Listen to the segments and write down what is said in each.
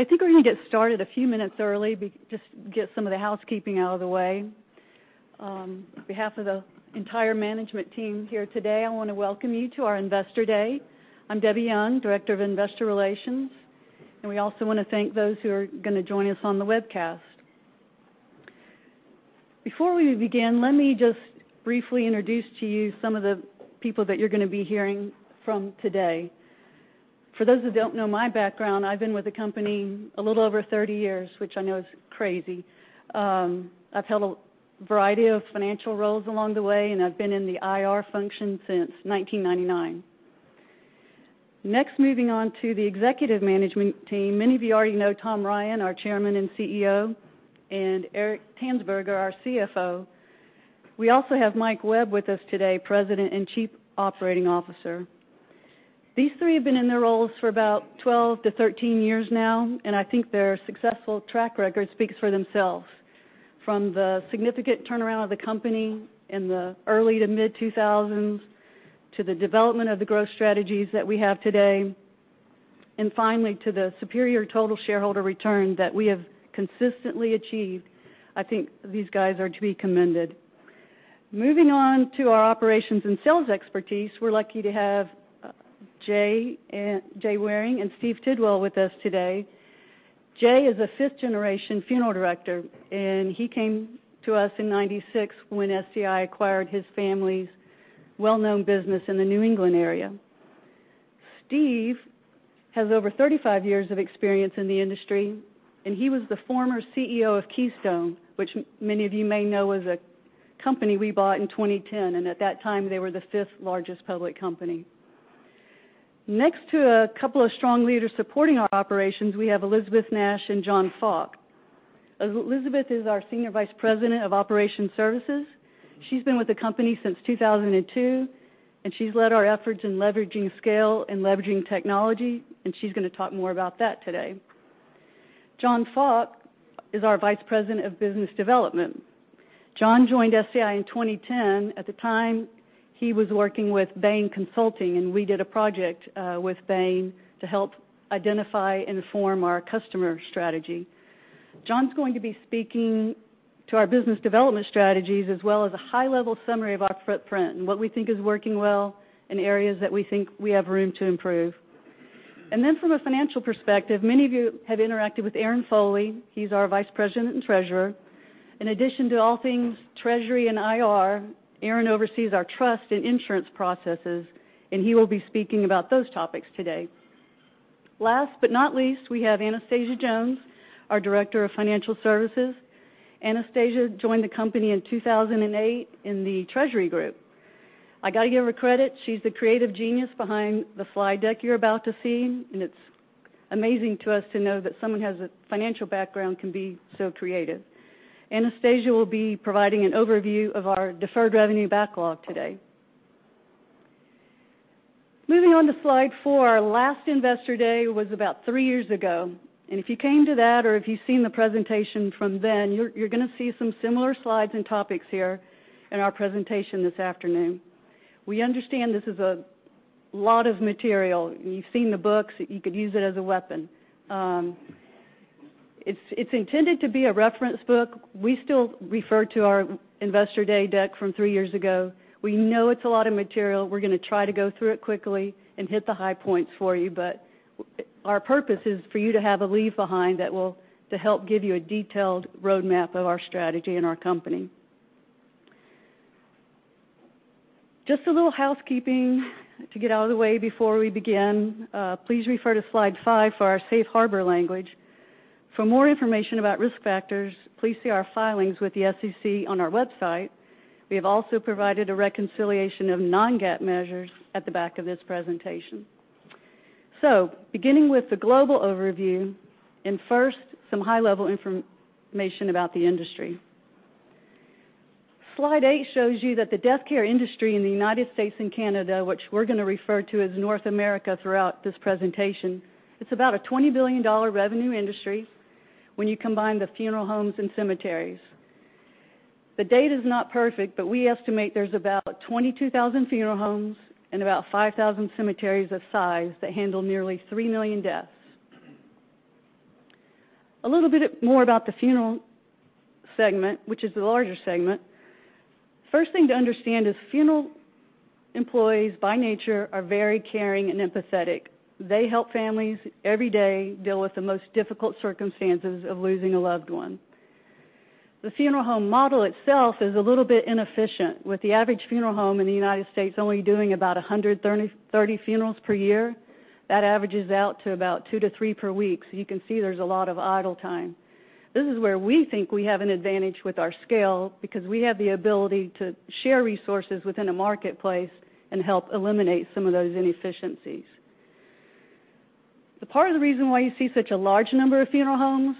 I think we're going to get started a few minutes early just get some of the housekeeping out of the way. On behalf of the entire management team here today, I want to welcome you to our Investor Day. I'm Debbie Young, Director of Investor Relations, and we also want to thank those who are going to join us on the webcast. Before we begin, let me just briefly introduce to you some of the people that you're going to be hearing from today. For those who don't know my background, I've been with the company a little over 30 years, which I know is crazy. I've held a variety of financial roles along the way, and I've been in the IR function since 1999. Moving on to the executive management team. Many of you already know Tom Ryan, our Chairman and CEO, and Eric Tanzberger, our CFO. We also have Mike Webb with us today, President and Chief Operating Officer. These three have been in their roles for about 12 to 13 years now. I think their successful track record speaks for themselves. From the significant turnaround of the company in the early to mid-2000s, to the development of the growth strategies that we have today, to the superior total shareholder return that we have consistently achieved, I think these guys are to be commended. Moving on to our operations and sales expertise. We're lucky to have Jay Waring and Steve Tidwell with us today. Jay is a fifth-generation funeral director. He came to us in 1996 when SCI acquired his family's well-known business in the New England area. Steve has over 35 years of experience in the industry. He was the former CEO of Keystone, which many of you may know was a company we bought in 2010. At that time, they were the fifth-largest public company. To a couple of strong leaders supporting our operations, we have Elisabeth Nash and John Faulk. Elisabeth is our Senior Vice President of Operations Services. She's been with the company since 2002. She's led our efforts in leveraging scale and leveraging technology. She's going to talk more about that today. John Faulk is our Vice President of Business Development. John joined SCI in 2010. At the time, he was working with Bain Consulting. We did a project with Bain to help identify and form our customer strategy. John's going to be speaking to our business development strategies as well as a high-level summary of our footprint and what we think is working well, areas that we think we have room to improve. From a financial perspective, many of you have interacted with Aaron Foley. He's our Vice President and Treasurer. In addition to all things treasury and IR, Aaron oversees our trust and insurance processes. He will be speaking about those topics today. Last but not least, we have Anastasia Jones, our Director of Financial Services. Anastasia joined the company in 2008 in the treasury group. I got to give her credit, she's the creative genius behind the slide deck you're about to see. It's amazing to us to know that someone who has a financial background can be so creative. Anastasia will be providing an overview of our deferred revenue backlog today. Moving on to slide four. Our last Investor Day was about three years ago. If you came to that or if you've seen the presentation from then, you're going to see some similar slides and topics here in our presentation this afternoon. We understand this is a lot of material. You've seen the books. You could use it as a weapon. It's intended to be a reference book. We still refer to our Investor Day deck from three years ago. We know it's a lot of material. We're going to try to go through it quickly and hit the high points for you, but our purpose is for you to have a leave-behind to help give you a detailed roadmap of our strategy and our company. Just a little housekeeping to get out of the way before we begin. Please refer to slide five for our safe harbor language. For more information about risk factors, please see our filings with the SEC on our website. We have also provided a reconciliation of non-GAAP measures at the back of this presentation. Beginning with the global overview, first, some high-level information about the industry. Slide eight shows you that the death care industry in the United States and Canada, which we're going to refer to as North America throughout this presentation, it's about a $20 billion revenue industry when you combine the funeral homes and cemeteries. The data's not perfect, but we estimate there's about 22,000 funeral homes and about 5,000 cemeteries of size that handle nearly three million deaths. A little bit more about the funeral segment, which is the larger segment. First thing to understand is funeral employees, by nature, are very caring and empathetic. They help families every day deal with the most difficult circumstances of losing a loved one. The funeral home model itself is a little bit inefficient, with the average funeral home in the United States only doing about 130 funerals per year. That averages out to about two to three per week, so you can see there's a lot of idle time. This is where we think we have an advantage with our scale because we have the ability to share resources within a marketplace and help eliminate some of those inefficiencies. Part of the reason why you see such a large number of funeral homes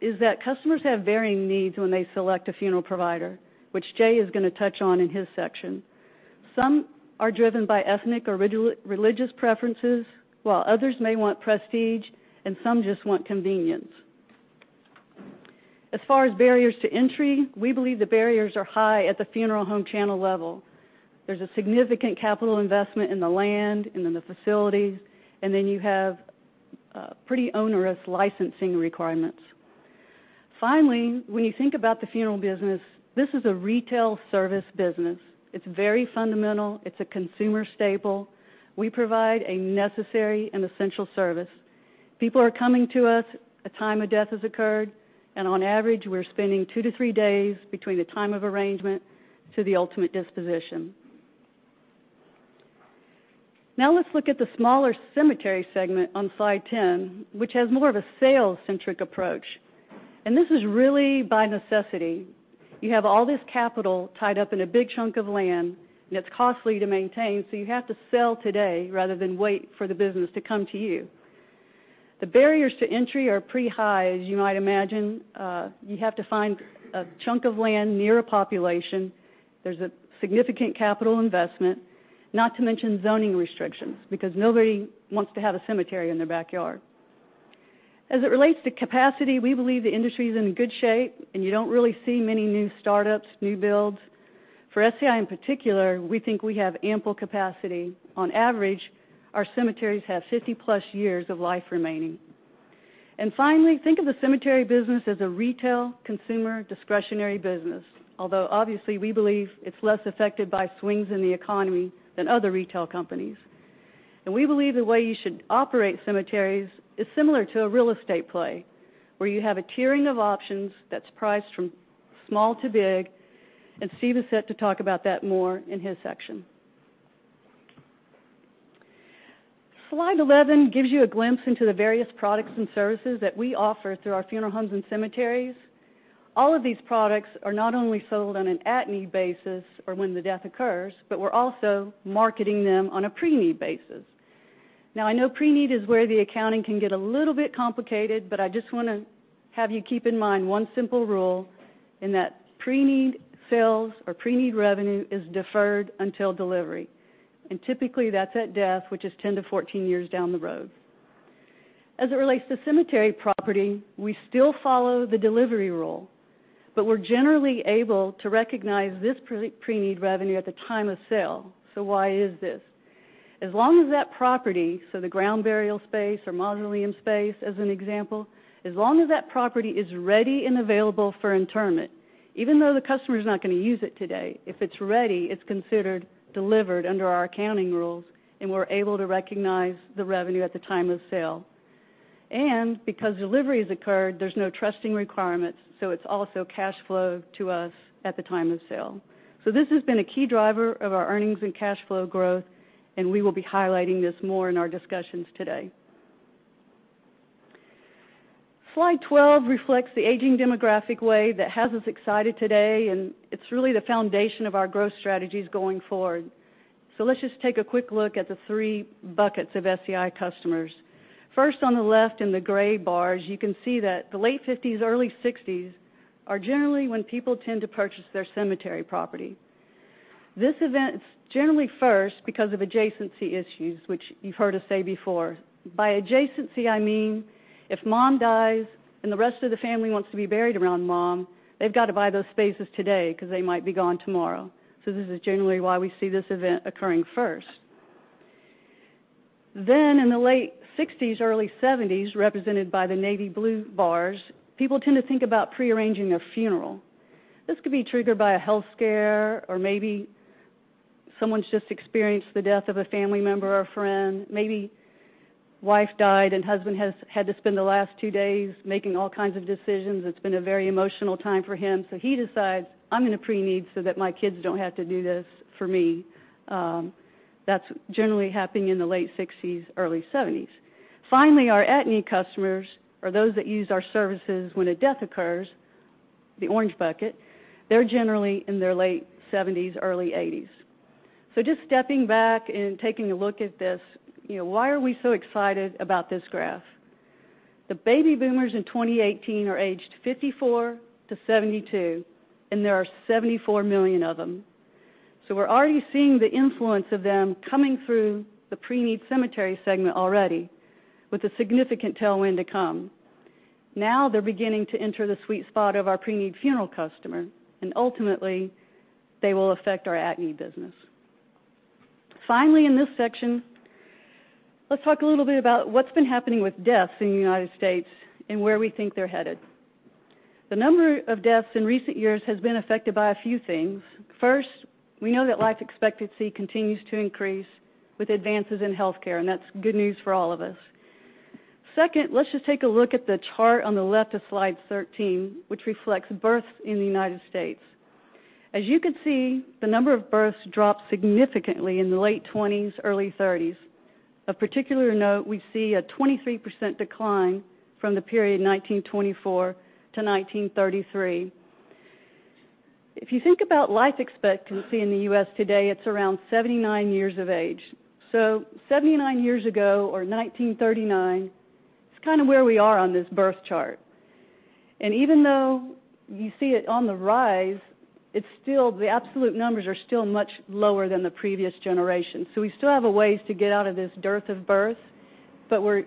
is that customers have varying needs when they select a funeral provider, which Jay is going to touch on in his section. Some are driven by ethnic or religious preferences, while others may want prestige, and some just want convenience. As far as barriers to entry, we believe the barriers are high at the funeral home channel level. There's a significant capital investment in the land and in the facilities, and then you have pretty onerous licensing requirements. Finally, when you think about the funeral business, this is a retail service business. It's very fundamental. It's a consumer staple. We provide a necessary and essential service. People are coming to us, a time of death has occurred, and on average, we're spending two to three days between the time of arrangement to the ultimate disposition. Now let's look at the smaller cemetery segment on slide 10, which has more of a sales-centric approach. This is really by necessity. You have all this capital tied up in a big chunk of land, it's costly to maintain, you have to sell today rather than wait for the business to come to you. The barriers to entry are pretty high, as you might imagine. You have to find a chunk of land near a population. There's a significant capital investment, not to mention zoning restrictions, because nobody wants to have a cemetery in their backyard. As it relates to capacity, we believe the industry is in good shape, you don't really see many new startups, new builds. For SCI in particular, we think we have ample capacity. On average, our cemeteries have 50-plus years of life remaining. Finally, think of the cemetery business as a retail consumer discretionary business. Although obviously, we believe it's less affected by swings in the economy than other retail companies. We believe the way you should operate cemeteries is similar to a real estate play, where you have a tiering of options that's priced from small to big, Steve is set to talk about that more in his section. Slide 11 gives you a glimpse into the various products and services that we offer through our funeral homes and cemeteries. All of these products are not only sold on an at-need basis or when the death occurs, but we're also marketing them on a pre-need basis. I know pre-need is where the accounting can get a little bit complicated, but I just want to have you keep in mind one simple rule in that pre-need sales or pre-need revenue is deferred until delivery. Typically, that's at death, which is 10 to 14 years down the road. As it relates to cemetery property, we still follow the delivery rule, but we're generally able to recognize this pre-need revenue at the time of sale. Why is this? As long as that property, so the ground burial space or mausoleum space, as an example, as long as that property is ready and available for interment, even though the customer's not going to use it today, if it's ready, it's considered delivered under our accounting rules, we're able to recognize the revenue at the time of sale. Because delivery has occurred, there's no trusting requirements, it's also cash flow to us at the time of sale. This has been a key driver of our earnings and cash flow growth, we will be highlighting this more in our discussions today. Slide 12 reflects the aging demographic wave that has us excited today, it's really the foundation of our growth strategies going forward. Let's just take a quick look at the three buckets of SCI customers. First, on the left in the gray bars, you can see that the late 50s, early 60s are generally when people tend to purchase their cemetery property. This event's generally first because of adjacency issues, which you've heard us say before. By adjacency, I mean if mom dies and the rest of the family wants to be buried around mom, they've got to buy those spaces today because they might be gone tomorrow. This is generally why we see this event occurring first. In the late 60s, early 70s, represented by the navy blue bars, people tend to think about pre-arranging a funeral. This could be triggered by a health scare, or maybe someone's just experienced the death of a family member or friend. Maybe wife died and husband has had to spend the last two days making all kinds of decisions. It's been a very emotional time for him. He decides, I'm going to pre-need so that my kids don't have to do this for me. That's generally happening in the late 60s, early 70s. Finally, our at-need customers are those that use our services when a death occurs, the orange bucket. They're generally in their late 70s, early 80s. Just stepping back and taking a look at this, why are we so excited about this graph? The baby boomers in 2018 are aged 54 to 72, and there are 74 million of them. We're already seeing the influence of them coming through the pre-need cemetery segment already with a significant tailwind to come. Now they're beginning to enter the sweet spot of our pre-need funeral customer, and ultimately, they will affect our at-need business. Finally, in this section, let's talk a little bit about what's been happening with deaths in the U.S. and where we think they're headed. The number of deaths in recent years has been affected by a few things. First, we know that life expectancy continues to increase with advances in healthcare, and that's good news for all of us. Second, let's just take a look at the chart on the left of slide 13, which reflects births in the U.S. As you can see, the number of births dropped significantly in the late 20s, early 30s. Of particular note, we see a 23% decline from the period 1924 to 1933. If you think about life expectancy in the U.S. today, it's around 79 years of age. 79 years ago, or 1939, it's kind of where we are on this birth chart. Even though you see it on the rise, the absolute numbers are still much lower than the previous generation. We still have a ways to get out of this dearth of birth. We're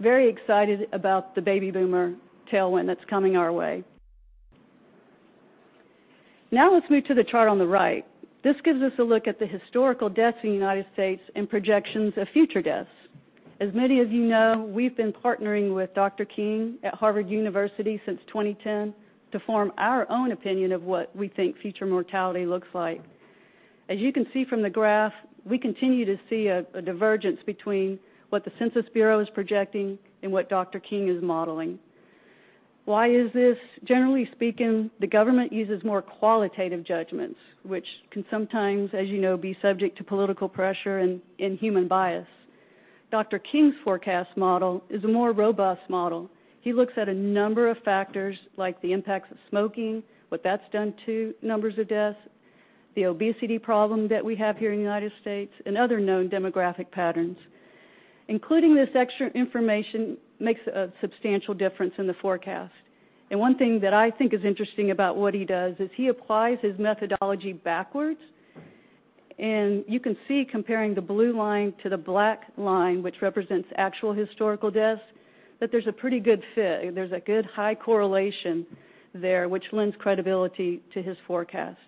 very excited about the baby boomer tailwind that's coming our way. Let's move to the chart on the right. This gives us a look at the historical deaths in the U.S. and projections of future deaths. As many of you know, we've been partnering with Dr. King at Harvard University since 2010 to form our own opinion of what we think future mortality looks like. As you can see from the graph, we continue to see a divergence between what the Census Bureau is projecting and what Dr. King is modeling. Why is this? Generally speaking, the government uses more qualitative judgments, which can sometimes, as you know, be subject to political pressure and human bias. Dr. King's forecast model is a more robust model. He looks at a number of factors like the impacts of smoking, what that's done to numbers of deaths, the obesity problem that we have here in the U.S., and other known demographic patterns. Including this extra information makes a substantial difference in the forecast. One thing that I think is interesting about what he does is he applies his methodology backwards. You can see comparing the blue line to the black line, which represents actual historical deaths, that there's a pretty good fit. There's a good high correlation there, which lends credibility to his forecast.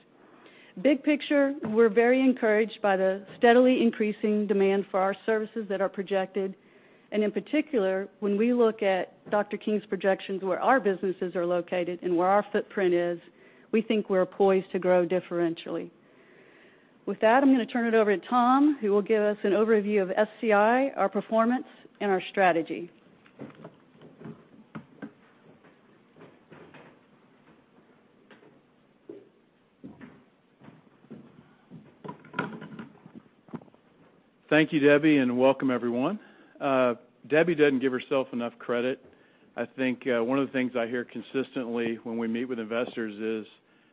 Big picture, we're very encouraged by the steadily increasing demand for our services that are projected. In particular, when we look at Dr. King's projections where our businesses are located and where our footprint is, we think we're poised to grow differentially. With that, I'm going to turn it over to Tom, who will give us an overview of SCI, our performance, and our strategy. Thank you, Debbie, and welcome everyone. Debbie doesn't give herself enough credit. I think one of the things I hear consistently when we meet with investors is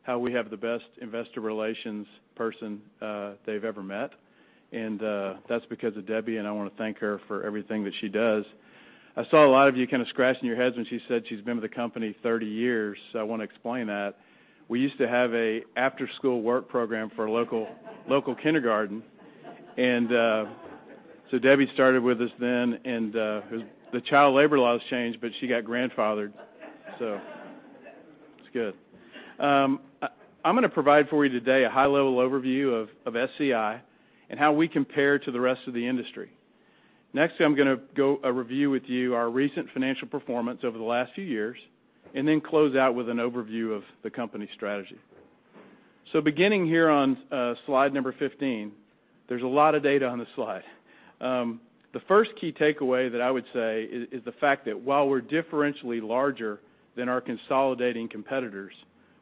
how we have the best investor relations person they've ever met, and that's because of Debbie, and I want to thank her for everything that she does. I saw a lot of you kind of scratching your heads when she said she's been with the company 30 years, I want to explain that. We used to have a after-school work program for a local kindergarten. Debbie started with us then, and the child labor laws changed, but she got grandfathered. It's good. I'm going to provide for you today a high-level overview of SCI and how we compare to the rest of the industry. Next thing, I'm going to go review with you our recent financial performance over the last few years, and then close out with an overview of the company strategy. Beginning here on slide 15, there's a lot of data on the slide. The first key takeaway that I would say is the fact that while we're differentially larger than our consolidating competitors,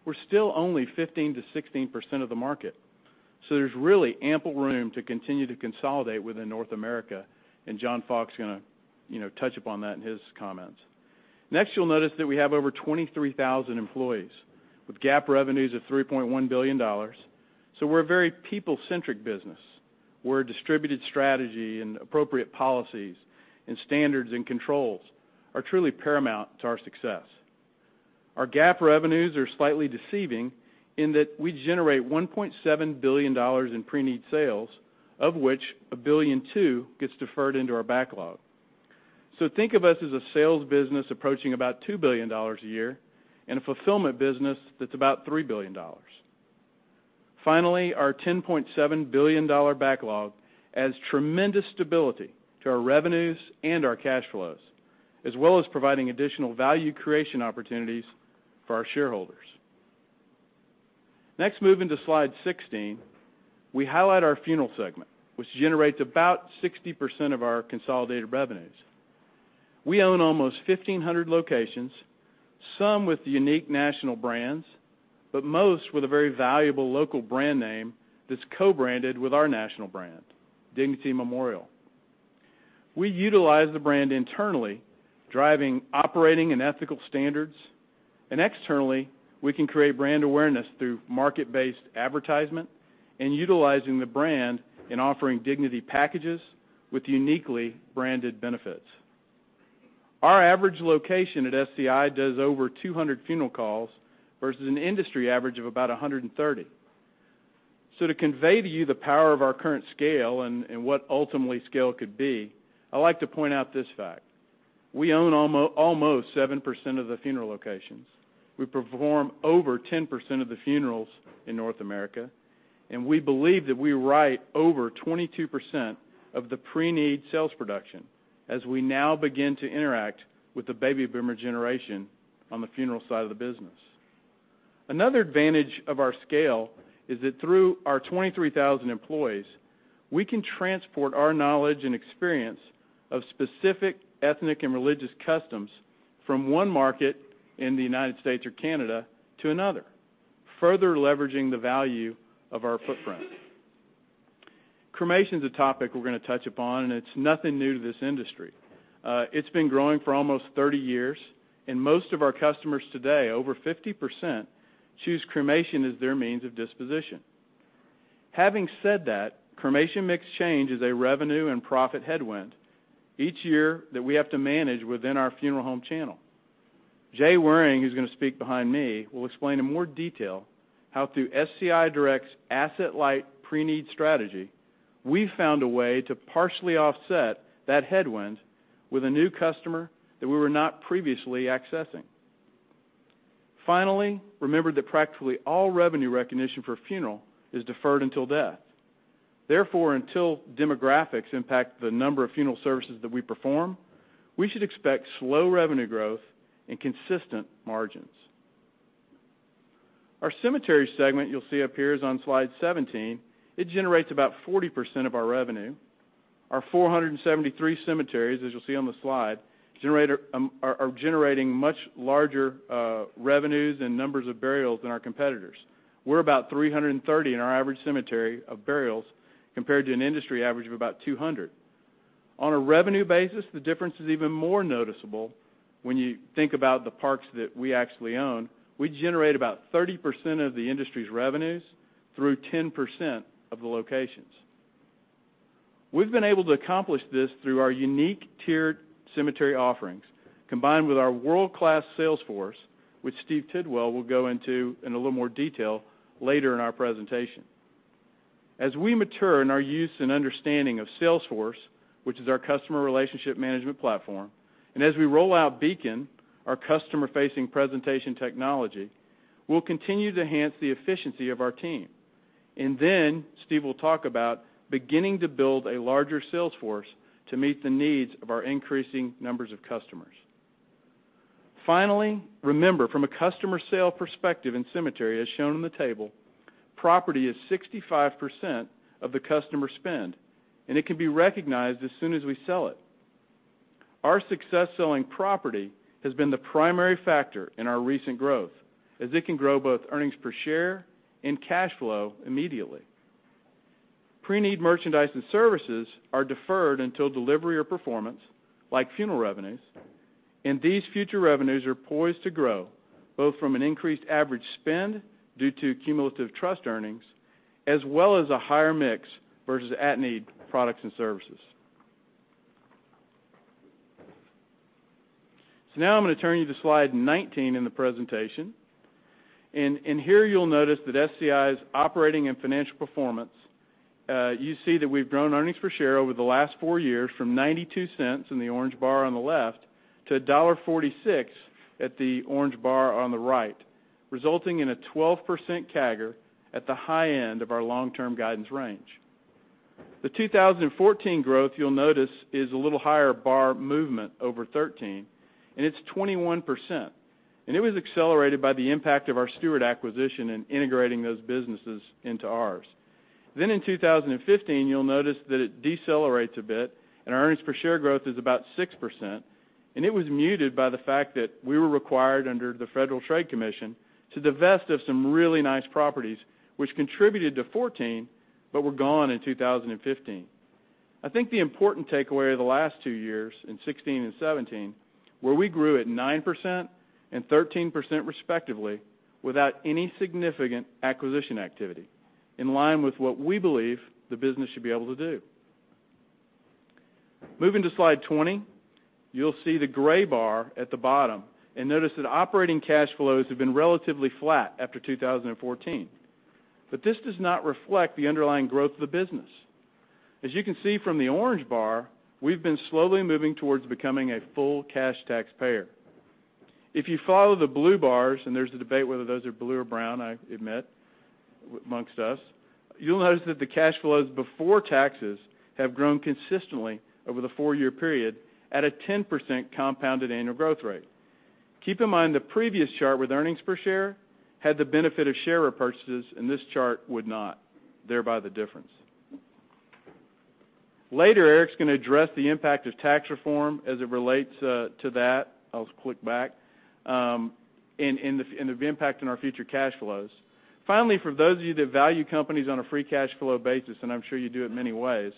we're still only 15%-16% of the market. There's really ample room to continue to consolidate within North America, and John Faulk is going to touch upon that in his comments. Next, you'll notice that we have over 23,000 employees with GAAP revenues of $3.1 billion. We're a very people-centric business, where distributed strategy and appropriate policies and standards and controls are truly paramount to our success. Our GAAP revenues are slightly deceiving in that we generate $1.7 billion in pre-need sales, of which $1.2 billion gets deferred into our backlog. Think of us as a sales business approaching about $2 billion a year, and a fulfillment business that's about $3 billion. Finally, our $10.7 billion backlog adds tremendous stability to our revenues and our cash flows, as well as providing additional value creation opportunities for our shareholders. Next, moving to slide 16, we highlight our funeral segment, which generates about 60% of our consolidated revenues. We own almost 1,500 locations, some with unique national brands, but most with a very valuable local brand name that's co-branded with our national brand, Dignity Memorial. We utilize the brand internally, driving operating and ethical standards, and externally, we can create brand awareness through market-based advertisement and utilizing the brand in offering Dignity packages with uniquely branded benefits. Our average location at SCI does over 200 funeral calls versus an industry average of about 130. To convey to you the power of our current scale and what ultimately scale could be, I like to point out this fact. We own almost 7% of the funeral locations. We perform over 10% of the funerals in North America, and we believe that we write over 22% of the pre-need sales production as we now begin to interact with the baby boomer generation on the funeral side of the business. Another advantage of our scale is that through our 23,000 employees, we can transport our knowledge and experience of specific ethnic and religious customs from one market in the U.S. or Canada to another, further leveraging the value of our footprint. Cremation's a topic we're going to touch upon, and it's nothing new to this industry. It's been growing for almost 30 years, and most of our customers today, over 50%, choose cremation as their means of disposition. Having said that, cremation mix change is a revenue and profit headwind each year that we have to manage within our funeral home channel. Jay Waring, who's going to speak behind me, will explain in more detail how through SCI Direct's asset-light pre-need strategy, we found a way to partially offset that headwind with a new customer that we were not previously accessing. Finally, remember that practically all revenue recognition for funeral is deferred until death. Therefore, until demographics impact the number of funeral services that we perform, we should expect slow revenue growth and consistent margins. Our cemetery segment, you'll see up here is on slide 17, it generates about 40% of our revenue. Our 473 cemeteries, as you'll see on the slide, are generating much larger revenues and numbers of burials than our competitors. We're about 330 in our average cemetery of burials compared to an industry average of about 200. On a revenue basis, the difference is even more noticeable when you think about the parts that we actually own. We generate about 30% of the industry's revenues through 10% of the locations. We've been able to accomplish this through our unique tiered cemetery offerings, combined with our world-class sales force, which Steve Tidwell will go into in a little more detail later in our presentation. As we mature in our use and understanding of Salesforce, which is our customer relationship management platform, and as we roll out Beacon, our customer-facing presentation technology, we'll continue to enhance the efficiency of our team. Steve will talk about beginning to build a larger sales force to meet the needs of our increasing numbers of customers. Finally, remember, from a customer sale perspective in cemetery, as shown on the table, property is 65% of the customer spend, and it can be recognized as soon as we sell it. Our success selling property has been the primary factor in our recent growth, as it can grow both earnings per share and cash flow immediately. Pre-need merchandise and services are deferred until delivery or performance, like funeral revenues. These future revenues are poised to grow, both from an increased average spend due to cumulative trust earnings, as well as a higher mix versus at-need products and services. Now I'm going to turn you to slide 19 in the presentation. In here you'll notice that SCI's operating and financial performance, you see that we've grown earnings per share over the last four years from $0.92 in the orange bar on the left, to $1.46 at the orange bar on the right, resulting in a 12% CAGR at the high end of our long-term guidance range. The 2014 growth, you'll notice, is a little higher bar movement over 2013, and it's 21%. It was accelerated by the impact of our Stewart acquisition and integrating those businesses into ours. In 2015, you'll notice that it decelerates a bit, and our earnings per share growth is about 6%, and it was muted by the fact that we were required under the Federal Trade Commission to divest of some really nice properties, which contributed to 2014, but were gone in 2015. I think the important takeaway of the last two years, in 2016 and 2017, were we grew at 9% and 13% respectively, without any significant acquisition activity, in line with what we believe the business should be able to do. Moving to slide 20, you'll see the gray bar at the bottom, notice that operating cash flows have been relatively flat after 2014. This does not reflect the underlying growth of the business. As you can see from the orange bar, we've been slowly moving towards becoming a full cash taxpayer. If you follow the blue bars, and there's a debate whether those are blue or brown, I admit, amongst us, you'll notice that the cash flows before taxes have grown consistently over the four-year period at a 10% compounded annual growth rate. Keep in mind, the previous chart with earnings per share had the benefit of share repurchases, and this chart would not, thereby the difference. Later, Eric's going to address the impact of tax reform as it relates to that. I'll just click back. The impact on our future cash flows. Finally, for those of you that value companies on a free cash flow basis, and I'm sure you do in many ways,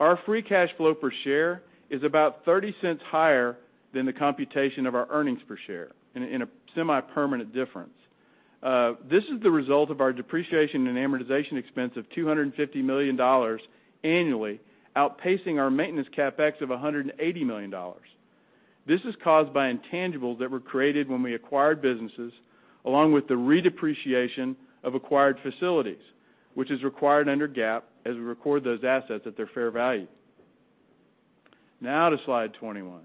our free cash flow per share is about $0.30 higher than the computation of our earnings per share in a semi-permanent difference. This is the result of our depreciation and amortization expense of $250 million annually, outpacing our maintenance CapEx of $180 million. This is caused by intangibles that were created when we acquired businesses, along with the re depreciation of acquired facilities, which is required under GAAP, as we record those assets at their fair value. To slide 21.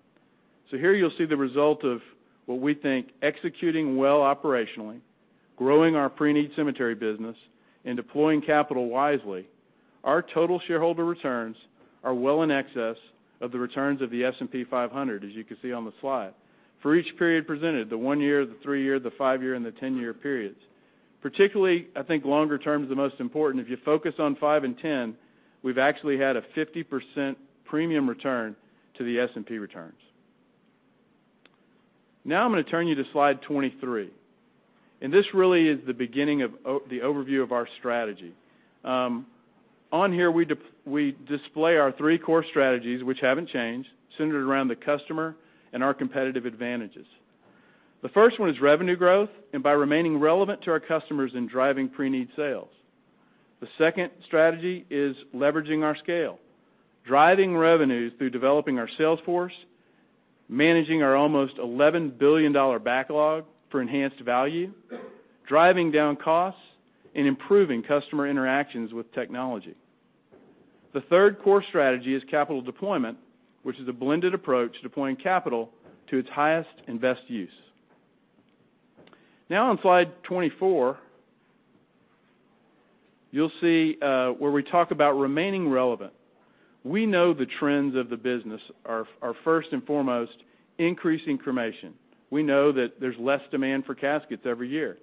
Here you'll see the result of what we think executing well operationally, growing our pre-need cemetery business, and deploying capital wisely. Our total shareholder returns are well in excess of the returns of the S&P 500, as you can see on the slide. For each period presented, the one-year, the three-year, the five-year, and the 10-year periods. Particularly, I think longer term is the most important. If you focus on five and 10, we've actually had a 50% premium return to the S&P returns. I'm going to turn you to slide 23. This really is the beginning of the overview of our strategy. On here, we display our three core strategies, which haven't changed, centered around the customer and our competitive advantages. The first one is revenue growth, by remaining relevant to our customers and driving pre-need sales. The second strategy is leveraging our scale, driving revenues through developing our sales force, managing our almost $11 billion backlog for enhanced value, driving down costs, and improving customer interactions with technology. The third core strategy is capital deployment, which is a blended approach deploying capital to its highest and best use. Now on slide 24, you'll see where we talk about remaining relevant. We know the trends of the business are first and foremost increasing cremation. We know that there's less demand for caskets every year.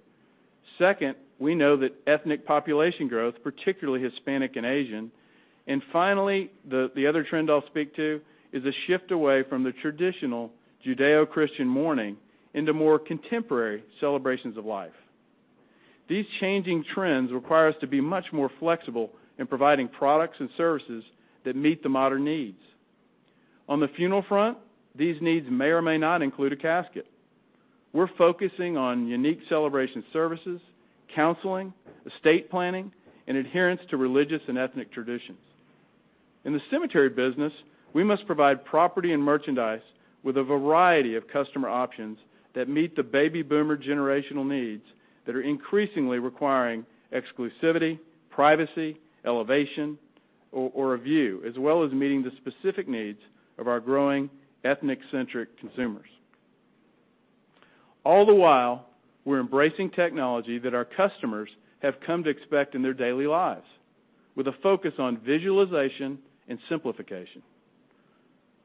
Second, we know that ethnic population growth, particularly Hispanic and Asian. Finally, the other trend I'll speak to is a shift away from the traditional Judeo-Christian mourning into more contemporary celebrations of life. These changing trends require us to be much more flexible in providing products and services that meet the modern needs. On the funeral front, these needs may or may not include a casket. We're focusing on unique celebration services, counseling, estate planning, and adherence to religious and ethnic traditions. In the cemetery business, we must provide property and merchandise with a variety of customer options that meet the baby boomer generational needs that are increasingly requiring exclusivity, privacy, elevation, or a view, as well as meeting the specific needs of our growing ethnic-centric consumers. All the while, we're embracing technology that our customers have come to expect in their daily lives, with a focus on visualization and simplification.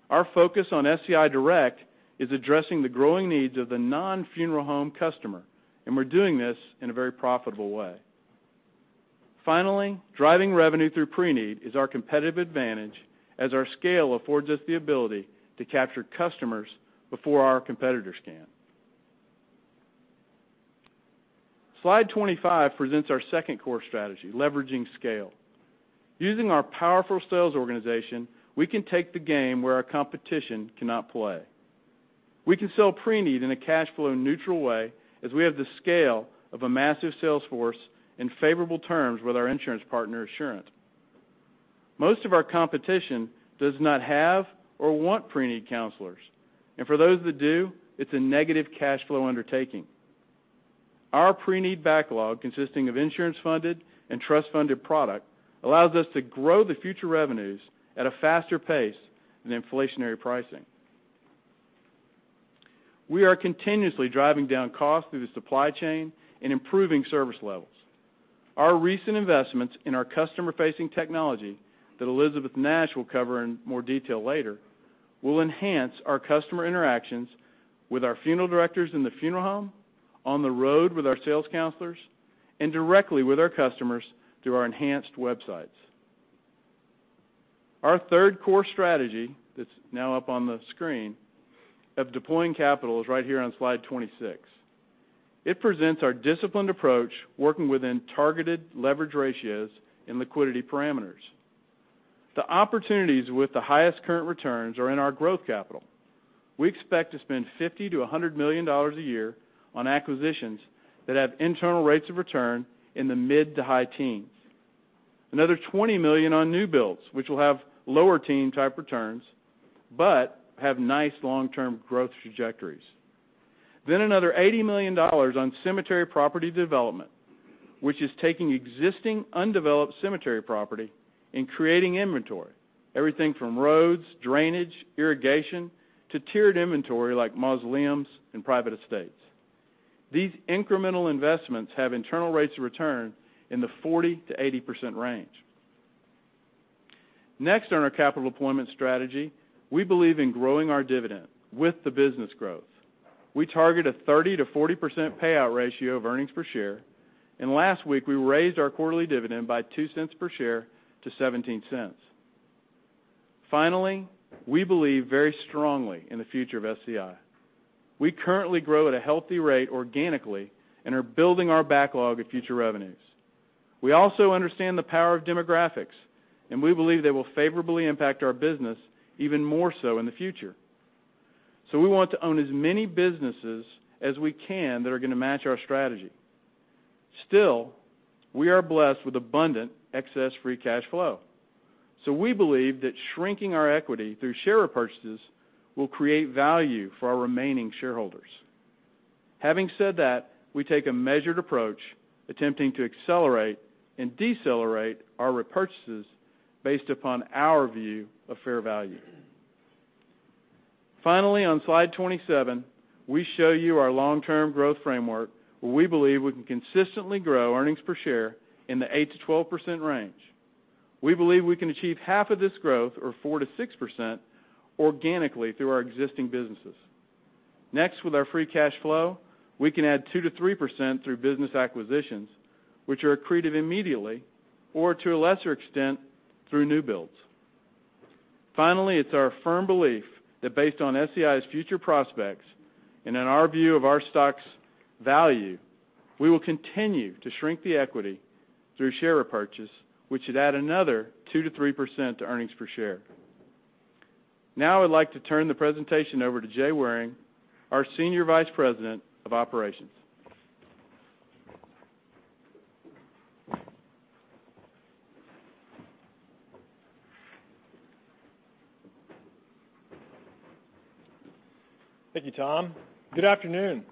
Our focus on SCI Direct is addressing the growing needs of the non-funeral home customer, and we're doing this in a very profitable way. Finally, driving revenue through pre-need is our competitive advantage, as our scale affords us the ability to capture customers before our competitors can. Slide 25 presents our second core strategy, leveraging scale. Using our powerful sales organization, we can take the game where our competition cannot play. We can sell pre-need in a cash flow neutral way as we have the scale of a massive sales force and favorable terms with our insurance partner, Assurant. Most of our competition does not have or want pre-need counselors, and for those that do, it's a negative cash flow undertaking. Our pre-need backlog, consisting of insurance-funded and trust-funded product, allows us to grow the future revenues at a faster pace than inflationary pricing. We are continuously driving down costs through the supply chain and improving service levels. Our recent investments in our customer-facing technology that Elisabeth Nash will cover in more detail later, will enhance our customer interactions with our funeral directors in the funeral home, on the road with our sales counselors, and directly with our customers through our enhanced websites. Our third core strategy, that's now up on the screen, of deploying capital is right here on slide 26. It presents our disciplined approach, working within targeted leverage ratios and liquidity parameters. The opportunities with the highest current returns are in our growth capital. We expect to spend $50 million-$100 million a year on acquisitions that have internal rates of return in the mid-to-high teens. Another $20 million on new builds, which will have lower teen type returns, but have nice long-term growth trajectories. Another $80 million on cemetery property development, which is taking existing undeveloped cemetery property and creating inventory. Everything from roads, drainage, irrigation, to tiered inventory like mausoleums and private estates. These incremental investments have internal rates of return in the 40%-80% range. Next on our capital deployment strategy, we believe in growing our dividend with the business growth. We target a 30%-40% payout ratio of earnings per share, and last week we raised our quarterly dividend by $0.02 per share to $0.17. Finally, we believe very strongly in the future of SCI. We currently grow at a healthy rate organically and are building our backlog of future revenues. We also understand the power of demographics, and we believe they will favorably impact our business even more so in the future. We want to own as many businesses as we can that are going to match our strategy. Still, we are blessed with abundant excess free cash flow. We believe that shrinking our equity through share repurchases will create value for our remaining shareholders. Having said that, we take a measured approach, attempting to accelerate and decelerate our repurchases based upon our view of fair value. Finally, on slide 27, we show you our long-term growth framework, where we believe we can consistently grow earnings per share in the 8%-12% range. We believe we can achieve half of this growth, or 4%-6%, organically through our existing businesses. Next, with our free cash flow, we can add 2%-3% through business acquisitions, which are accretive immediately, or to a lesser extent, through new builds. Finally, it's our firm belief that based on SCI's future prospects, and in our view of our stock's value, we will continue to shrink the equity through share repurchase, which should add another 2%-3% to earnings per share. Now I'd like to turn the presentation over to Jay Waring, our Senior Vice President of Operations. Thank you, Tom. Good afternoon.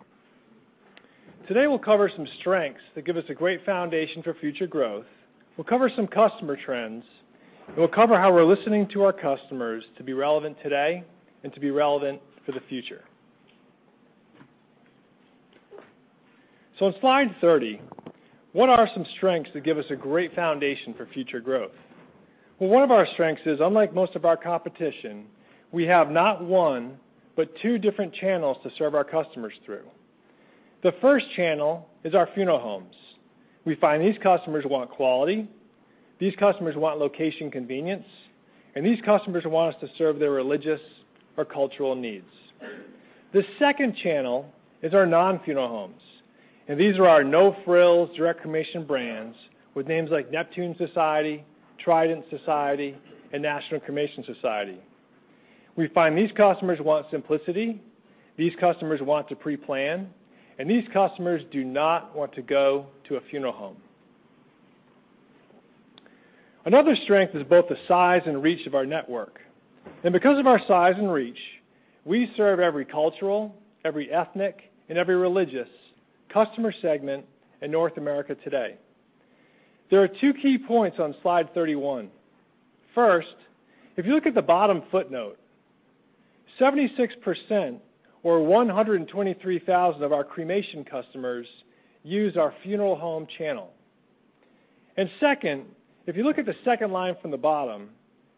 Today we'll cover some strengths that give us a great foundation for future growth. We'll cover some customer trends, and we'll cover how we're listening to our customers to be relevant today and to be relevant for the future. On slide 30, what are some strengths that give us a great foundation for future growth? Well, one of our strengths is, unlike most of our competition, we have not one, but two different channels to serve our customers through. The first channel is our funeral homes. We find these customers want quality, these customers want location convenience, and these customers want us to serve their religious or cultural needs. The second channel is our non-funeral homes, and these are our no-frills, direct cremation brands with names like Neptune Society, Trident Society, and National Cremation Society. We find these customers want simplicity, these customers want to pre-plan, and these customers do not want to go to a funeral home. Another strength is both the size and reach of our network. Because of our size and reach, we serve every cultural, every ethnic, and every religious customer segment in North America today. There are two key points on Slide 31. First, if you look at the bottom footnote, 76%, or 123,000 of our cremation customers, use our funeral home channel. Second, if you look at the second line from the bottom,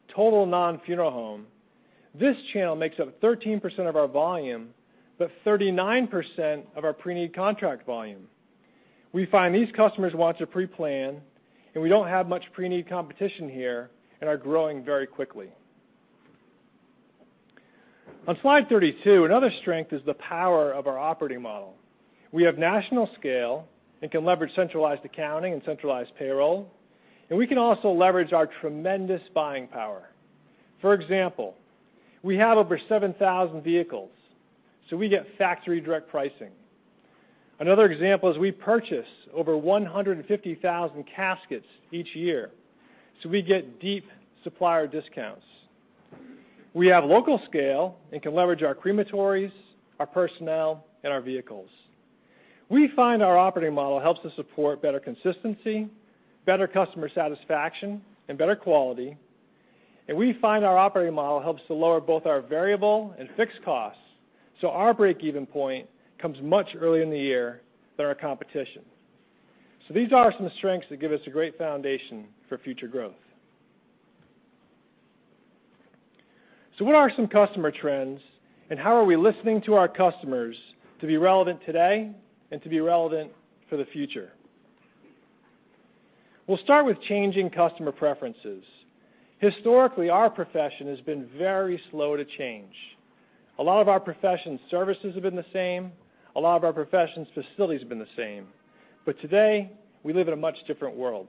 total non-funeral home, this channel makes up 13% of our volume, but 39% of our pre-need contract volume. We find these customers want to pre-plan, and we don't have much pre-need competition here, and are growing very quickly. On Slide 32, another strength is the power of our operating model. We have national scale and can leverage centralized accounting and centralized payroll, and we can also leverage our tremendous buying power. For example, we have over 7,000 vehicles, so we get factory direct pricing. Another example is we purchase over 150,000 caskets each year, so we get deep supplier discounts. We have local scale and can leverage our crematories, our personnel, and our vehicles. We find our operating model helps to support better consistency, better customer satisfaction, and better quality, and we find our operating model helps to lower both our variable and fixed costs, so our breakeven point comes much earlier in the year than our competition. These are some strengths that give us a great foundation for future growth. What are some customer trends, and how are we listening to our customers to be relevant today and to be relevant for the future? We'll start with changing customer preferences. Historically, our profession has been very slow to change. A lot of our profession's services have been the same, a lot of our profession's facilities have been the same. Today we live in a much different world.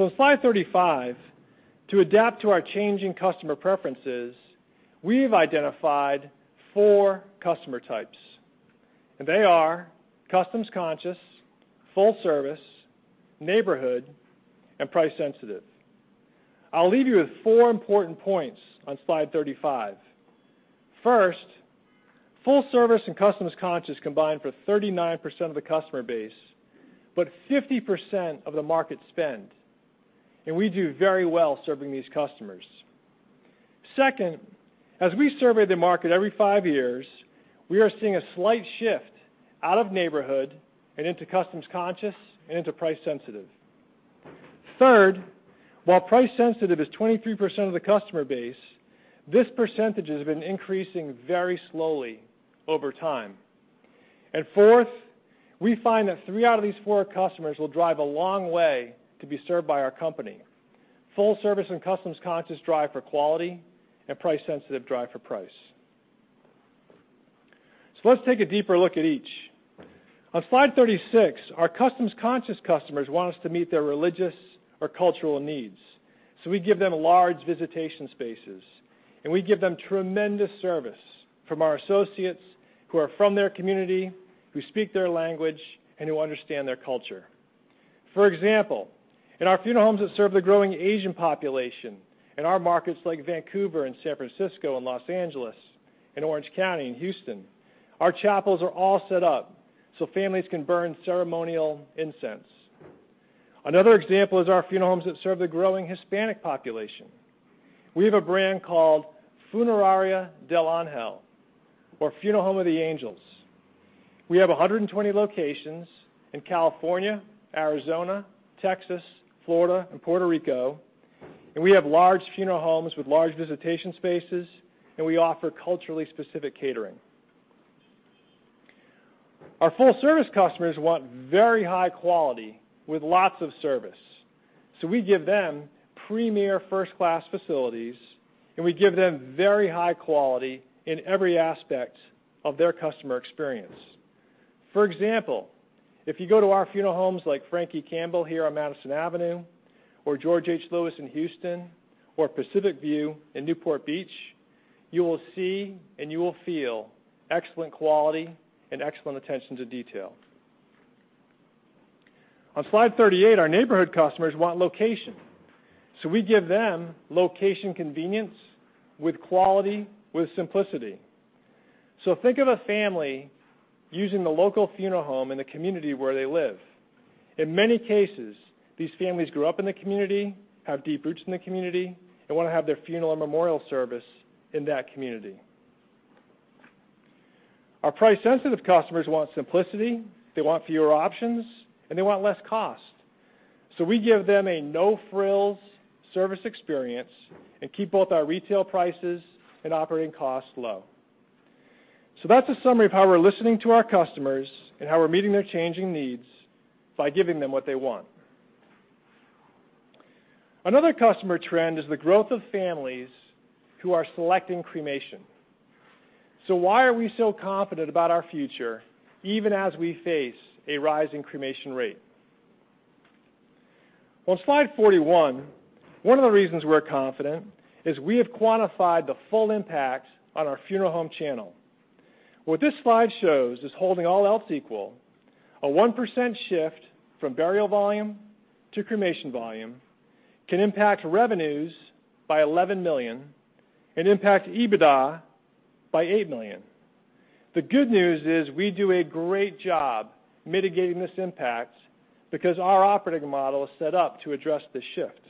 On Slide 35, to adapt to our changing customer preferences, we've identified four customer types, and they are: customs-conscious, full service, neighborhood, and price sensitive. I'll leave you with four important points on Slide 35. First, full service and customs-conscious combine for 39% of the customer base, but 50% of the market spend, and we do very well serving these customers. Second, as we survey the market every five years, we are seeing a slight shift out of neighborhood and into customs-conscious and into price sensitive. Third, while price sensitive is 23% of the customer base, this percentage has been increasing very slowly over time. Fourth, we find that three out of these four customers will drive a long way to be served by our company. Full service and customs-conscious drive for quality, and price sensitive drive for price. Let's take a deeper look at each. On Slide 36, our customs-conscious customers want us to meet their religious or cultural needs. We give them large visitation spaces, and we give them tremendous service from our associates who are from their community, who speak their language, and who understand their culture. For example, in our funeral homes that serve the growing Asian population in our markets like Vancouver and San Francisco and Los Angeles and Orange County and Houston, our chapels are all set up so families can burn ceremonial incense. Another example is our funeral homes that serve the growing Hispanic population. We have a brand called Funeraria del Angel, or Funeral Home of the Angels. We have 120 locations in California, Arizona, Texas, Florida, and Puerto Rico. We have large funeral homes with large visitation spaces, and we offer culturally specific catering. Our full-service customers want very high quality with lots of service, so we give them premier first-class facilities, and we give them very high quality in every aspect of their customer experience. For example, if you go to our funeral homes like Frank E. Campbell here on Madison Avenue or Geo. H. Lewis in Houston or Pacific View in Newport Beach, you will see and you will feel excellent quality and excellent attention to detail. On slide 38, our neighborhood customers want location, so we give them location convenience with quality, with simplicity. Think of a family using the local funeral home in the community where they live. In many cases, these families grew up in the community, have deep roots in the community, and want to have their funeral and memorial service in that community. Our price-sensitive customers want simplicity, they want fewer options, and they want less cost. We give them a no-frills service experience and keep both our retail prices and operating costs low. That's a summary of how we're listening to our customers and how we're meeting their changing needs by giving them what they want. Another customer trend is the growth of families who are selecting cremation. Why are we so confident about our future even as we face a rise in cremation rate? On slide 41, one of the reasons we're confident is we have quantified the full impact on our funeral home channel. What this slide shows is holding all else equal, a 1% shift from burial volume to cremation volume can impact revenues by $11 million and impact EBITDA by $8 million. The good news is we do a great job mitigating this impact because our operating model is set up to address the shift.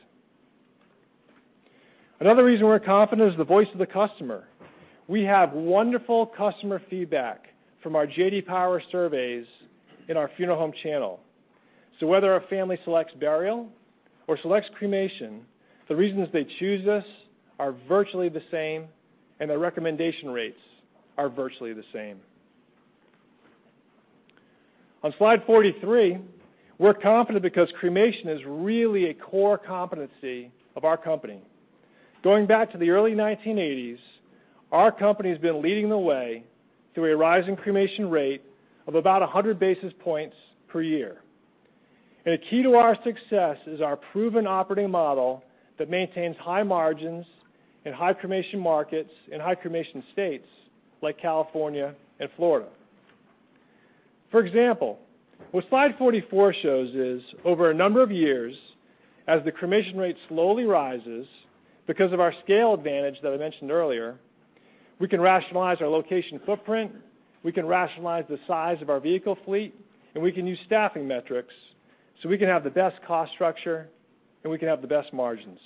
Another reason we're confident is the voice of the customer. We have wonderful customer feedback from our J.D. Power surveys in our funeral home channel. Whether a family selects burial or selects cremation, the reasons they choose us are virtually the same, and their recommendation rates are virtually the same. On slide 43, we're confident because cremation is really a core competency of our company. Going back to the early 1980s, our company has been leading the way through a rise in cremation rate of about 100 basis points per year. The key to our success is our proven operating model that maintains high margins in high-cremation markets and high-cremation states like California and Florida. For example, what slide 44 shows is over a number of years, as the cremation rate slowly rises, because of our scale advantage that I mentioned earlier, we can rationalize our location footprint, we can rationalize the size of our vehicle fleet, and we can use staffing metrics so we can have the best cost structure and we can have the best margins.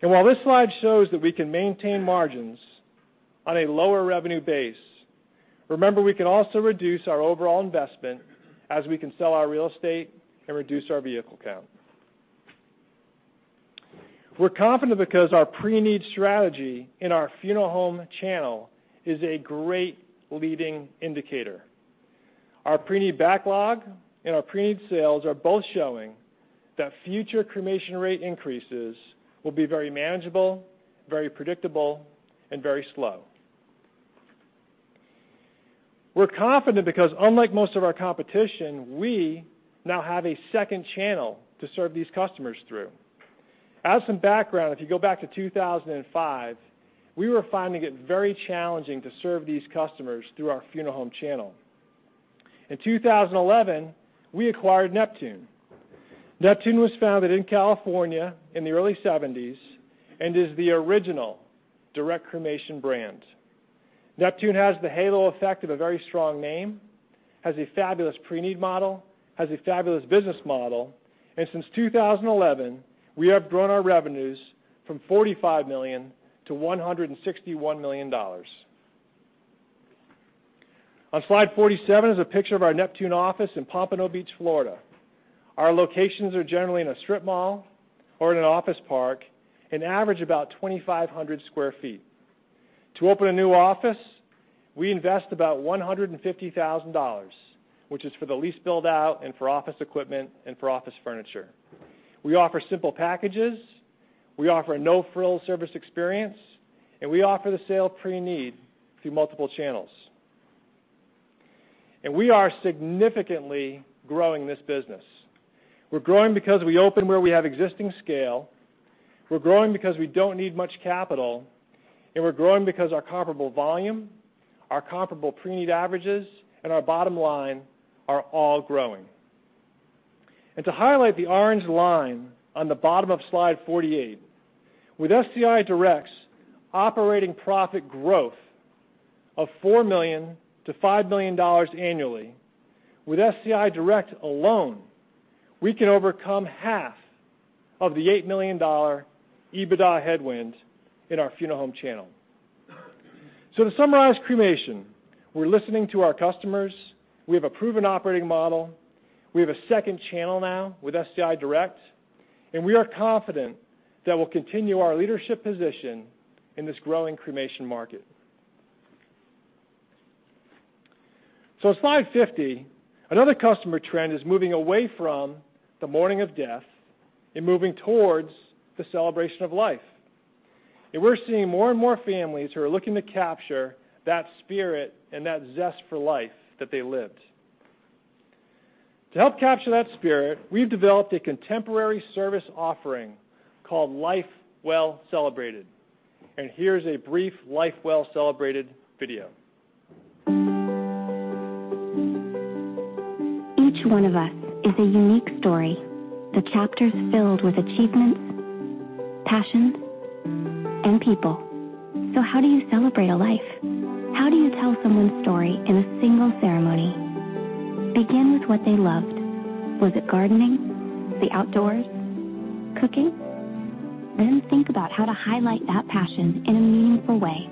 While this slide shows that we can maintain margins on a lower revenue base, remember we can also reduce our overall investment as we can sell our real estate and reduce our vehicle count. We're confident because our pre-need strategy in our funeral home channel is a great leading indicator. Our pre-need backlog and our pre-need sales are both showing that future cremation rate increases will be very manageable, very predictable, and very slow. We're confident because, unlike most of our competition, we now have a second channel to serve these customers through. As some background, if you go back to 2005, we were finding it very challenging to serve these customers through our funeral home channel. In 2011, we acquired Neptune. Neptune was founded in California in the early '70s and is the original direct cremation brand. Neptune has the halo effect of a very strong name, has a fabulous pre-need model, has a fabulous business model, and since 2011, we have grown our revenues from $45 million to $161 million. On slide 47 is a picture of our Neptune office in Pompano Beach, Florida. Our locations are generally in a strip mall or in an office park and average about 2,500 square feet. To open a new office, we invest about $150,000, which is for the lease build-out and for office equipment and for office furniture. We offer simple packages, we offer a no-frills service experience, and we offer the sale pre-need through multiple channels. We are significantly growing this business. We're growing because we open where we have existing scale, we're growing because we don't need much capital, and we're growing because our comparable volume, our comparable pre-need averages, and our bottom line are all growing. To highlight the orange line on the bottom of slide 48, with SCI Direct's operating profit growth of $4 million to $5 million annually, with SCI Direct alone, we can overcome half of the $8 million EBITDA headwind in our funeral home channel. To summarize cremation, we're listening to our customers. We have a proven operating model. We have a second channel now with SCI Direct, and we are confident that we'll continue our leadership position in this growing cremation market. Slide 50, another customer trend is moving away from the mourning of death and moving towards the celebration of life. We're seeing more and more families who are looking to capture that spirit and that zest for life that they lived. To help capture that spirit, we've developed a contemporary service offering called Life Well Celebrated. Here's a brief Life Well Celebrated video. Each one of us is a unique story, the chapters filled with achievements, passions, and people. How do you celebrate a life? How do you tell someone's story in a single ceremony? Begin with what they loved. Was it gardening? The outdoors? Cooking? Think about how to highlight that passion in a meaningful way.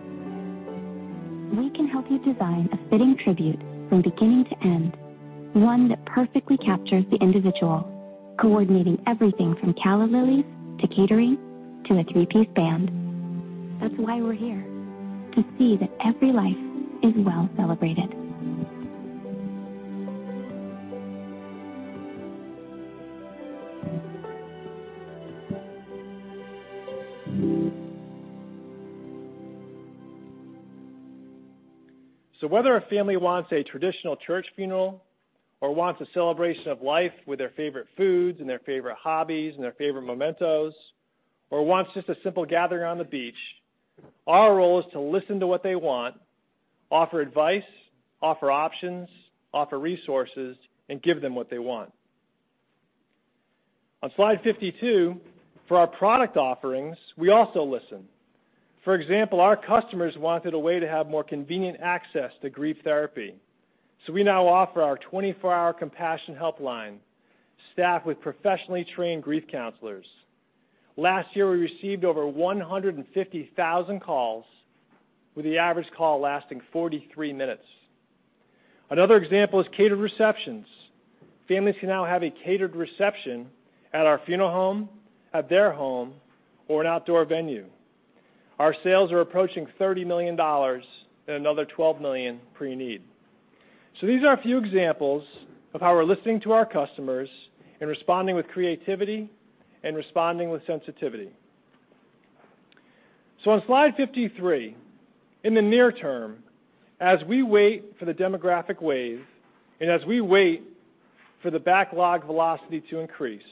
We can help you design a fitting tribute from beginning to end, one that perfectly captures the individual, coordinating everything from calla lilies to catering, to a three-piece band. That's why we're here, to see that every life is well celebrated. Whether a family wants a traditional church funeral or wants a celebration of life with their favorite foods and their favorite hobbies and their favorite mementos, or wants just a simple gathering on the beach, our role is to listen to what they want, offer advice, offer options, offer resources, and give them what they want. On slide 52, for our product offerings, we also listen. For example, our customers wanted a way to have more convenient access to grief therapy. We now offer our 24-hour Compassion Helpline, staffed with professionally trained grief counselors. Last year, we received over 150,000 calls, with the average call lasting 43 minutes. Another example is catered receptions. Families can now have a catered reception at our funeral home, at their home, or an outdoor venue. Our sales are approaching $30 million and another $12 million pre-need. These are a few examples of how we're listening to our customers and responding with creativity and responding with sensitivity. On slide 53, in the near term, as we wait for the demographic wave, and as we wait for the backlog velocity to increase,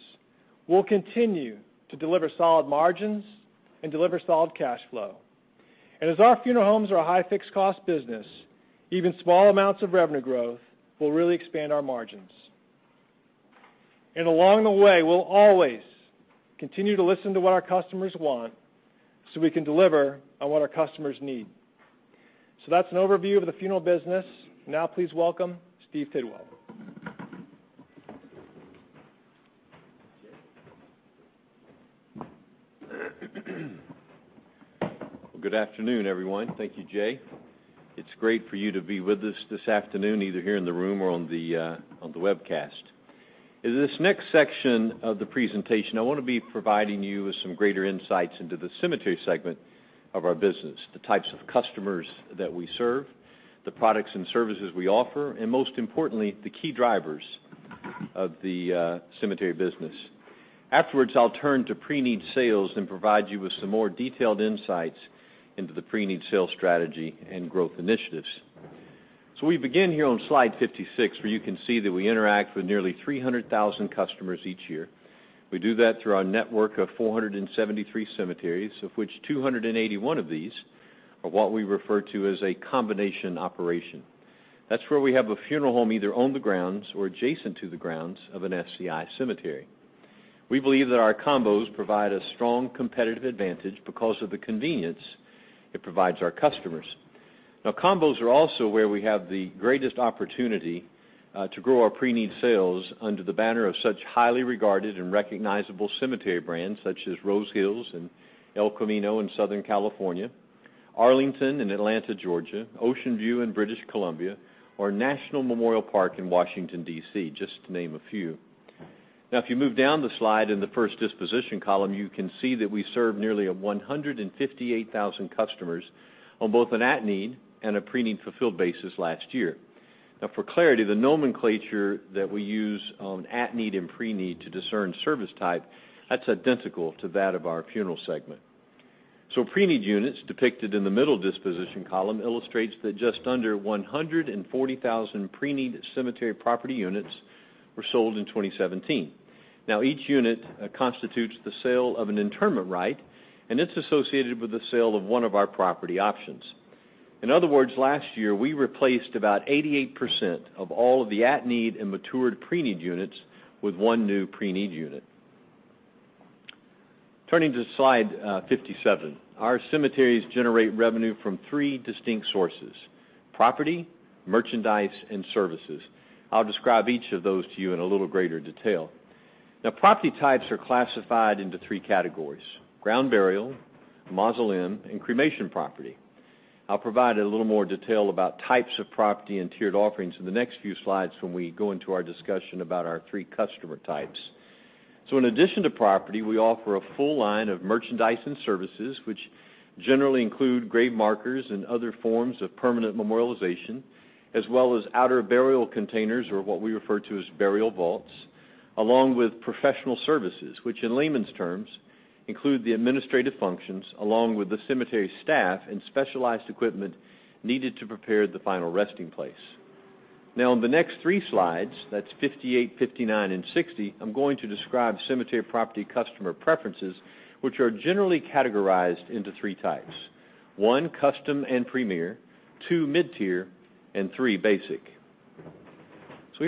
we'll continue to deliver solid margins and deliver solid cash flow. As our funeral homes are a high fixed cost business, even small amounts of revenue growth will really expand our margins. Along the way, we'll always continue to listen to what our customers want so we can deliver on what our customers need. That's an overview of the funeral business. Now please welcome Steve Tidwell. Good afternoon, everyone. Thank you, Jay. It's great for you to be with us this afternoon, either here in the room or on the webcast. In this next section of the presentation, I want to be providing you with some greater insights into the cemetery segment of our business, the types of customers that we serve, the products and services we offer, and most importantly, the key drivers of the cemetery business. Afterwards, I'll turn to pre-need sales and provide you with some more detailed insights into the pre-need sales strategy and growth initiatives. We begin here on slide 56, where you can see that we interact with nearly 300,000 customers each year. We do that through our network of 473 cemeteries, of which 281 of these are what we refer to as a combination operation. That's where we have a funeral home either on the grounds or adjacent to the grounds of an SCI cemetery. We believe that our combos provide a strong competitive advantage because of the convenience it provides our customers. Combos are also where we have the greatest opportunity to grow our pre-need sales under the banner of such highly regarded and recognizable cemetery brands, such as Rose Hills and El Camino in Southern California, Arlington in Atlanta, Georgia, Ocean View in British Columbia, or National Memorial Park in Washington, D.C., just to name a few. If you move down the slide in the first disposition column, you can see that we serve nearly 158,000 customers on both an at-need and a pre-need fulfilled basis last year. For clarity, the nomenclature that we use on at-need and pre-need to discern service type, that's identical to that of our funeral segment. Pre-need units, depicted in the middle disposition column, illustrates that just under 140,000 pre-need cemetery property units were sold in 2017. Each unit constitutes the sale of an interment right, and it's associated with the sale of one of our property options. In other words, last year, we replaced about 88% of all of the at-need and matured pre-need units with one new pre-need unit. Turning to slide 57. Our cemeteries generate revenue from three distinct sources, property, merchandise, and services. I'll describe each of those to you in a little greater detail. Property types are classified into 3 categories, ground burial, mausoleum, and cremation property. I'll provide a little more detail about types of property and tiered offerings in the next few slides when we go into our discussion about our 3 customer types. In addition to property, we offer a full line of merchandise and services, which generally include grave markers and other forms of permanent memorialization, as well as outer burial containers or what we refer to as burial vaults, along with professional services, which in layman's terms include the administrative functions along with the cemetery staff and specialized equipment needed to prepare the final resting place. In the next three slides, that's 58, 59, and 60, I'm going to describe cemetery property customer preferences, which are generally categorized into 3 types. 1, custom and premier, 2, mid-tier, and 3, basic.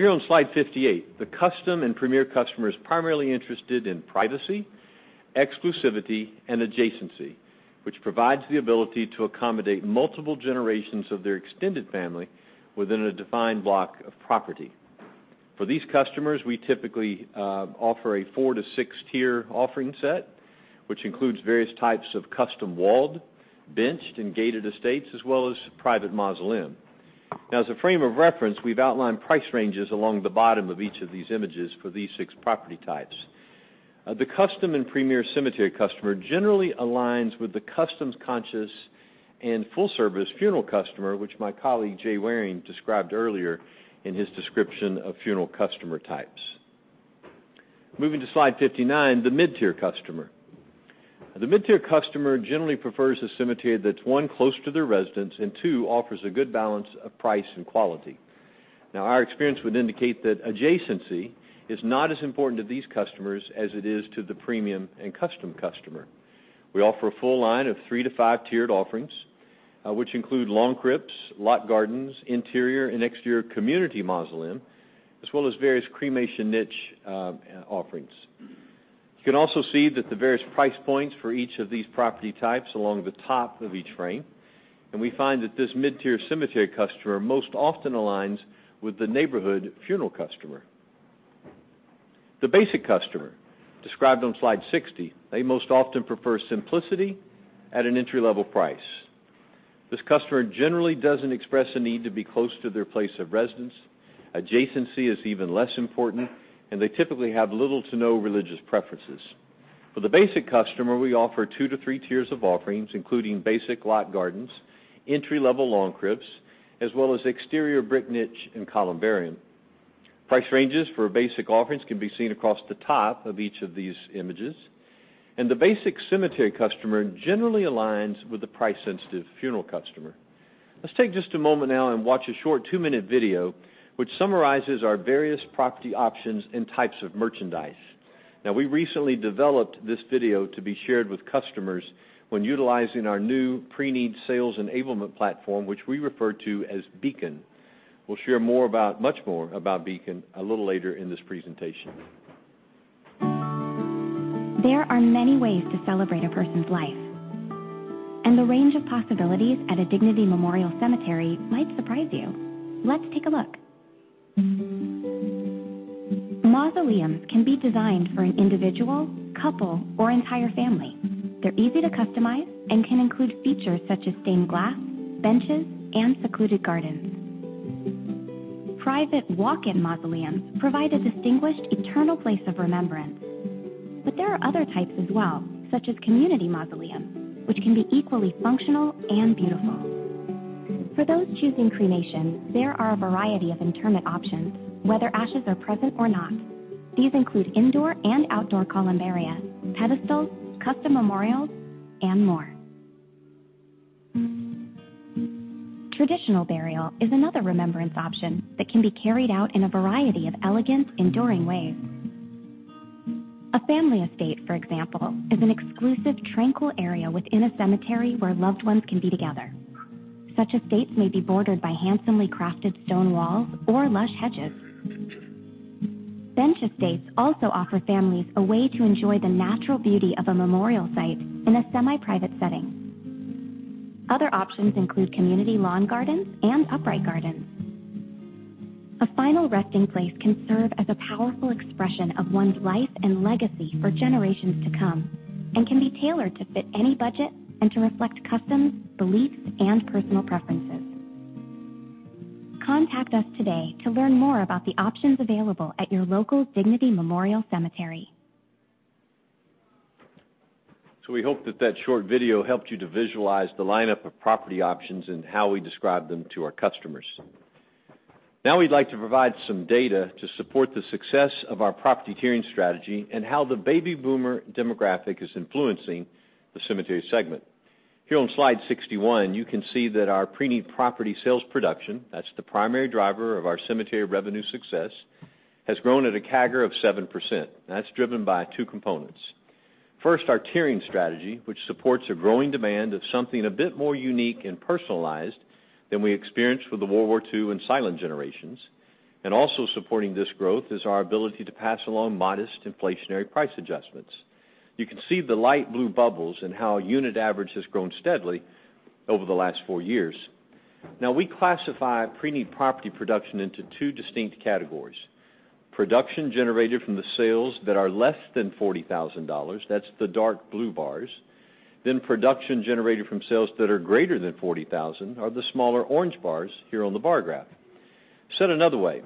Here on slide 58, the custom and premier customer is primarily interested in privacy, exclusivity, and adjacency, which provides the ability to accommodate multiple generations of their extended family within a defined block of property. For these customers, we typically offer a 4 to 6-tier offering set, which includes various types of custom walled, benched, and gated estates, as well as private mausoleum. As a frame of reference, we've outlined price ranges along the bottom of each of these images for these 6 property types. The custom and premier cemetery customer generally aligns with the customs-conscious and full-service funeral customer, which my colleague Jay Waring described earlier in his description of funeral customer types. Moving to slide 59, the mid-tier customer. The mid-tier customer generally prefers a cemetery that's, 1, close to their residence, and 2, offers a good balance of price and quality. Our experience would indicate that adjacency is not as important to these customers as it is to the premium and custom customer. We offer a full line of 3 to 5-tiered offerings, which include lawn crypts, lot gardens, interior and exterior community mausoleum, as well as various cremation niche offerings. You can also see that the various price points for each of these property types along the top of each frame, and we find that this mid-tier cemetery customer most often aligns with the neighborhood funeral customer. The basic customer, described on slide 60, they most often prefer simplicity at an entry-level price. This customer generally doesn't express a need to be close to their place of residence, adjacency is even less important, and they typically have little to no religious preferences. For the basic customer, we offer 2 to 3 tiers of offerings, including basic lot gardens, entry-level lawn crypts, as well as exterior brick niche and columbarium. Price ranges for basic offerings can be seen across the top of each of these images, and the basic cemetery customer generally aligns with the price-sensitive funeral customer. Let's take just a moment now and watch a short 2-minute video which summarizes our various property options and types of merchandise. We recently developed this video to be shared with customers when utilizing our new pre-need sales enablement platform, which we refer to as Beacon. We'll share much more about Beacon a little later in this presentation. There are many ways to celebrate a person's life, the range of possibilities at a Dignity Memorial Cemetery might surprise you. Let's take a look. Mausoleums can be designed for an individual, couple, or entire family. They're easy to customize and can include features such as stained glass, benches, and secluded gardens. Private walk-in mausoleums provide a distinguished eternal place of remembrance, there are other types as well, such as community mausoleums, which can be equally functional and beautiful. For those choosing cremation, there are a variety of interment options, whether ashes are present or not. These include indoor and outdoor columbaria, pedestals, custom memorials, and more. Traditional burial is another remembrance option that can be carried out in a variety of elegant, enduring ways. A family estate, for example, is an exclusive, tranquil area within a cemetery where loved ones can be together. Such estates may be bordered by handsomely crafted stone walls or lush hedges. Bench estates also offer families a way to enjoy the natural beauty of a memorial site in a semi-private setting. Other options include community lawn gardens and upright gardens. A final resting place can serve as a powerful expression of one's life and legacy for generations to come and can be tailored to fit any budget and to reflect customs, beliefs, and personal preferences. Contact us today to learn more about the options available at your local Dignity Memorial Cemetery. We hope that that short video helped you to visualize the lineup of property options and how we describe them to our customers. We'd like to provide some data to support the success of our property tiering strategy and how the baby boomer demographic is influencing the cemetery segment. Here on slide 61, you can see that our pre-need property sales production, that's the primary driver of our cemetery revenue success, has grown at a CAGR of 7%, that's driven by 2 components. First, our tiering strategy, which supports a growing demand of something a bit more unique and personalized than we experienced with the World War II and silent generations, also supporting this growth is our ability to pass along modest inflationary price adjustments. You can see the light blue bubbles and how unit average has grown steadily over the last 4 years. We classify pre-need property production into two distinct categories. Production generated from the sales that are less than $40,000, that's the dark blue bars. Production generated from sales that are greater than $40,000 are the smaller orange bars here on the bar graph. Said another way,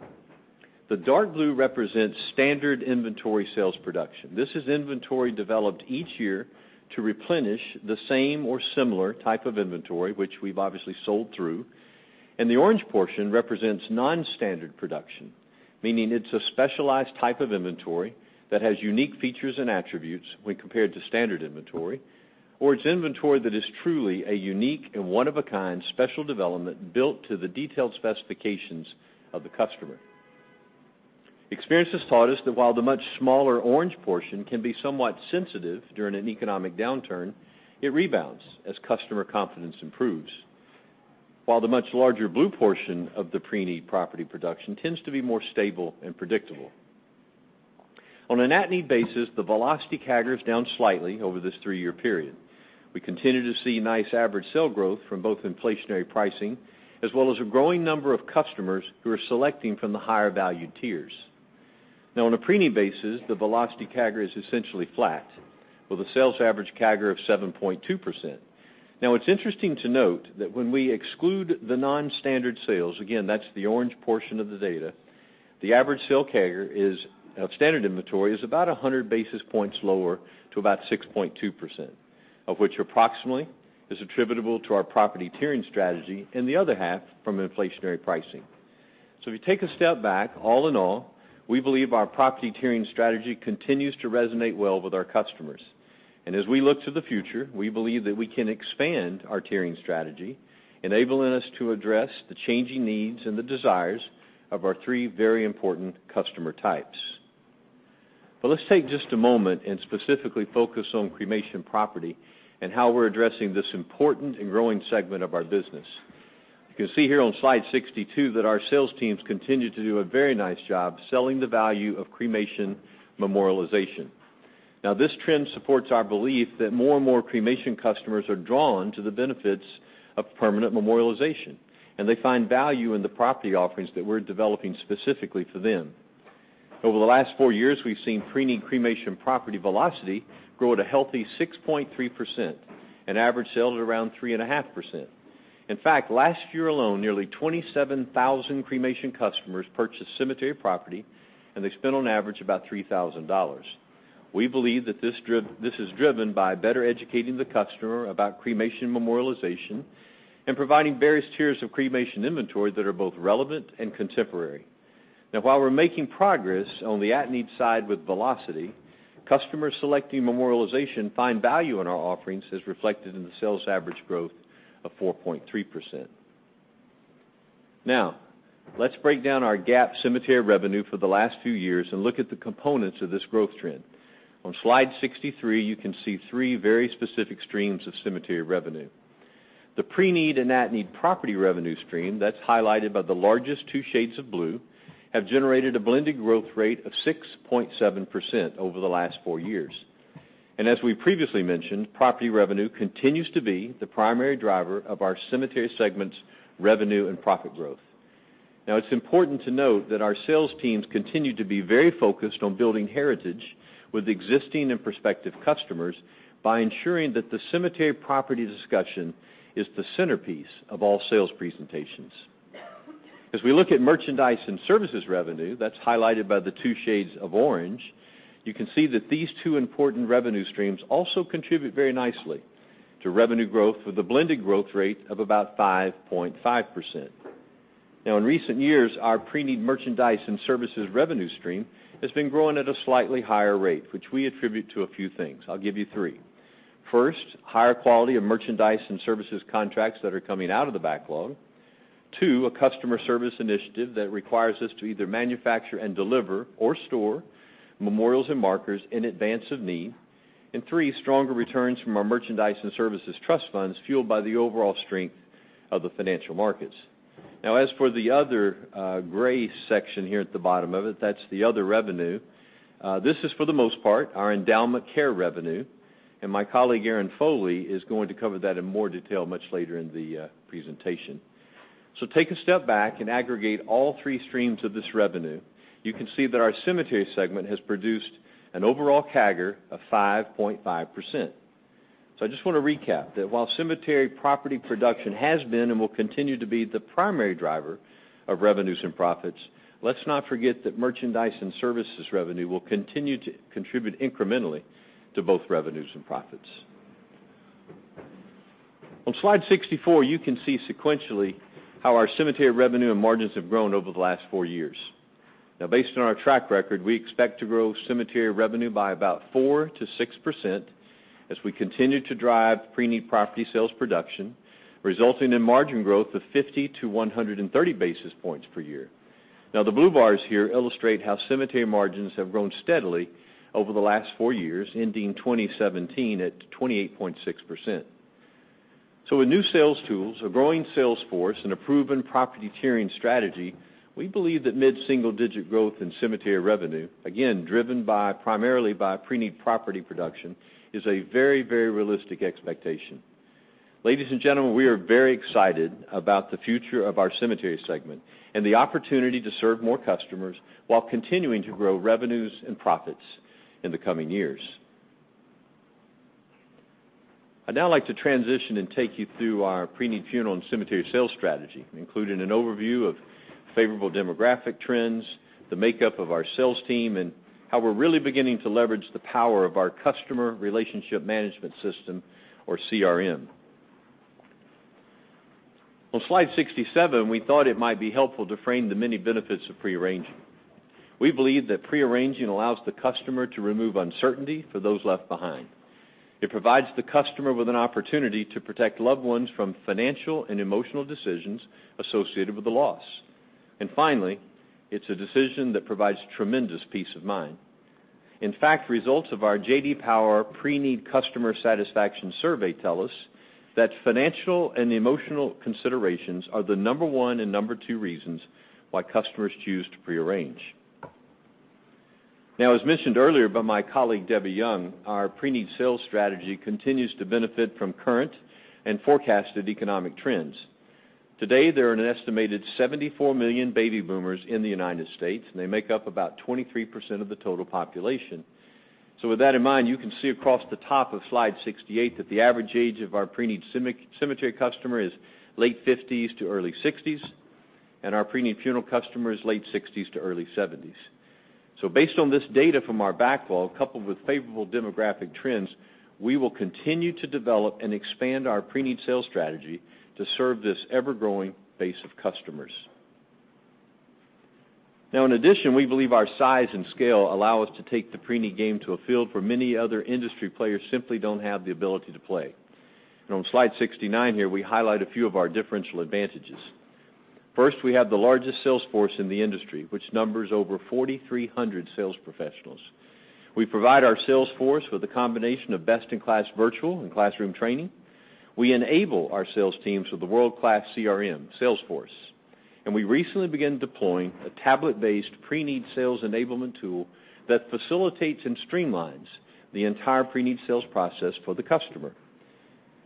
the dark blue represents standard inventory sales production. This is inventory developed each year to replenish the same or similar type of inventory, which we've obviously sold through. The orange portion represents non-standard production. Meaning it's a specialized type of inventory that has unique features and attributes when compared to standard inventory, or it's inventory that is truly a unique and one-of-a-kind special development built to the detailed specifications of the customer. Experience has taught us that while the much smaller orange portion can be somewhat sensitive during an economic downturn, it rebounds as customer confidence improves. While the much larger blue portion of the pre-need property production tends to be more stable and predictable. On an at-need basis, the velocity CAGR is down slightly over this three-year period. We continue to see nice average sale growth from both inflationary pricing as well as a growing number of customers who are selecting from the higher valued tiers. On a pre-need basis, the velocity CAGR is essentially flat, with a sales average CAGR of 7.2%. It's interesting to note that when we exclude the non-standard sales, again, that's the orange portion of the data, the average sale CAGR of standard inventory is about 100 basis points lower to about 6.2%, of which approximately is attributable to our property tiering strategy, and the other half from inflationary pricing. If you take a step back, all in all, we believe our property tiering strategy continues to resonate well with our customers. As we look to the future, we believe that we can expand our tiering strategy, enabling us to address the changing needs and the desires of our three very important customer types. Let's take just a moment and specifically focus on cremation property and how we're addressing this important and growing segment of our business. You can see here on slide 62 that our sales teams continue to do a very nice job selling the value of cremation memorialization. This trend supports our belief that more and more cremation customers are drawn to the benefits of permanent memorialization, and they find value in the property offerings that we're developing specifically for them. Over the last four years, we've seen pre-need cremation property velocity grow at a healthy 6.3%, an average sale at around 3.5%. In fact, last year alone, nearly 27,000 cremation customers purchased cemetery property, and they spent on average about $3,000. We believe that this is driven by better educating the customer about cremation memorialization and providing various tiers of cremation inventory that are both relevant and contemporary. While we're making progress on the at-need side with velocity, customers selecting memorialization find value in our offerings as reflected in the sales average growth of 4.3%. Let's break down our GAAP cemetery revenue for the last few years and look at the components of this growth trend. On slide 63, you can see three very specific streams of cemetery revenue. The pre-need and at-need property revenue stream that's highlighted by the largest two shades of blue have generated a blended growth rate of 6.7% over the last four years. As we previously mentioned, property revenue continues to be the primary driver of our cemetery segment's revenue and profit growth. It's important to note that our sales teams continue to be very focused on building heritage with existing and prospective customers by ensuring that the cemetery property discussion is the centerpiece of all sales presentations. As we look at merchandise and services revenue, that's highlighted by the two shades of orange, you can see that these two important revenue streams also contribute very nicely to revenue growth with a blended growth rate of about 5.5%. In recent years, our pre-need merchandise and services revenue stream has been growing at a slightly higher rate, which we attribute to a few things. I'll give you three. First, higher quality of merchandise and services contracts that are coming out of the backlog. Two, a customer service initiative that requires us to either manufacture and deliver or store memorials and markers in advance of need. Three, stronger returns from our merchandise and services trust funds fueled by the overall strength of the financial markets. As for the other gray section here at the bottom of it, that's the other revenue. This is for the most part our endowment care revenue, and my colleague, Aaron Foley, is going to cover that in more detail much later in the presentation. Take a step back and aggregate all three streams of this revenue. You can see that our cemetery segment has produced an overall CAGR of 5.5%. I just want to recap that while cemetery property production has been and will continue to be the primary driver of revenues and profits, let's not forget that merchandise and services revenue will continue to contribute incrementally to both revenues and profits. On slide 64, you can see sequentially how our cemetery revenue and margins have grown over the last four years. Based on our track record, we expect to grow cemetery revenue by about 4%-6% as we continue to drive pre-need property sales production, resulting in margin growth of 50-130 basis points per year. The blue bars here illustrate how cemetery margins have grown steadily over the last four years, ending 2017 at 28.6%. With new sales tools, a growing sales force, and a proven property tiering strategy, we believe that mid-single digit growth in cemetery revenue, again, driven primarily by pre-need property production, is a very, very realistic expectation. Ladies and gentlemen, we are very excited about the future of our cemetery segment and the opportunity to serve more customers while continuing to grow revenues and profits in the coming years. I'd now like to transition and take you through our pre-need funeral and cemetery sales strategy, including an overview of favorable demographic trends, the makeup of our sales team, and how we're really beginning to leverage the power of our customer relationship management system, or CRM. On slide 67, we thought it might be helpful to frame the many benefits of pre-arranging. We believe that pre-arranging allows the customer to remove uncertainty for those left behind. It provides the customer with an opportunity to protect loved ones from financial and emotional decisions associated with the loss. Finally, it's a decision that provides tremendous peace of mind. In fact, results of our J.D. Power Pre-Need Customer Satisfaction survey tell us that financial and emotional considerations are the number one and number two reasons why customers choose to pre-arrange. As mentioned earlier by my colleague, Debbie Young, our pre-need sales strategy continues to benefit from current and forecasted economic trends. Today, there are an estimated 74 million baby boomers in the U.S., and they make up about 23% of the total population. With that in mind, you can see across the top of slide 68 that the average age of our pre-need cemetery customer is late 50s to early 60s, and our pre-need funeral customer is late 60s to early 70s. Based on this data from our backlog, coupled with favorable demographic trends, we will continue to develop and expand our pre-need sales strategy to serve this ever-growing base of customers. In addition, we believe our size and scale allow us to take the pre-need game to a field where many other industry players simply don't have the ability to play. On Slide 69 here, we highlight a few of our differential advantages. First, we have the largest sales force in the industry, which numbers over 4,300 sales professionals. We provide our sales force with a combination of best-in-class virtual and classroom training. We enable our sales teams with a world-class CRM, Salesforce. And we recently began deploying a tablet-based pre-need sales enablement tool that facilitates and streamlines the entire pre-need sales process for the customer.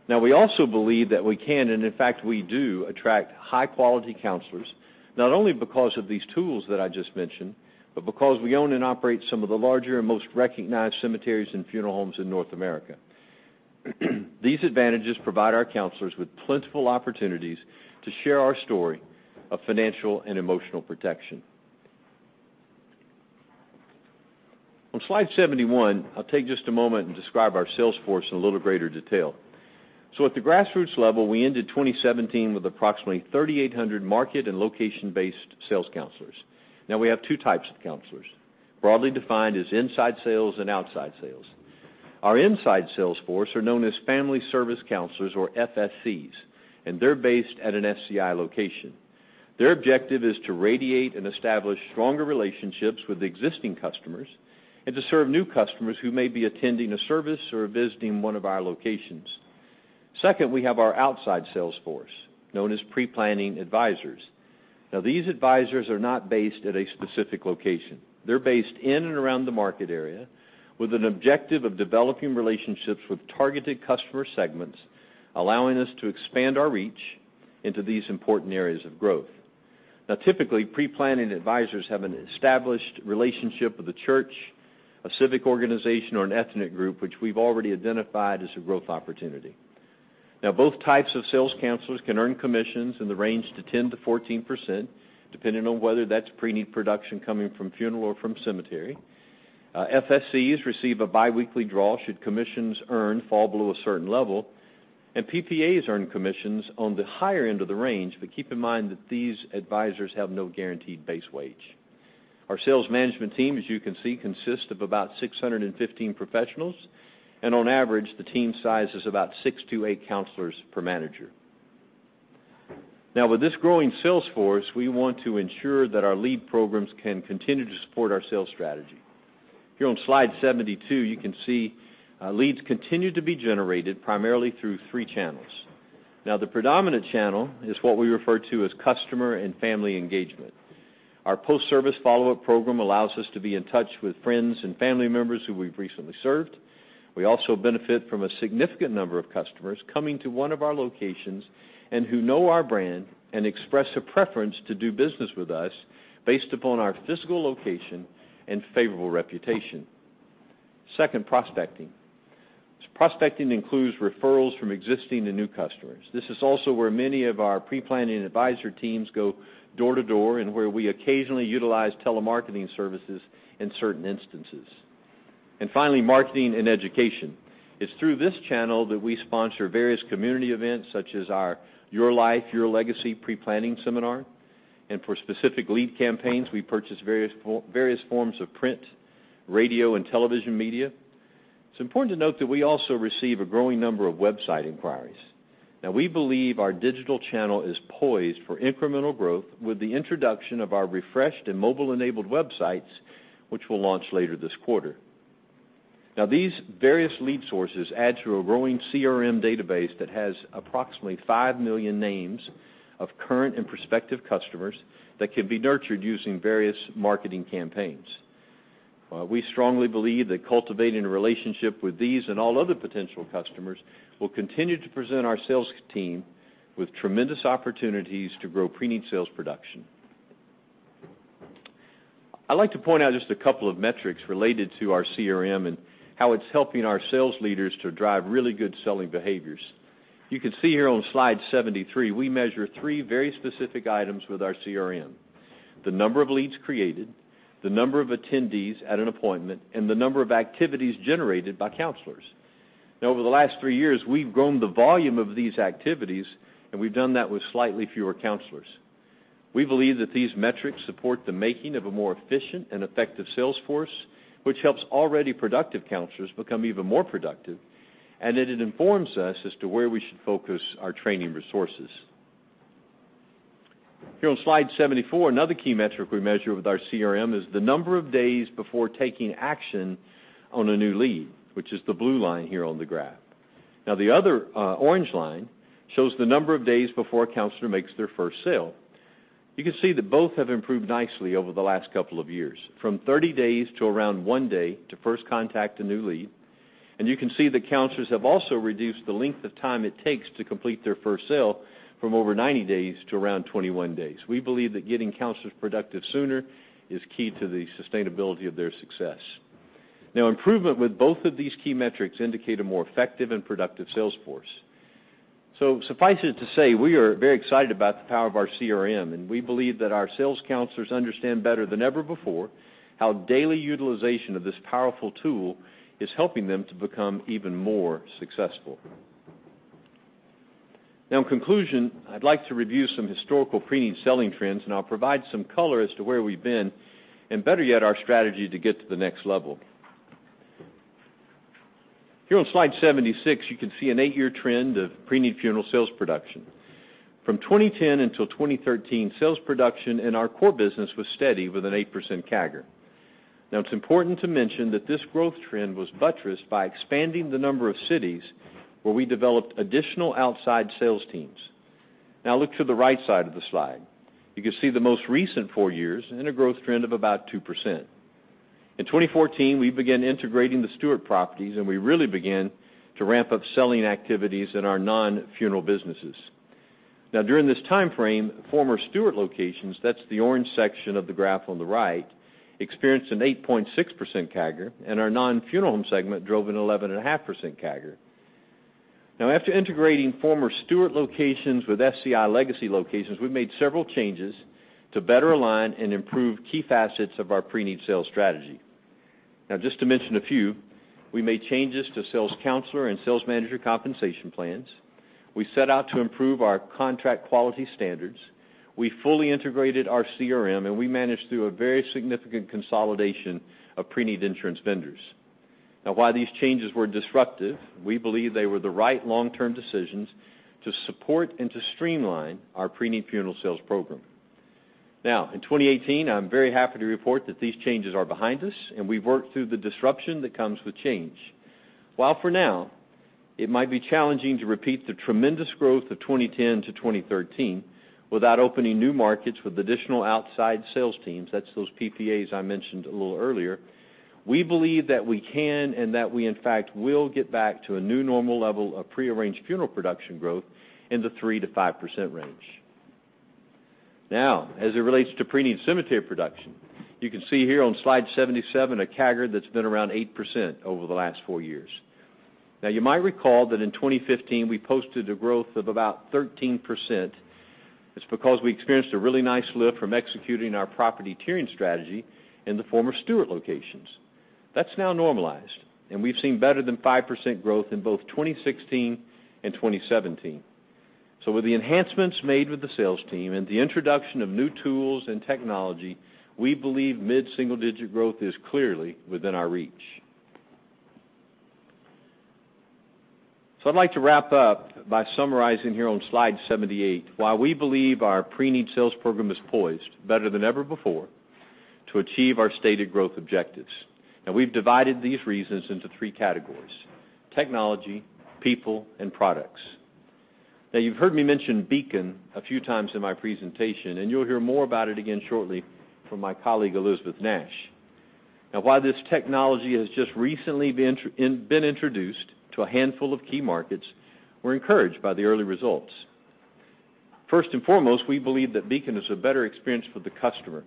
We also believe that we can, and in fact, we do attract high-quality counselors, not only because of these tools that I just mentioned, but because we own and operate some of the larger and most recognized cemeteries and funeral homes in North America. These advantages provide our counselors with plentiful opportunities to share our story of financial and emotional protection. On slide 71, I'll take just a moment and describe our sales force in a little greater detail. At the grassroots level, we ended 2017 with approximately 3,800 market and location-based sales counselors. We have 2 types of counselors, broadly defined as inside sales and outside sales. Our inside sales force are known as Family Service Counselors or FSCs, and they're based at an SCI location. Their objective is to radiate and establish stronger relationships with existing customers and to serve new customers who may be attending a service or visiting one of our locations. Second, we have our outside sales force, known as Pre-Planning Advisors. These advisors are not based at a specific location. They're based in and around the market area with an objective of developing relationships with targeted customer segments, allowing us to expand our reach into these important areas of growth. Typically, Pre-Planning Advisors have an established relationship with a church, a civic organization, or an ethnic group, which we've already identified as a growth opportunity. Both types of sales counselors can earn commissions in the range to 10%-14%, depending on whether that's pre-need production coming from funeral or from cemetery. FSCs receive a biweekly draw should commissions earned fall below a certain level, PPAs earn commissions on the higher end of the range, but keep in mind that these advisors have no guaranteed base wage. Our sales management team, as you can see, consists of about 615 professionals, and on average, the team size is about six to eight counselors per manager. With this growing sales force, we want to ensure that our lead programs can continue to support our sales strategy. Here on slide 72, you can see leads continue to be generated primarily through three channels. The predominant channel is what we refer to as customer and family engagement. Our post-service follow-up program allows us to be in touch with friends and family members who we've recently served. We also benefit from a significant number of customers coming to one of our locations who know our brand and express a preference to do business with us based upon our physical location and favorable reputation. Second, prospecting. Prospecting includes referrals from existing and new customers. This is also where many of our preplanning advisor teams go door to door and where we occasionally utilize telemarketing services in certain instances. Finally, marketing and education. It's through this channel that we sponsor various community events, such as our Your Life, Your Legacy preplanning seminar. For specific lead campaigns, we purchase various forms of print, radio, and television media. It's important to note that we also receive a growing number of website inquiries. We believe our digital channel is poised for incremental growth with the introduction of our refreshed and mobile-enabled websites, which we'll launch later this quarter. These various lead sources add to a growing CRM database that has approximately five million names of current and prospective customers that can be nurtured using various marketing campaigns. We strongly believe that cultivating a relationship with these and all other potential customers will continue to present our sales team with tremendous opportunities to grow pre-need sales production. I'd like to point out just a couple of metrics related to our CRM, and how it's helping our sales leaders to drive really good selling behaviors. You can see here on slide 73, we measure three very specific items with our CRM. The number of leads created. The number of attendees at an appointment, and the number of activities generated by counselors. Over the last three years, we've grown the volume of these activities, and we've done that with slightly fewer counselors. We believe that these metrics support the making of a more efficient and effective sales force, which helps already productive counselors become even more productive, and it informs us as to where we should focus our training resources. Here on slide 74, another key metric we measure with our CRM is the number of days before taking action on a new lead, which is the blue line here on the graph. The other orange line shows the number of days before a counselor makes their first sale. You can see that both have improved nicely over the last couple of years, from 30 days to around one day to first contact a new lead. You can see that counselors have also reduced the length of time it takes to complete their first sale from over 90 days to around 21 days. We believe that getting counselors productive sooner is key to the sustainability of their success. Improvement with both of these key metrics indicate a more effective and productive sales force. Suffice it to say, we are very excited about the power of our CRM, we believe that our sales counselors understand better than ever before how daily utilization of this powerful tool is helping them to become even more successful. In conclusion, I'd like to review some historical pre-need selling trends, I'll provide some color as to where we've been, better yet, our strategy to get to the next level. Here on slide 76, you can see an 8-year trend of pre-need funeral sales production. From 2010 until 2013, sales production in our core business was steady with an 8% CAGR. It's important to mention that this growth trend was buttressed by expanding the number of cities where we developed additional outside sales teams. Look to the right side of the slide. You can see the most recent 4 years in a growth trend of about 2%. In 2014, we began integrating the Stewart properties, we really began to ramp up selling activities in our non-funeral businesses. During this time frame, former Stewart locations, that's the orange section of the graph on the right, experienced an 8.6% CAGR, our non-funeral home segment drove an 11.5% CAGR. After integrating former Stewart locations with SCI legacy locations, we've made several changes to better align and improve key facets of our pre-need sales strategy. Just to mention a few, we made changes to sales counselor and sales manager compensation plans. We set out to improve our contract quality standards. We fully integrated our CRM, we managed through a very significant consolidation of pre-need insurance vendors. While these changes were disruptive, we believe they were the right long-term decisions to support and to streamline our pre-need funeral sales program. In 2018, I'm very happy to report that these changes are behind us, we've worked through the disruption that comes with change. While for now it might be challenging to repeat the tremendous growth of 2010 to 2013 without opening new markets with additional outside sales teams, that's those PPAs I mentioned a little earlier, we believe that we can and that we in fact will get back to a new normal level of pre-arranged funeral production growth in the 3%-5% range. As it relates to pre-need cemetery production, you can see here on slide 77 a CAGR that's been around 8% over the last 4 years. You might recall that in 2015, we posted a growth of about 13%. It's because we experienced a really nice lift from executing our property tiering strategy in the former Stewart locations. That's now normalized, we've seen better than 5% growth in both 2016 and 2017. With the enhancements made with the sales team and the introduction of new tools and technology, we believe mid-single digit growth is clearly within our reach. I'd like to wrap up by summarizing here on slide 78 why we believe our pre-need sales program is poised better than ever before to achieve our stated growth objectives. We've divided these reasons into 3 categories: technology, people, and products. You've heard me mention Beacon a few times in my presentation, and you'll hear more about it again shortly from my colleague, Elisabeth Nash. While this technology has just recently been introduced to a handful of key markets, we're encouraged by the early results. First and foremost, we believe that Beacon is a better experience for the customer,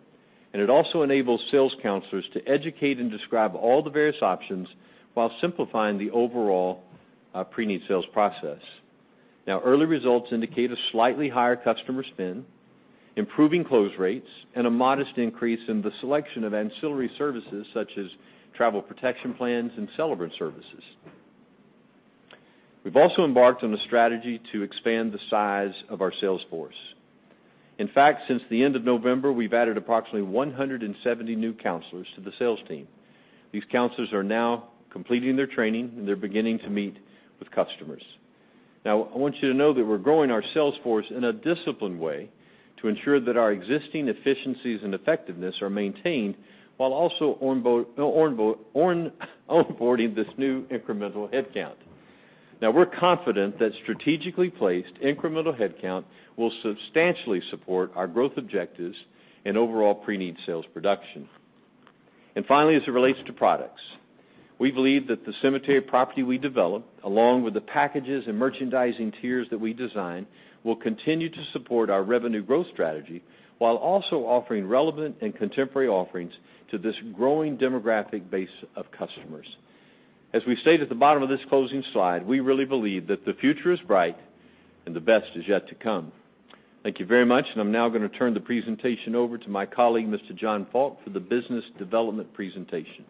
and it also enables sales counselors to educate and describe all the various options while simplifying the overall pre-need sales process. Early results indicate a slightly higher customer spend, improving close rates, and a modest increase in the selection of ancillary services such as travel protection plans and celebrate services. We've also embarked on a strategy to expand the size of our sales force. In fact, since the end of November, we've added approximately 170 new counselors to the sales team. These counselors are now completing their training, and they're beginning to meet with customers. I want you to know that we're growing our sales force in a disciplined way to ensure that our existing efficiencies and effectiveness are maintained while also onboarding this new incremental headcount. We're confident that strategically placed incremental headcount will substantially support our growth objectives and overall pre-need sales production. Finally, as it relates to products, we believe that the cemetery property we develop, along with the packages and merchandising tiers that we design, will continue to support our revenue growth strategy while also offering relevant and contemporary offerings to this growing demographic base of customers. As we state at the bottom of this closing slide, we really believe that the future is bright and the best is yet to come. Thank you very much, and I'm now going to turn the presentation over to my colleague, Mr. John Faulk, for the business development presentation.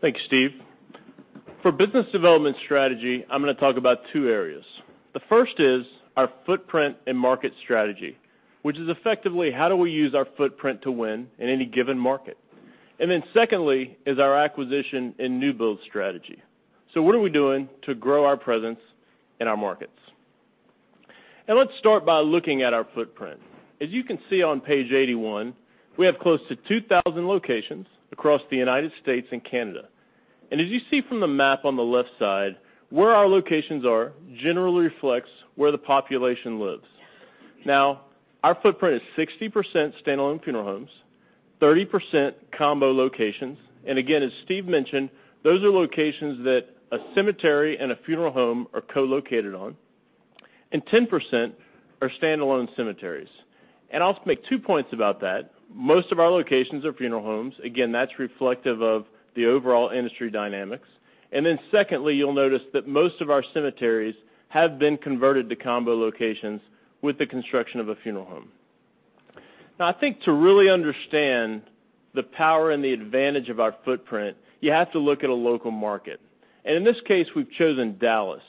Thanks, Steve. For business development strategy, I'm going to talk about two areas. The first is our footprint and market strategy, which is effectively how do we use our footprint to win in any given market? Then secondly, is our acquisition and new build strategy. What are we doing to grow our presence in our markets? Let's start by looking at our footprint. As you can see on page 81, we have close to 2,000 locations across the U.S. and Canada. As you see from the map on the left side, where our locations are generally reflects where the population lives. Our footprint is 60% standalone funeral homes, 30% combo locations. Again, as Steve mentioned, those are locations that a cemetery and a funeral home are co-located on. 10% are standalone cemeteries. I'll make two points about that. Most of our locations are funeral homes. That's reflective of the overall industry dynamics. Secondly, you'll notice that most of our cemeteries have been converted to combo locations with the construction of a funeral home. I think to really understand the power and the advantage of our footprint, you have to look at a local market. In this case, we've chosen Dallas.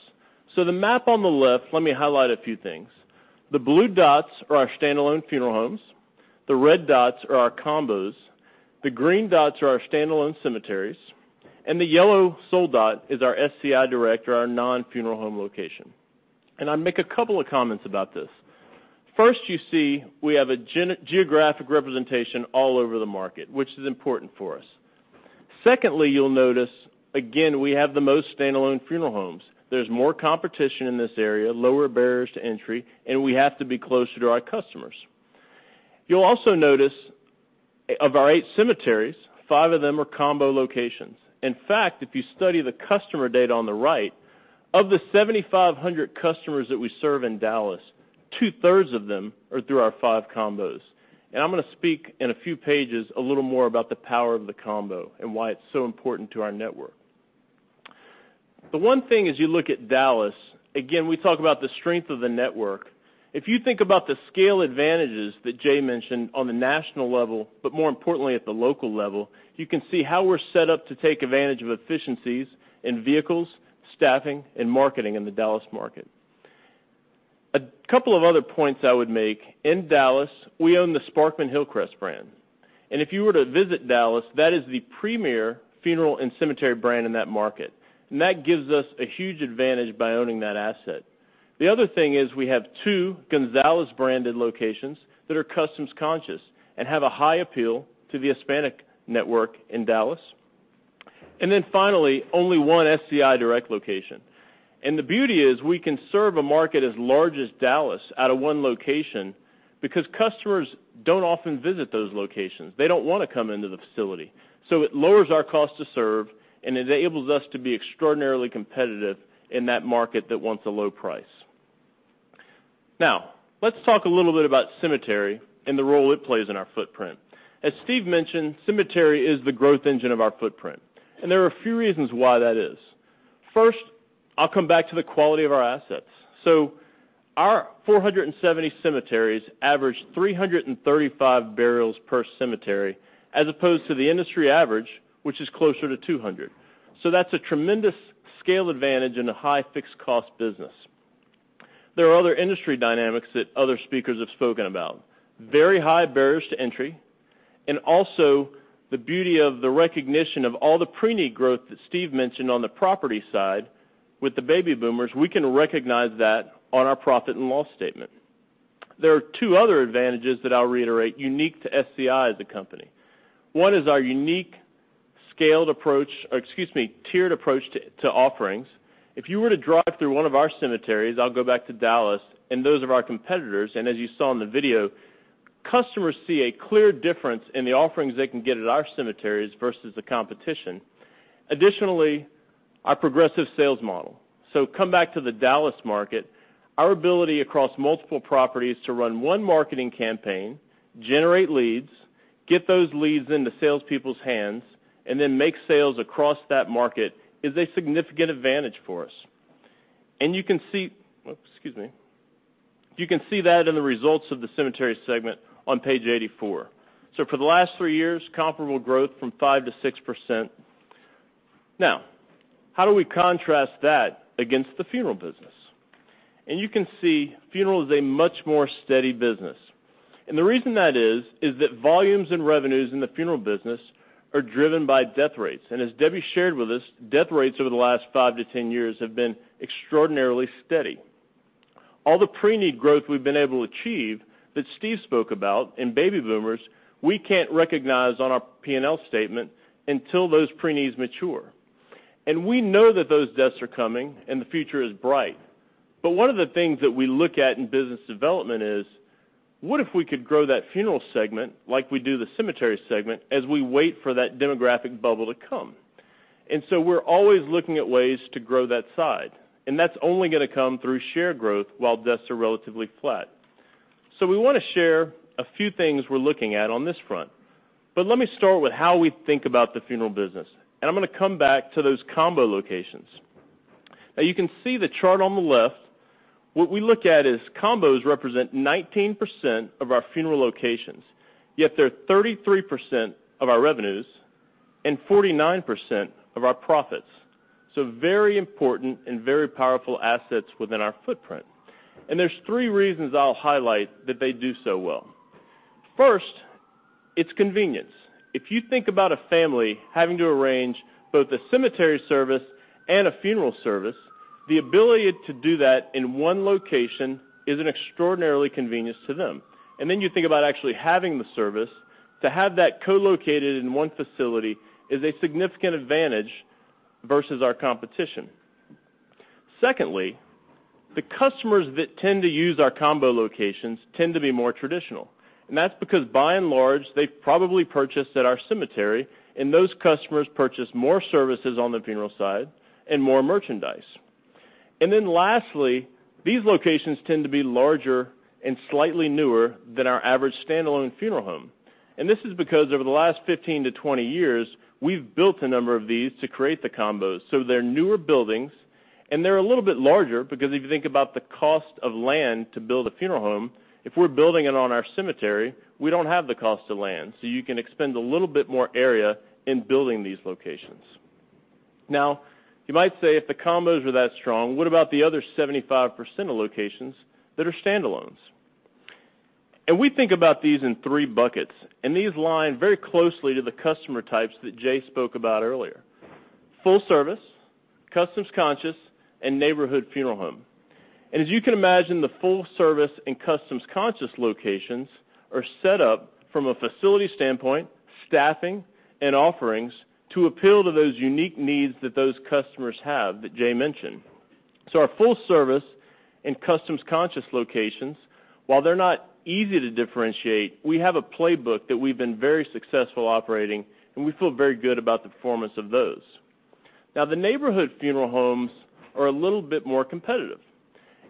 The map on the left, let me highlight a few things. The blue dots are our standalone funeral homes. The red dots are our combos. The green dots are our standalone cemeteries. The yellow sole dot is our SCI Direct or our non-funeral home location. I'll make a couple of comments about this. First, you see we have a geographic representation all over the market, which is important for us. Secondly, you'll notice again, we have the most standalone funeral homes. There's more competition in this area, lower barriers to entry, and we have to be closer to our customers. You'll also notice, of our 8 cemeteries, 5 of them are combo locations. In fact, if you study the customer data on the right, of the 7,500 customers that we serve in Dallas, two-thirds of them are through our 5 combos. I'm going to speak, in a few pages, a little more about the power of the combo and why it's so important to our network. The one thing as you look at Dallas, again, we talk about the strength of the network. If you think about the scale advantages that Jay mentioned on the national level, but more importantly at the local level, you can see how we're set up to take advantage of efficiencies in vehicles, staffing, and marketing in the Dallas market. A couple of other points I would make. In Dallas, we own the Sparkman-Hillcrest brand. If you were to visit Dallas, that is the premier funeral and cemetery brand in that market. That gives us a huge advantage by owning that asset. The other thing is we have 2 González-branded locations that are customs-conscious and have a high appeal to the Hispanic network in Dallas. Finally, only one SCI Direct location. The beauty is we can serve a market as large as Dallas out of one location because customers don't often visit those locations. They don't want to come into the facility. It lowers our cost to serve and enables us to be extraordinarily competitive in that market that wants a low price. Let's talk a little bit about cemetery and the role it plays in our footprint. As Steve mentioned, cemetery is the growth engine of our footprint. There are a few reasons why that is. First, I'll come back to the quality of our assets. Our 470 cemeteries average 335 burials per cemetery, as opposed to the industry average, which is closer to 200. That's a tremendous scale advantage in a high fixed cost business. There are other industry dynamics that other speakers have spoken about. Very high barriers to entry, also the beauty of the recognition of all the pre-need growth that Steve mentioned on the property side with the baby boomers, we can recognize that on our profit and loss statement. There are two other advantages that I'll reiterate unique to SCI as a company. One is our unique scaled approach, or excuse me, tiered approach to offerings. If you were to drive through one of our cemeteries, I'll go back to Dallas, and those of our competitors, and as you saw in the video, customers see a clear difference in the offerings they can get at our cemeteries versus the competition. Additionally, our progressive sales model. Come back to the Dallas market. Our ability across multiple properties to run one marketing campaign, generate leads, get those leads into salespeople's hands, and then make sales across that market is a significant advantage for us. You can see that in the results of the cemetery segment on page 84. For the last three years, comparable growth from 5%-6%. How do we contrast that against the funeral business? You can see funeral is a much more steady business. The reason that is that volumes and revenues in the funeral business are driven by death rates. As Debbie shared with us, death rates over the last five to 10 years have been extraordinarily steady. All the pre-need growth we've been able to achieve, that Steve spoke about in baby boomers, we can't recognize on our P&L statement until those pre-needs mature. We know that those deaths are coming and the future is bright. One of the things that we look at in business development is, what if we could grow that funeral segment like we do the cemetery segment as we wait for that demographic bubble to come? We're always looking at ways to grow that side, and that's only going to come through share growth while deaths are relatively flat. We want to share a few things we're looking at on this front, but let me start with how we think about the funeral business, and I'm going to come back to those combo locations. You can see the chart on the left. What we look at is combos represent 19% of our funeral locations, yet they're 33% of our revenues and 49% of our profits. Very important and very powerful assets within our footprint. There's three reasons I'll highlight that they do so well. First, it's convenience. If you think about a family having to arrange both a cemetery service and a funeral service, the ability to do that in one location is an extraordinarily convenience to them. You think about actually having the service, to have that co-located in one facility is a significant advantage versus our competition. Secondly, the customers that tend to use our combo locations tend to be more traditional, and that's because by and large, they've probably purchased at our cemetery, and those customers purchase more services on the funeral side and more merchandise. Lastly, these locations tend to be larger and slightly newer than our average standalone funeral home. This is because over the last 15 to 20 years, we've built a number of these to create the combos. They're newer buildings, they're a little bit larger because if you think about the cost of land to build a funeral home, if we're building it on our cemetery, we don't have the cost of land, you can expend a little bit more area in building these locations. You might say if the combos are that strong, what about the other 75% of locations that are standalones? We think about these in three buckets, these line very closely to the customer types that Jay spoke about earlier. Full service, customs-conscious, and neighborhood funeral home. As you can imagine, the full service and customs-conscious locations are set up from a facility standpoint, staffing and offerings to appeal to those unique needs that those customers have that Jay mentioned. Our full service and customs-conscious locations, while they're not easy to differentiate, we have a playbook that we've been very successful operating, we feel very good about the performance of those. The neighborhood funeral homes are a little bit more competitive.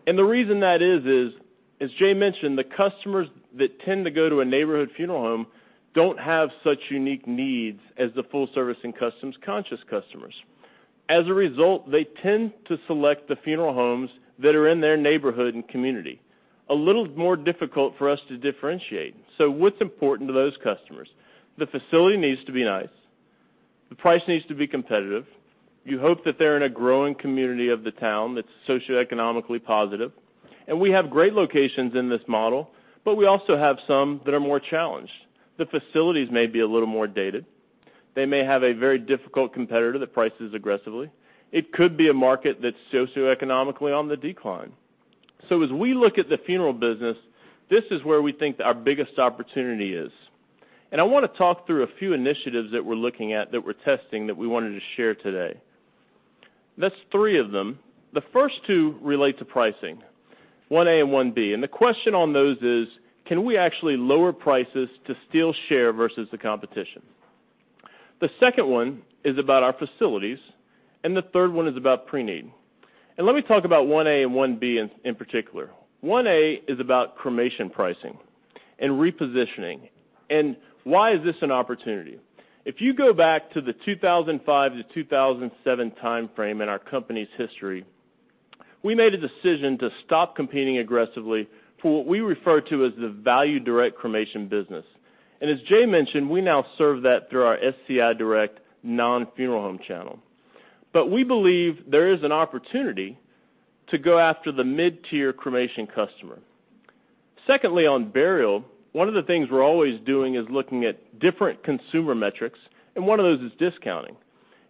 The reason that is, as Jay mentioned, the customers that tend to go to a neighborhood funeral home don't have such unique needs as the full service and customs-conscious customers. As a result, they tend to select the funeral homes that are in their neighborhood and community. A little more difficult for us to differentiate. What's important to those customers? The facility needs to be nice. The price needs to be competitive. You hope that they're in a growing community of the town that's socioeconomically positive. We have great locations in this model, but we also have some that are more challenged. The facilities may be a little more dated. They may have a very difficult competitor that prices aggressively. It could be a market that's socioeconomically on the decline. As we look at the funeral business, this is where we think our biggest opportunity is. I want to talk through a few initiatives that we're looking at, that we're testing, that we wanted to share today. That's three of them. The first two relate to pricing, one A and one B. The question on those is, can we actually lower prices to steal share versus the competition? The second one is about our facilities, the third one is about pre-need. Let me talk about one A and one B in particular. One A is about cremation pricing and repositioning. Why is this an opportunity? If you go back to the 2005-2007 timeframe in our company's history, we made a decision to stop competing aggressively for what we refer to as the value direct cremation business. As Jay mentioned, we now serve that through our SCI Direct non-funeral home channel. We believe there is an opportunity to go after the mid-tier cremation customer. Secondly, on burial, one of the things we're always doing is looking at different consumer metrics, one of those is discounting.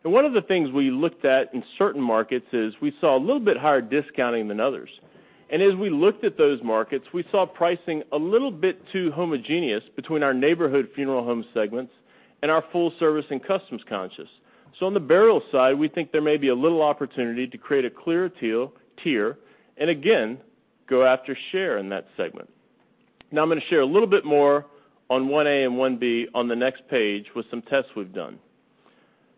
One of the things we looked at in certain markets is we saw a little bit higher discounting than others. As we looked at those markets, we saw pricing a little bit too homogeneous between our neighborhood funeral home segments and our full service and customs-conscious. On the burial side, we think there may be a little opportunity to create a clearer tier and again, go after share in that segment. I'm going to share a little bit more on 1A and 1B on the next page with some tests we've done.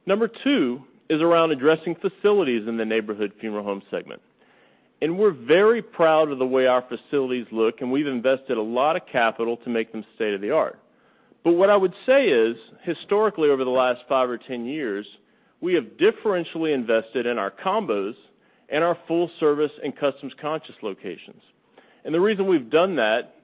Number 2 is around addressing facilities in the neighborhood funeral home segment. We're very proud of the way our facilities look, and we've invested a lot of capital to make them state-of-the-art. What I would say is, historically over the last 5 or 10 years, we have differentially invested in our combos and our full service and customs-conscious locations. The reason we've done that,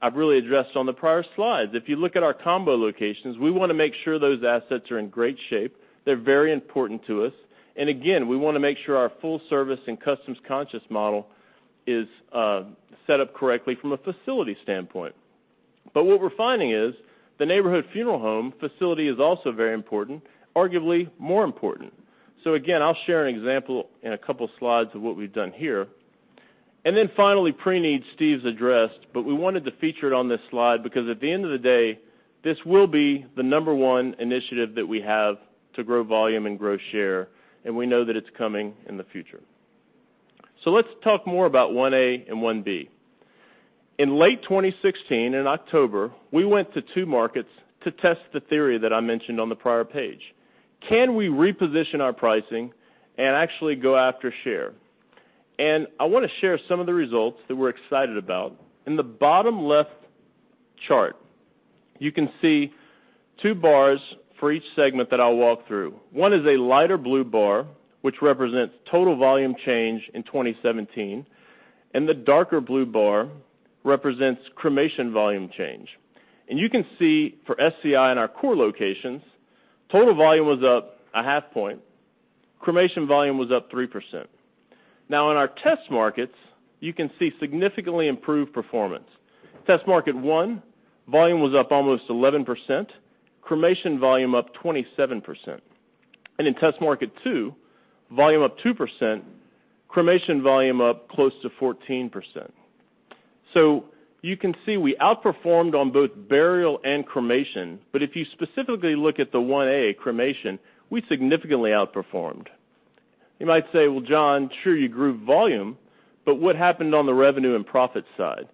I've really addressed on the prior slides. If you look at our combo locations, we want to make sure those assets are in great shape. They're very important to us. Again, we want to make sure our full service and customs-conscious model is set up correctly from a facility standpoint. What we're finding is the neighborhood funeral home facility is also very important, arguably more important. Again, I'll share an example in a couple slides of what we've done here. Finally, pre-need Steve's addressed, but we wanted to feature it on this slide because at the end of the day, this will be the number 1 initiative that we have to grow volume and grow share, and we know that it's coming in the future. Let's talk more about 1A and 1B. In late 2016, in October, we went to two markets to test the theory that I mentioned on the prior page. Can we reposition our pricing and actually go after share? I want to share some of the results that we're excited about. In the bottom left chart, you can see two bars for each segment that I'll walk through. One is a lighter blue bar, which represents total volume change in 2017, and the darker blue bar represents cremation volume change. You can see for SCI in our core locations, total volume was up a half point, cremation volume was up 3%. In our test markets, you can see significantly improved performance. Test market 1, volume was up almost 11%, cremation volume up 27%. In test market 2, volume up 2%, cremation volume up close to 14%. You can see we outperformed on both burial and cremation. If you specifically look at the 1A, cremation, we significantly outperformed. You might say, "Well, John, sure, you grew volume, but what happened on the revenue and profit side?"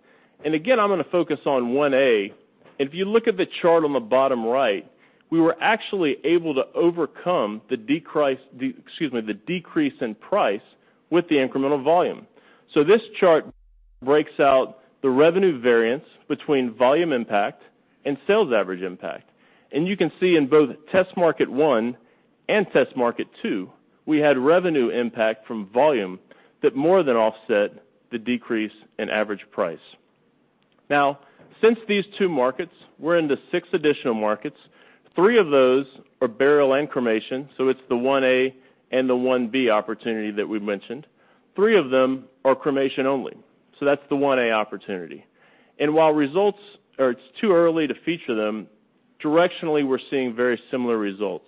Again, I'm going to focus on 1A. If you look at the chart on the bottom right, we were actually able to overcome the decrease in price with the incremental volume. This chart breaks out the revenue variance between volume impact and sales average impact. You can see in both test market 1 and test market 2, we had revenue impact from volume that more than offset the decrease in average price. Since these two markets, we're into six additional markets. Three of those are burial and cremation, so it's the 1A and the 1B opportunity that we mentioned. Three of them are cremation only, so that's the 1A opportunity. While it's too early to feature them, directionally, we're seeing very similar results.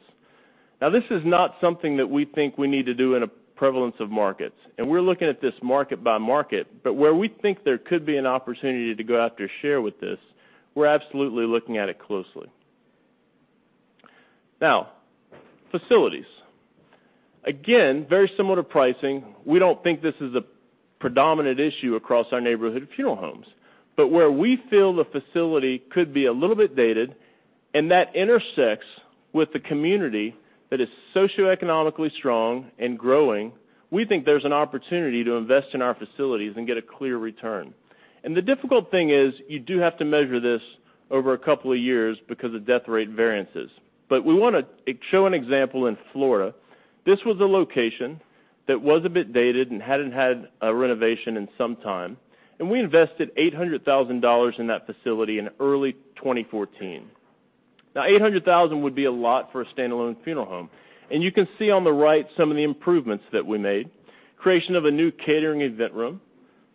This is not something that we think we need to do in a prevalence of markets. We're looking at this market by market. Where we think there could be an opportunity to go after share with this, we're absolutely looking at it closely. Facilities. Again, very similar to pricing. We don't think this is a predominant issue across our neighborhood funeral homes. Where we feel the facility could be a little bit dated, and that intersects with the community that is socioeconomically strong and growing, we think there's an opportunity to invest in our facilities and get a clear return. The difficult thing is you do have to measure this over a couple of years because of death rate variances. We want to show an example in Florida. This was a location that was a bit dated and hadn't had a renovation in some time, and we invested $800,000 in that facility in early 2014. $800,000 would be a lot for a standalone funeral home. You can see on the right some of the improvements that we made. Creation of a new catering event room,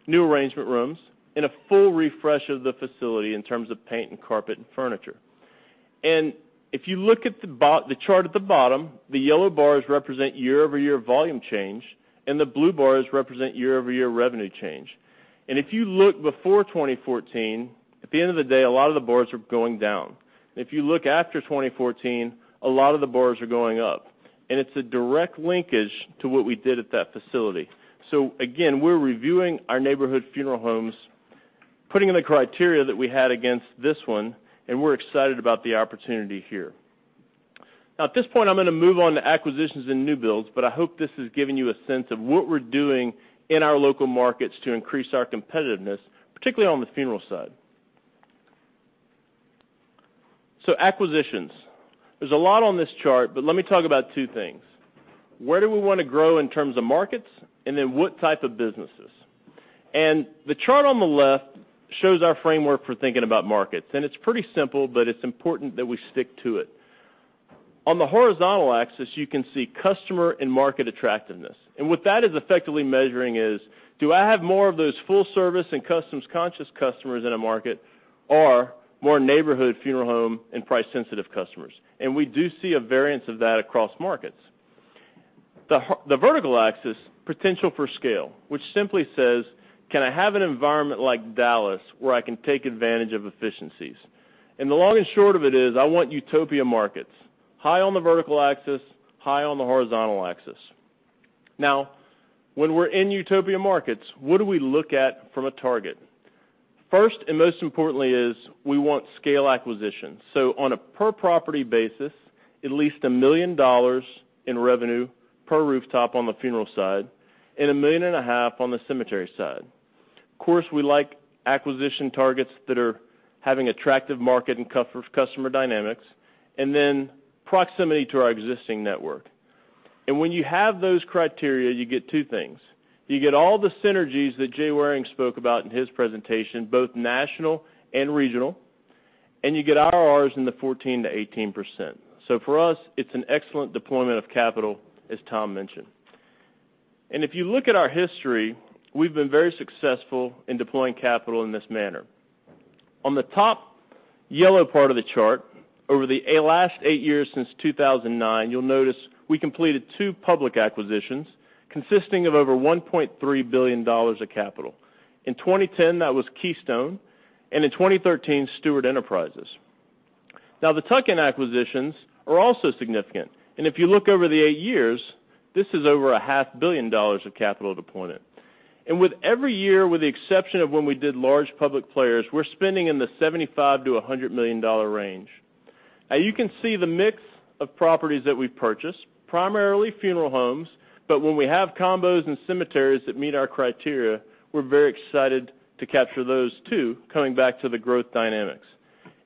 new arrangement rooms, and a full refresh of the facility in terms of paint and carpet and furniture. If you look at the chart at the bottom, the yellow bars represent year-over-year volume change, and the blue bars represent year-over-year revenue change. If you look before 2014, at the end of the day, a lot of the bars are going down. If you look after 2014, a lot of the bars are going up. It's a direct linkage to what we did at that facility. Again, we're reviewing our neighborhood funeral homes, putting in the criteria that we had against this one, and we're excited about the opportunity here. At this point, I'm going to move on to acquisitions and new builds, I hope this has given you a sense of what we're doing in our local markets to increase our competitiveness, particularly on the funeral side. Acquisitions. There's a lot on this chart, let me talk about two things. Where do we want to grow in terms of markets, and then what type of businesses? The chart on the left shows our framework for thinking about markets, and it's pretty simple, but it's important that we stick to it. On the horizontal axis, you can see customer and market attractiveness. What that is effectively measuring is, do I have more of those full service and customs-conscious customers in a market or more neighborhood funeral home and price sensitive customers? We do see a variance of that across markets. The vertical axis, potential for scale, which simply says, can I have an environment like Dallas where I can take advantage of efficiencies? The long and short of it is, I want utopia markets, high on the vertical axis, high on the horizontal axis. When we're in utopia markets, what do we look at from a target? First and most importantly is we want scale acquisition. On a per property basis, at least $1 million in revenue per rooftop on the funeral side and $1.5 million on the cemetery side. Of course, we like acquisition targets that are having attractive market and customer dynamics, then proximity to our existing network. When you have those criteria, you get two things. You get all the synergies that Jay Waring spoke about in his presentation, both national and regional, you get IRRs in the 14%-18%. For us, it's an excellent deployment of capital, as Tom Ryan mentioned. If you look at our history, we've been very successful in deploying capital in this manner. On the top yellow part of the chart, over the last eight years since 2009, you'll notice we completed two public acquisitions consisting of over $1.3 billion of capital. In 2010, that was Keystone, and in 2013, Stewart Enterprises. The tuck-in acquisitions are also significant. If you look over the eight years, this is over a half billion dollars of capital deployment. With every year, with the exception of when we did large public players, we're spending in the $75 million-$100 million range. You can see the mix of properties that we've purchased, primarily funeral homes, but when we have combos and cemeteries that meet our criteria, we're very excited to capture those too, coming back to the growth dynamics.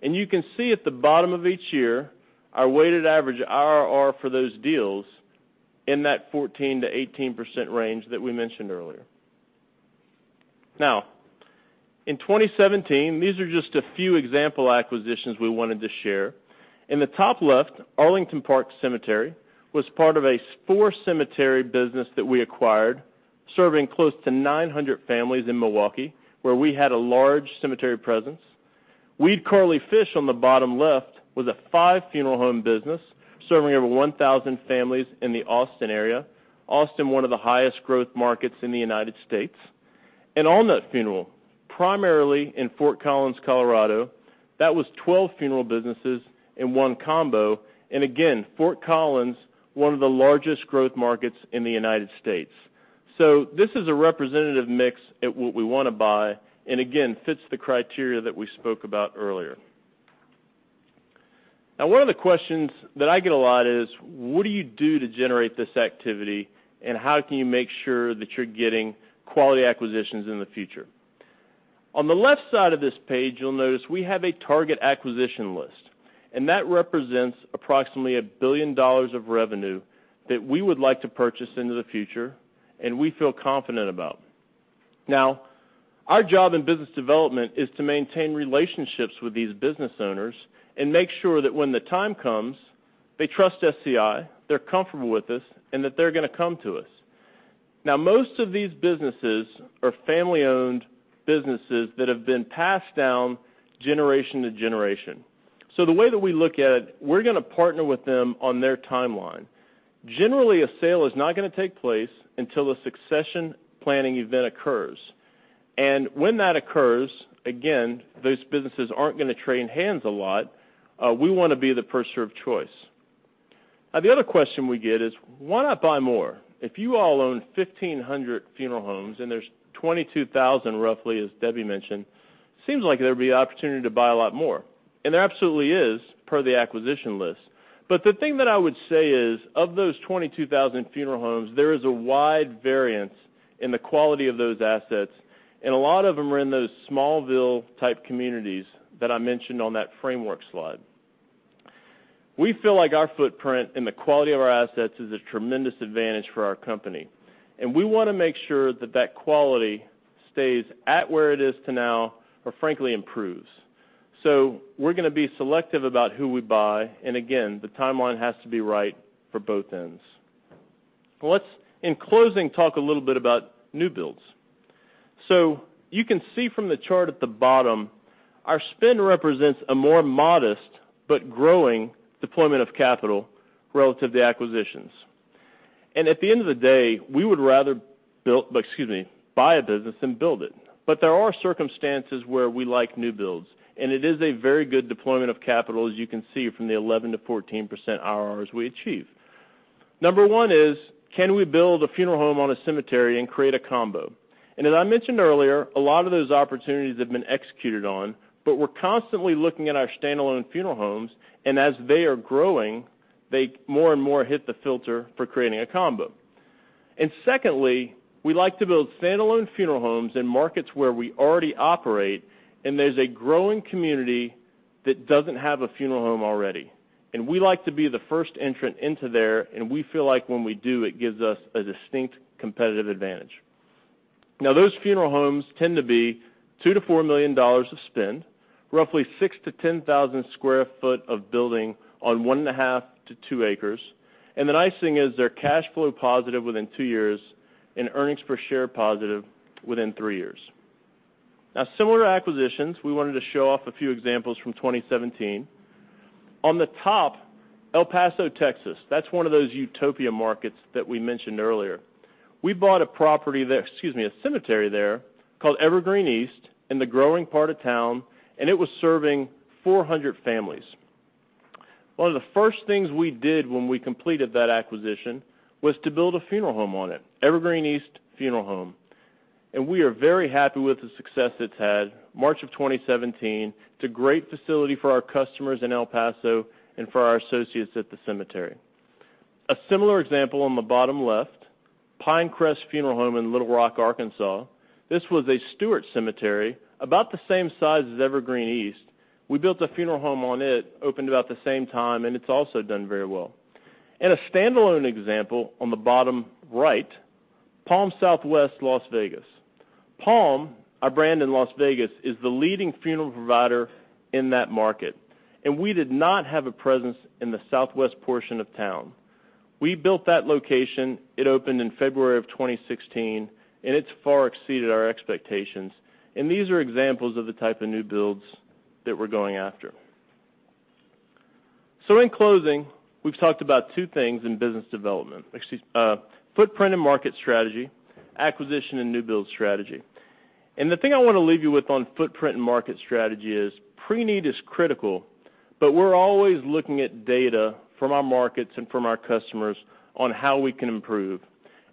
You can see at the bottom of each year, our weighted average IRR for those deals in that 14%-18% range that we mentioned earlier. In 2017, these are just a few example acquisitions we wanted to share. In the top left, Arlington Park Cemetery was part of a four-cemetery business that we acquired, serving close to 900 families in Milwaukee, where we had a large cemetery presence. Weed-Corley-Fish on the bottom left was a five-funeral home business, serving over 1,000 families in the Austin area. Austin, one of the highest growth markets in the U.S. Allnutt Funeral Service, primarily in Fort Collins, Colorado. That was 12 funeral businesses in one combo. Again, Fort Collins, one of the largest growth markets in the U.S. This is a representative mix at what we want to buy, and again, fits the criteria that we spoke about earlier. One of the questions that I get a lot is, what do you do to generate this activity, and how can you make sure that you're getting quality acquisitions in the future? On the left side of this page, you'll notice we have a target acquisition list, and that represents approximately $1 billion of revenue that we would like to purchase into the future, and we feel confident about. Our job in business development is to maintain relationships with these business owners and make sure that when the time comes, they trust SCI, they're comfortable with us, and that they're going to come to us. Most of these businesses are family-owned businesses that have been passed down generation to generation. The way that we look at it, we're going to partner with them on their timeline. Generally, a sale is not going to take place until a succession planning event occurs. When that occurs, again, those businesses aren't going to trade hands a lot. We want to be the purchaser of choice. The other question we get is, why not buy more? If you all own 1,500 funeral homes and there's 22,000, roughly, as Debbie mentioned, seems like there'd be opportunity to buy a lot more. There absolutely is, per the acquisition list. The thing that I would say is, of those 22,000 funeral homes, there is a wide variance in the quality of those assets, and a lot of them are in those Smallville-type communities that I mentioned on that framework slide. We feel like our footprint and the quality of our assets is a tremendous advantage for our company. We want to make sure that that quality stays at where it is to now, or frankly, improves. We're going to be selective about who we buy, and again, the timeline has to be right for both ends. Let's, in closing, talk a little bit about new builds. You can see from the chart at the bottom, our spend represents a more modest but growing deployment of capital relative to acquisitions. At the end of the day, we would rather buy a business than build it. There are circumstances where we like new builds, and it is a very good deployment of capital, as you can see from the 11%-14% IRRs we achieve. Number 1 is, can we build a funeral home on a cemetery and create a combo? As I mentioned earlier, a lot of those opportunities have been executed on, but we're constantly looking at our standalone funeral homes, and as they are growing, they more and more hit the filter for creating a combo. Secondly, we like to build standalone funeral homes in markets where we already operate, and there's a growing community that doesn't have a funeral home already. We like to be the first entrant into there, and we feel like when we do, it gives us a distinct competitive advantage. Those funeral homes tend to be $2 million-$4 million of spend, roughly 6,000-10,000 sq ft of building on one and a half to two acres. The nice thing is they're cash flow positive within two years and earnings per share positive within three years. Similar acquisitions, we wanted to show off a few examples from 2017. On the top, El Paso, Texas. That's one of those utopia markets that we mentioned earlier. We bought a cemetery there called Evergreen East in the growing part of town, and it was serving 400 families. One of the first things we did when we completed that acquisition was to build a funeral home on it, Evergreen East Funeral Home. We are very happy with the success it's had. March of 2017, it's a great facility for our customers in El Paso and for our associates at the cemetery. A similar example on the bottom left, Pinecrest Funeral Home in Little Rock, Arkansas. This was a Stewart cemetery about the same size as Evergreen East. We built a funeral home on it, opened about the same time, and it's also done very well. A standalone example on the bottom right, Palm Southwest Las Vegas. Palm, our brand in Las Vegas, is the leading funeral provider in that market. We did not have a presence in the southwest portion of town. We built that location. It opened in February of 2016, and it's far exceeded our expectations. These are examples of the type of new builds that we're going after. In closing, we've talked about two things in business development. Excuse me. Footprint and market strategy, acquisition, and new build strategy. The thing I want to leave you with on footprint and market strategy is pre-need is critical, but we're always looking at data from our markets and from our customers on how we can improve.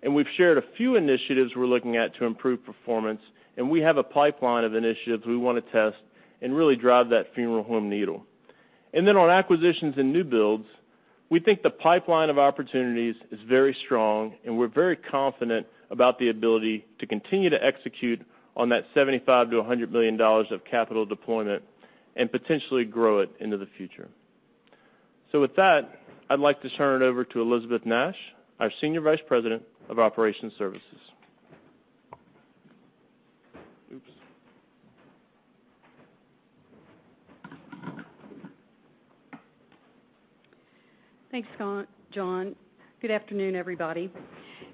We've shared a few initiatives we're looking at to improve performance, and we have a pipeline of initiatives we want to test and really drive that funeral home needle. On acquisitions and new builds, we think the pipeline of opportunities is very strong, and we're very confident about the ability to continue to execute on that $75 million-$100 million of capital deployment and potentially grow it into the future. With that, I'd like to turn it over to Elisabeth Nash, our Senior Vice President of Operations Services. Oops. Thanks, John. Good afternoon, everybody.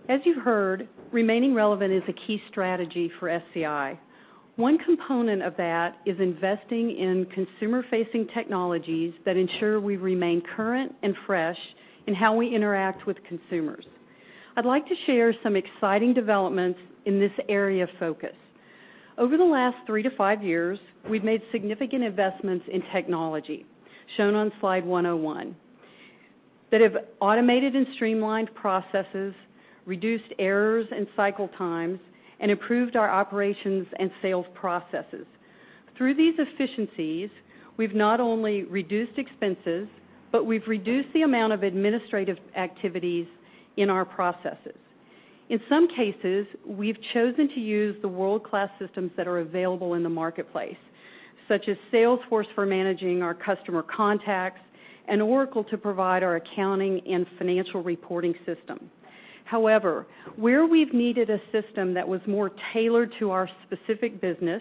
As you've heard, remaining relevant is a key strategy for SCI. One component of that is investing in consumer-facing technologies that ensure we remain current and fresh in how we interact with consumers. I'd like to share some exciting developments in this area of focus. Over the last three to five years, we've made significant investments in technology, shown on slide 101, that have automated and streamlined processes, reduced errors and cycle times, and improved our operations and sales processes. Through these efficiencies, we've not only reduced expenses, but we've reduced the amount of administrative activities in our processes. In some cases, we've chosen to use the world-class systems that are available in the marketplace, such as Salesforce for managing our customer contacts and Oracle to provide our accounting and financial reporting system. However, where we've needed a system that was more tailored to our specific business,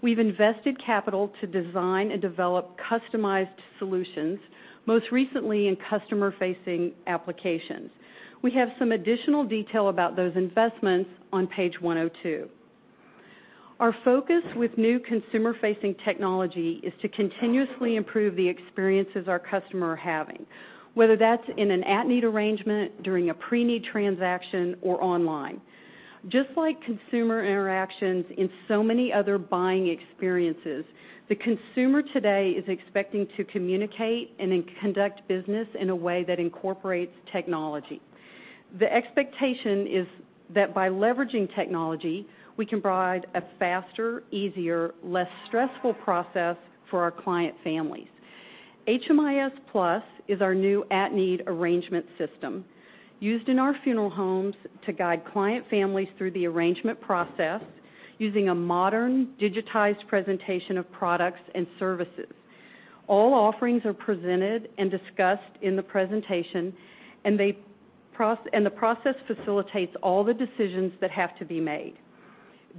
we've invested capital to design and develop customized solutions, most recently in customer-facing applications. We have some additional detail about those investments on page 102. Our focus with new consumer-facing technology is to continuously improve the experiences our customer are having, whether that's in an at-need arrangement, during a pre-need transaction, or online. Just like consumer interactions in so many other buying experiences, the consumer today is expecting to communicate and conduct business in a way that incorporates technology. The expectation is that by leveraging technology, we can provide a faster, easier, less stressful process for our client families. HMIS Plus is our new at-need arrangement system used in our funeral homes to guide client families through the arrangement process using a modern, digitized presentation of products and services. All offerings are presented and discussed in the presentation, and the process facilitates all the decisions that have to be made.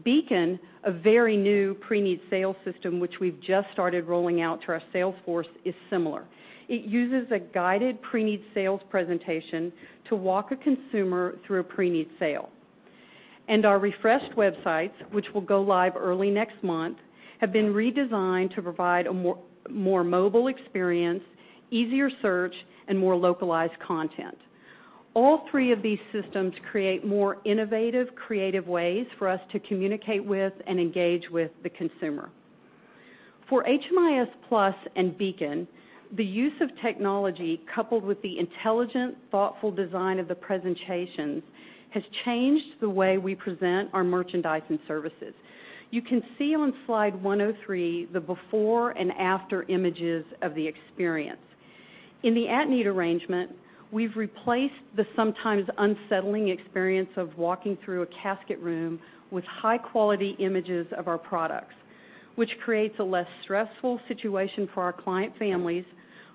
Beacon, a very new pre-need sales system, which we've just started rolling out to our sales force, is similar. It uses a guided pre-need sales presentation to walk a consumer through a pre-need sale. Our refreshed websites, which will go live early next month, have been redesigned to provide a more mobile experience, easier search, and more localized content. All three of these systems create more innovative, creative ways for us to communicate with and engage with the consumer. For HMIS Plus and Beacon, the use of technology, coupled with the intelligent, thoughtful design of the presentations, has changed the way we present our merchandise and services. You can see on slide 103 the before and after images of the experience. In the at-need arrangement, we've replaced the sometimes unsettling experience of walking through a casket room with high-quality images of our products, which creates a less stressful situation for our client families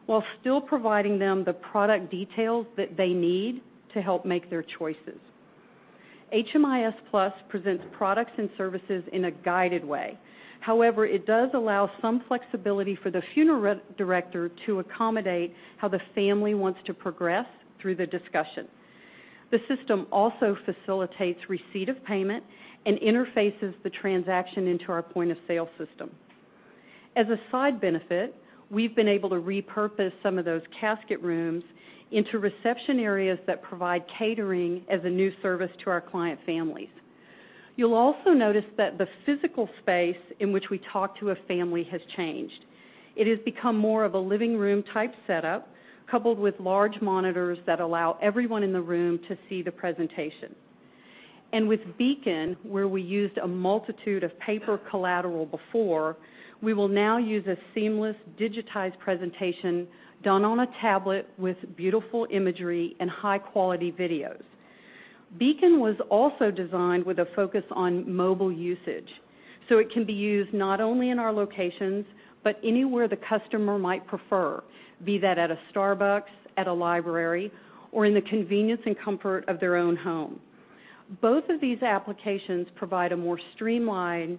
while still providing them the product details that they need to help make their choices. HMIS Plus presents products and services in a guided way. However, it does allow some flexibility for the funeral director to accommodate how the family wants to progress through the discussion. The system also facilitates receipt of payment and interfaces the transaction into our point-of-sale system. As a side benefit, we've been able to repurpose some of those casket rooms into reception areas that provide catering as a new service to our client families. You'll also notice that the physical space in which we talk to a family has changed. It has become more of a living room-type setup, coupled with large monitors that allow everyone in the room to see the presentation. With Beacon, where we used a multitude of paper collateral before, we will now use a seamless digitized presentation done on a tablet with beautiful imagery and high-quality videos. Beacon was also designed with a focus on mobile usage, so it can be used not only in our locations, but anywhere the customer might prefer, be that at a Starbucks, at a library, or in the convenience and comfort of their own home. Both of these applications provide a more streamlined,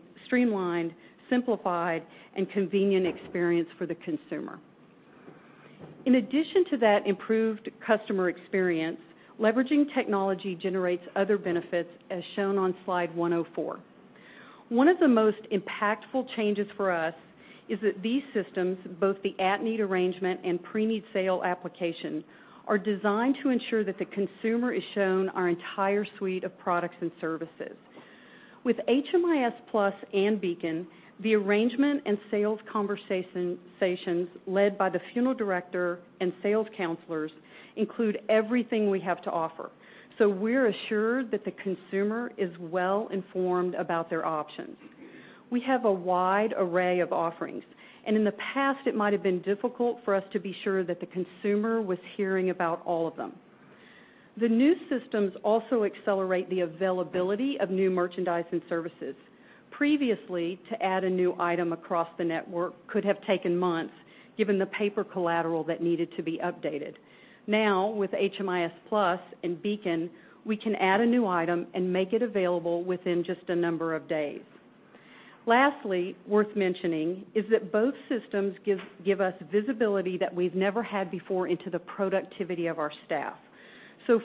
simplified, and convenient experience for the consumer. In addition to that improved customer experience, leveraging technology generates other benefits, as shown on slide 104. One of the most impactful changes for us is that these systems, both the at-need arrangement and pre-need sale application, are designed to ensure that the consumer is shown our entire suite of products and services. With HMIS Plus and Beacon, the arrangement and sales conversations led by the funeral director and sales counselors include everything we have to offer. We're assured that the consumer is well-informed about their options. We have a wide array of offerings, and in the past, it might have been difficult for us to be sure that the consumer was hearing about all of them. The new systems also accelerate the availability of new merchandise and services. Previously, to add a new item across the network could have taken months given the paper collateral that needed to be updated. With HMIS Plus and Beacon, we can add a new item and make it available within just a number of days. Lastly, worth mentioning is that both systems give us visibility that we've never had before into the productivity of our staff.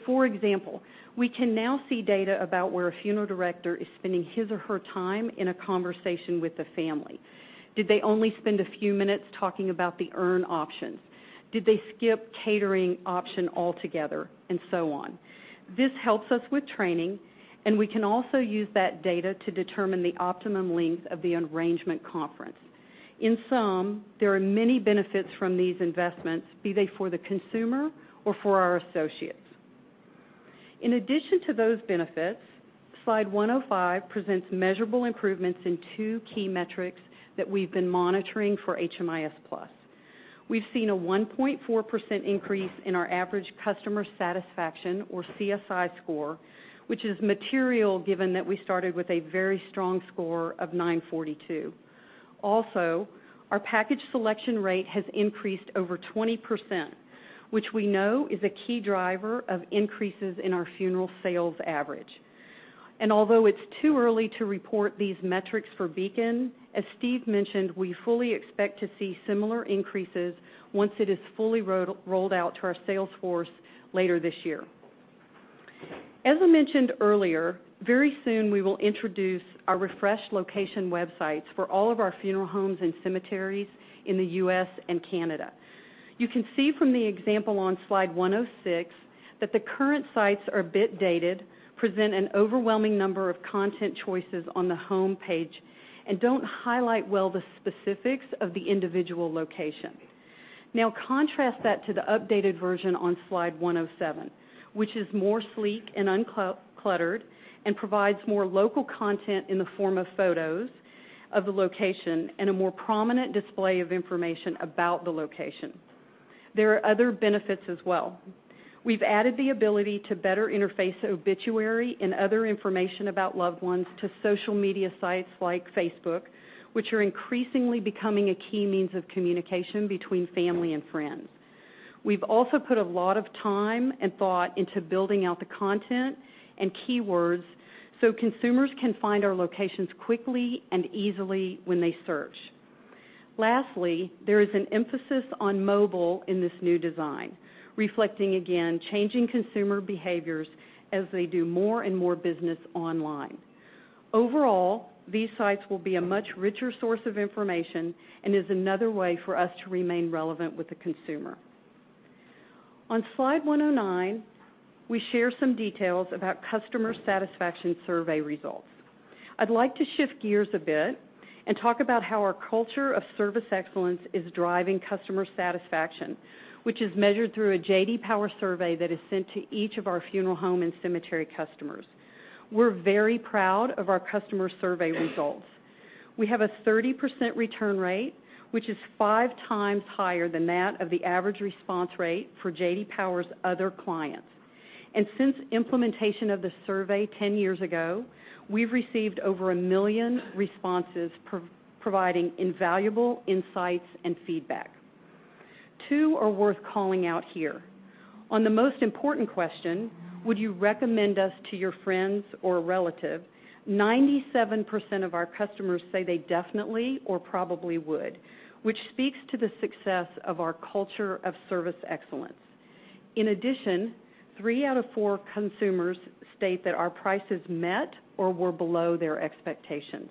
For example, we can now see data about where a funeral director is spending his or her time in a conversation with the family. Did they only spend a few minutes talking about the urn options? Did they skip catering option altogether? So on. This helps us with training, and we can also use that data to determine the optimum length of the arrangement conference. In sum, there are many benefits from these investments, be they for the consumer or for our associates. In addition to those benefits, slide 105 presents measurable improvements in two key metrics that we've been monitoring for HMIS Plus. We've seen a 1.4% increase in our average customer satisfaction, or CSI score, which is material given that we started with a very strong score of 942. Also, our package selection rate has increased over 20%, which we know is a key driver of increases in our funeral sales average. Although it's too early to report these metrics for Beacon, as Steve mentioned, we fully expect to see similar increases once it is fully rolled out to our sales force later this year. As I mentioned earlier, very soon we will introduce our refreshed location websites for all of our funeral homes and cemeteries in the U.S. and Canada. You can see from the example on slide 106 that the current sites are a bit dated, present an overwhelming number of content choices on the home page, and don't highlight well the specifics of the individual location. Now contrast that to the updated version on slide 107, which is more sleek and uncluttered and provides more local content in the form of photos of the location and a more prominent display of information about the location. There are other benefits as well. We've added the ability to better interface obituary and other information about loved ones to social media sites like Facebook, which are increasingly becoming a key means of communication between family and friends. We've also put a lot of time and thought into building out the content and keywords so consumers can find our locations quickly and easily when they search. Lastly, there is an emphasis on mobile in this new design, reflecting, again, changing consumer behaviors as they do more and more business online. Overall, these sites will be a much richer source of information and is another way for us to remain relevant with the consumer. On slide 109, we share some details about customer satisfaction survey results. I'd like to shift gears a bit and talk about how our culture of service excellence is driving customer satisfaction, which is measured through a J.D. Power survey that is sent to each of our funeral home and cemetery customers. We're very proud of our customer survey results. We have a 30% return rate, which is five times higher than that of the average response rate for J.D. Power's other clients. Since implementation of the survey 10 years ago, we've received over a million responses providing invaluable insights and feedback. Two are worth calling out here. On the most important question, would you recommend us to your friends or a relative, 97% of our customers say they definitely or probably would, which speaks to the success of our culture of service excellence. In addition, three out of four consumers state that our prices met or were below their expectations.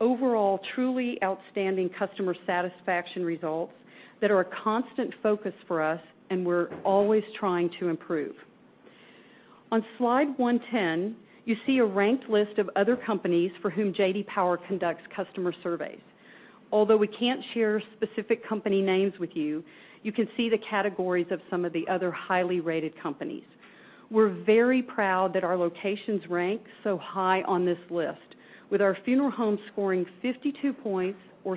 Overall, truly outstanding customer satisfaction results that are a constant focus for us, and we're always trying to improve. On slide 110, you see a ranked list of other companies for whom J.D. Power conducts customer surveys. Although we can't share specific company names with you can see the categories of some of the other highly rated companies. We're very proud that our locations rank so high on this list. With our funeral home scoring 52 points or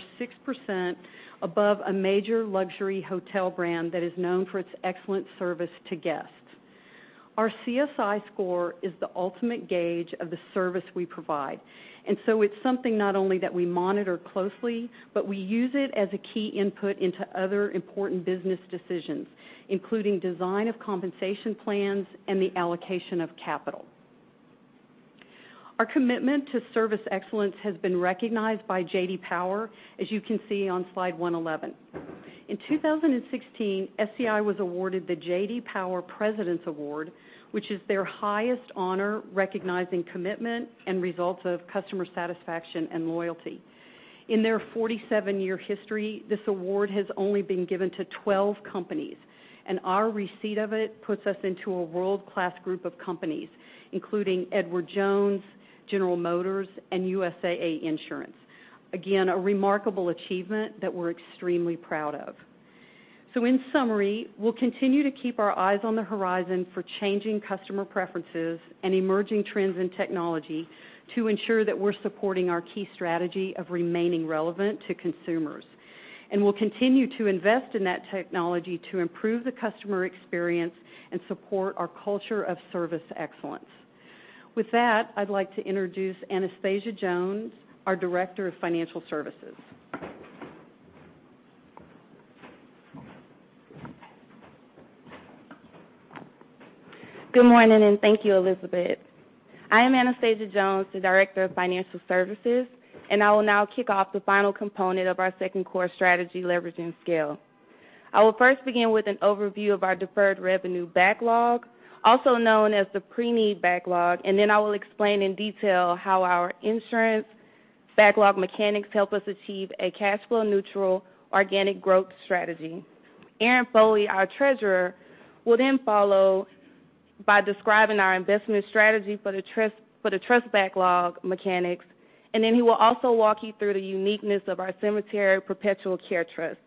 6% above a major luxury hotel brand that is known for its excellent service to guests. Our CSI score is the ultimate gauge of the service we provide, it's something not only that we monitor closely, but we use it as a key input into other important business decisions, including design of compensation plans and the allocation of capital. Our commitment to service excellence has been recognized by J.D. Power, as you can see on slide 111. In 2016, SCI was awarded the J.D. Power President's Award, which is their highest honor recognizing commitment and results of customer satisfaction and loyalty. In their 47-year history, this award has only been given to 12 companies, and our receipt of it puts us into a world-class group of companies, including Edward Jones, General Motors, and USAA Insurance. A remarkable achievement that we're extremely proud of. In summary, we'll continue to keep our eyes on the horizon for changing customer preferences and emerging trends in technology to ensure that we're supporting our key strategy of remaining relevant to consumers. We'll continue to invest in that technology to improve the customer experience and support our culture of service excellence. With that, I'd like to introduce Anastasia Jones, our Director of Financial Services. Good morning, and thank you, Elisabeth. I am Anastasia Jones, the Director of Financial Services, I will now kick off the final component of our second core strategy, leveraging scale. I will first begin with an overview of our deferred revenue backlog, also known as the pre-need backlog, I will explain in detail how our insurance backlog mechanics help us achieve a cash flow neutral organic growth strategy. Aaron Foley, our Treasurer, will then follow by describing our investment strategy for the trust backlog mechanics, he will also walk you through the uniqueness of our cemetery perpetual care trust.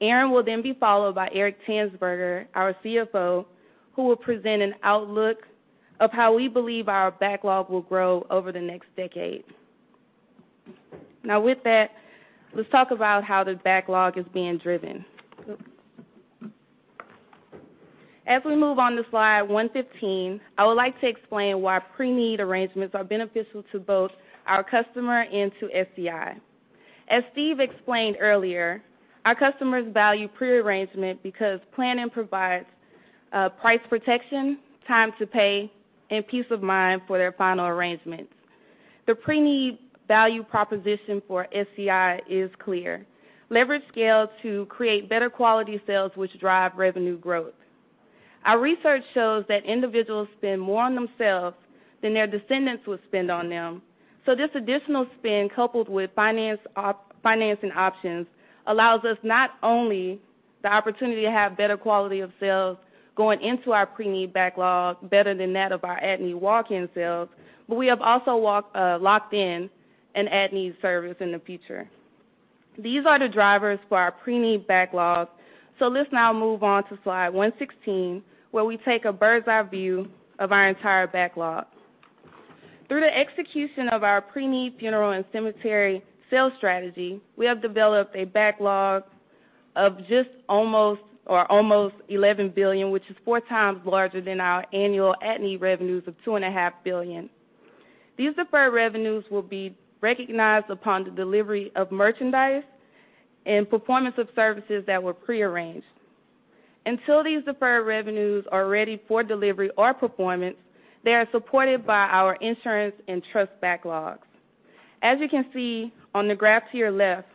Aaron will be followed by Eric Tanzberger, our CFO, who will present an outlook of how we believe our backlog will grow over the next decade. With that, let's talk about how the backlog is being driven. As we move on to slide 115, I would like to explain why pre-need arrangements are beneficial to both our customer and to SCI. As Steve explained earlier, our customers value pre-arrangement because planning provides price protection, time to pay, and peace of mind for their final arrangements. The pre-need value proposition for SCI is clear. Leverage scale to create better quality sales, which drive revenue growth. Our research shows that individuals spend more on themselves than their descendants would spend on them. This additional spend, coupled with financing options, allows us not only the opportunity to have better quality of sales going into our pre-need backlog, better than that of our at-need walk-in sales, but we have also locked in an at-need service in the future. These are the drivers for our pre-need backlog. Let's now move on to slide 116, where we take a bird's-eye view of our entire backlog. Through the execution of our pre-need funeral and cemetery sales strategy, we have developed a backlog of almost $11 billion, which is four times larger than our annual at-need revenues of $2.5 billion. These deferred revenues will be recognized upon the delivery of merchandise and performance of services that were pre-arranged. Until these deferred revenues are ready for delivery or performance, they are supported by our insurance and trust backlogs. As you can see on the graph to your left,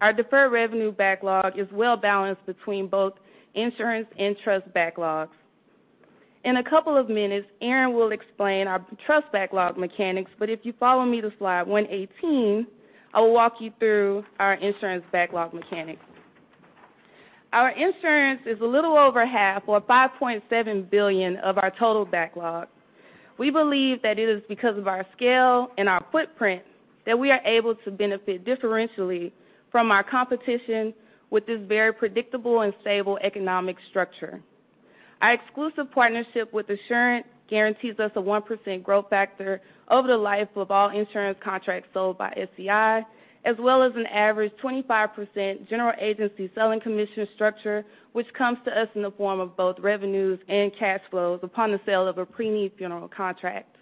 our deferred revenue backlog is well-balanced between both insurance and trust backlogs. In a couple of minutes, Aaron will explain our trust backlog mechanics, but if you follow me to slide 118, I will walk you through our insurance backlog mechanics. Our insurance is a little over half or $5.7 billion of our total backlog. We believe that it is because of our scale and our footprint that we are able to benefit differentially from our competition with this very predictable and stable economic structure. Our exclusive partnership with Assurant guarantees us a 1% growth factor over the life of all insurance contracts sold by SCI, as well as an average 25% general agency selling commission structure, which comes to us in the form of both revenues and cash flows upon the sale of a pre-need funeral contract.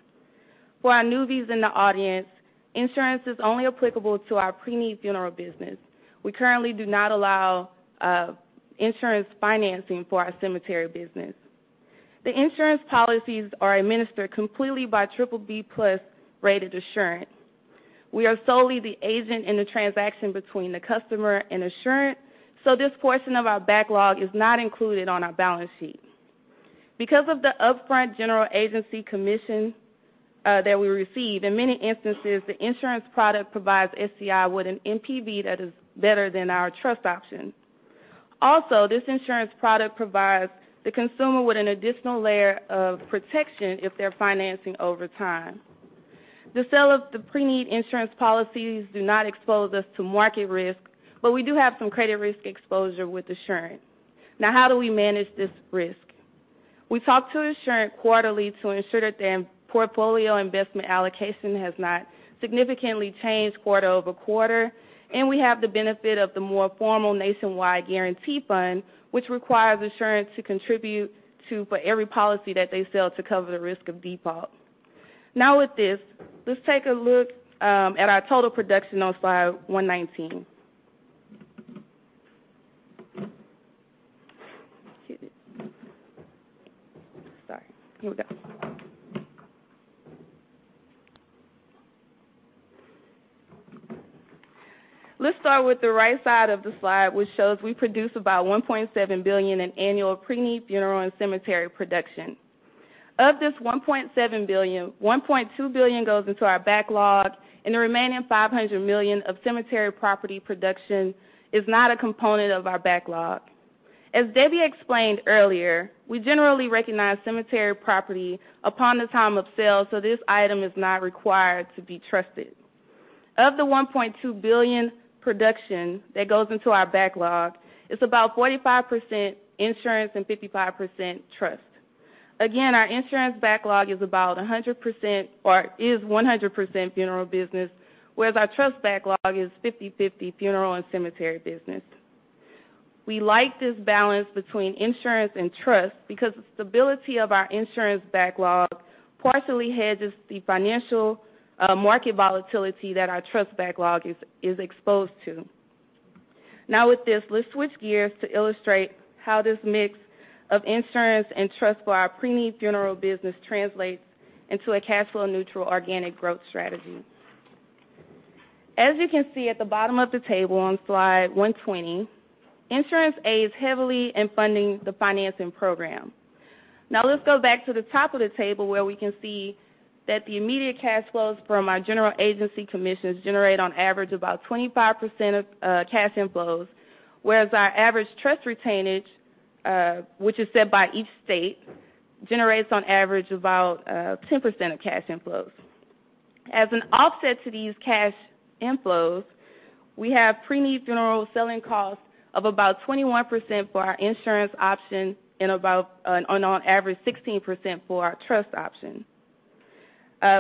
For our newbies in the audience, insurance is only applicable to our pre-need funeral business. We currently do not allow insurance financing for our cemetery business. The insurance policies are administered completely by BBB+ rated Assurant. We are solely the agent in the transaction between the customer and Assurant, this portion of our backlog is not included on our balance sheet. Because of the upfront general agency commission that we receive, in many instances, the insurance product provides SCI with an NPV that is better than our trust option. Also, this insurance product provides the consumer with an additional layer of protection if they're financing over time. The sale of the pre-need insurance policies do not expose us to market risk, but we do have some credit risk exposure with Assurant. Now, how do we manage this risk? We talk to Assurant quarterly to ensure that their portfolio investment allocation has not significantly changed quarter-over-quarter, and we have the benefit of the more formal nationwide guarantee fund, which requires Assurant to contribute to for every policy that they sell to cover the risk of default. With this, let's take a look at our total production on slide 119. Let's start with the right side of the slide, which shows we produce about $1.7 billion in annual pre-need funeral and cemetery production. Of this $1.7 billion, $1.2 billion goes into our backlog, and the remaining $500 million of cemetery property production is not a component of our backlog. As Debbie explained earlier, we generally recognize cemetery property upon the time of sale, this item is not required to be trusted. Of the $1.2 billion production that goes into our backlog, it's about 45% insurance and 55% trust. Again, our insurance backlog is 100% funeral business, whereas our trust backlog is 50/50 funeral and cemetery business. We like this balance between insurance and trust because the stability of our insurance backlog partially hedges the financial market volatility that our trust backlog is exposed to. With this, let's switch gears to illustrate how this mix of insurance and trust for our pre-need funeral business translates into a cashflow-neutral organic growth strategy. As you can see at the bottom of the table on slide 120, insurance aids heavily in funding the financing program. Let's go back to the top of the table where we can see that the immediate cash flows from our general agency commissions generate, on average, about 25% of cash inflows, whereas our average trust retainage, which is set by each state, generates on average about 10% of cash inflows. As an offset to these cash inflows, we have pre-need funeral selling costs of about 21% for our insurance option and about, on average, 16% for our trust option.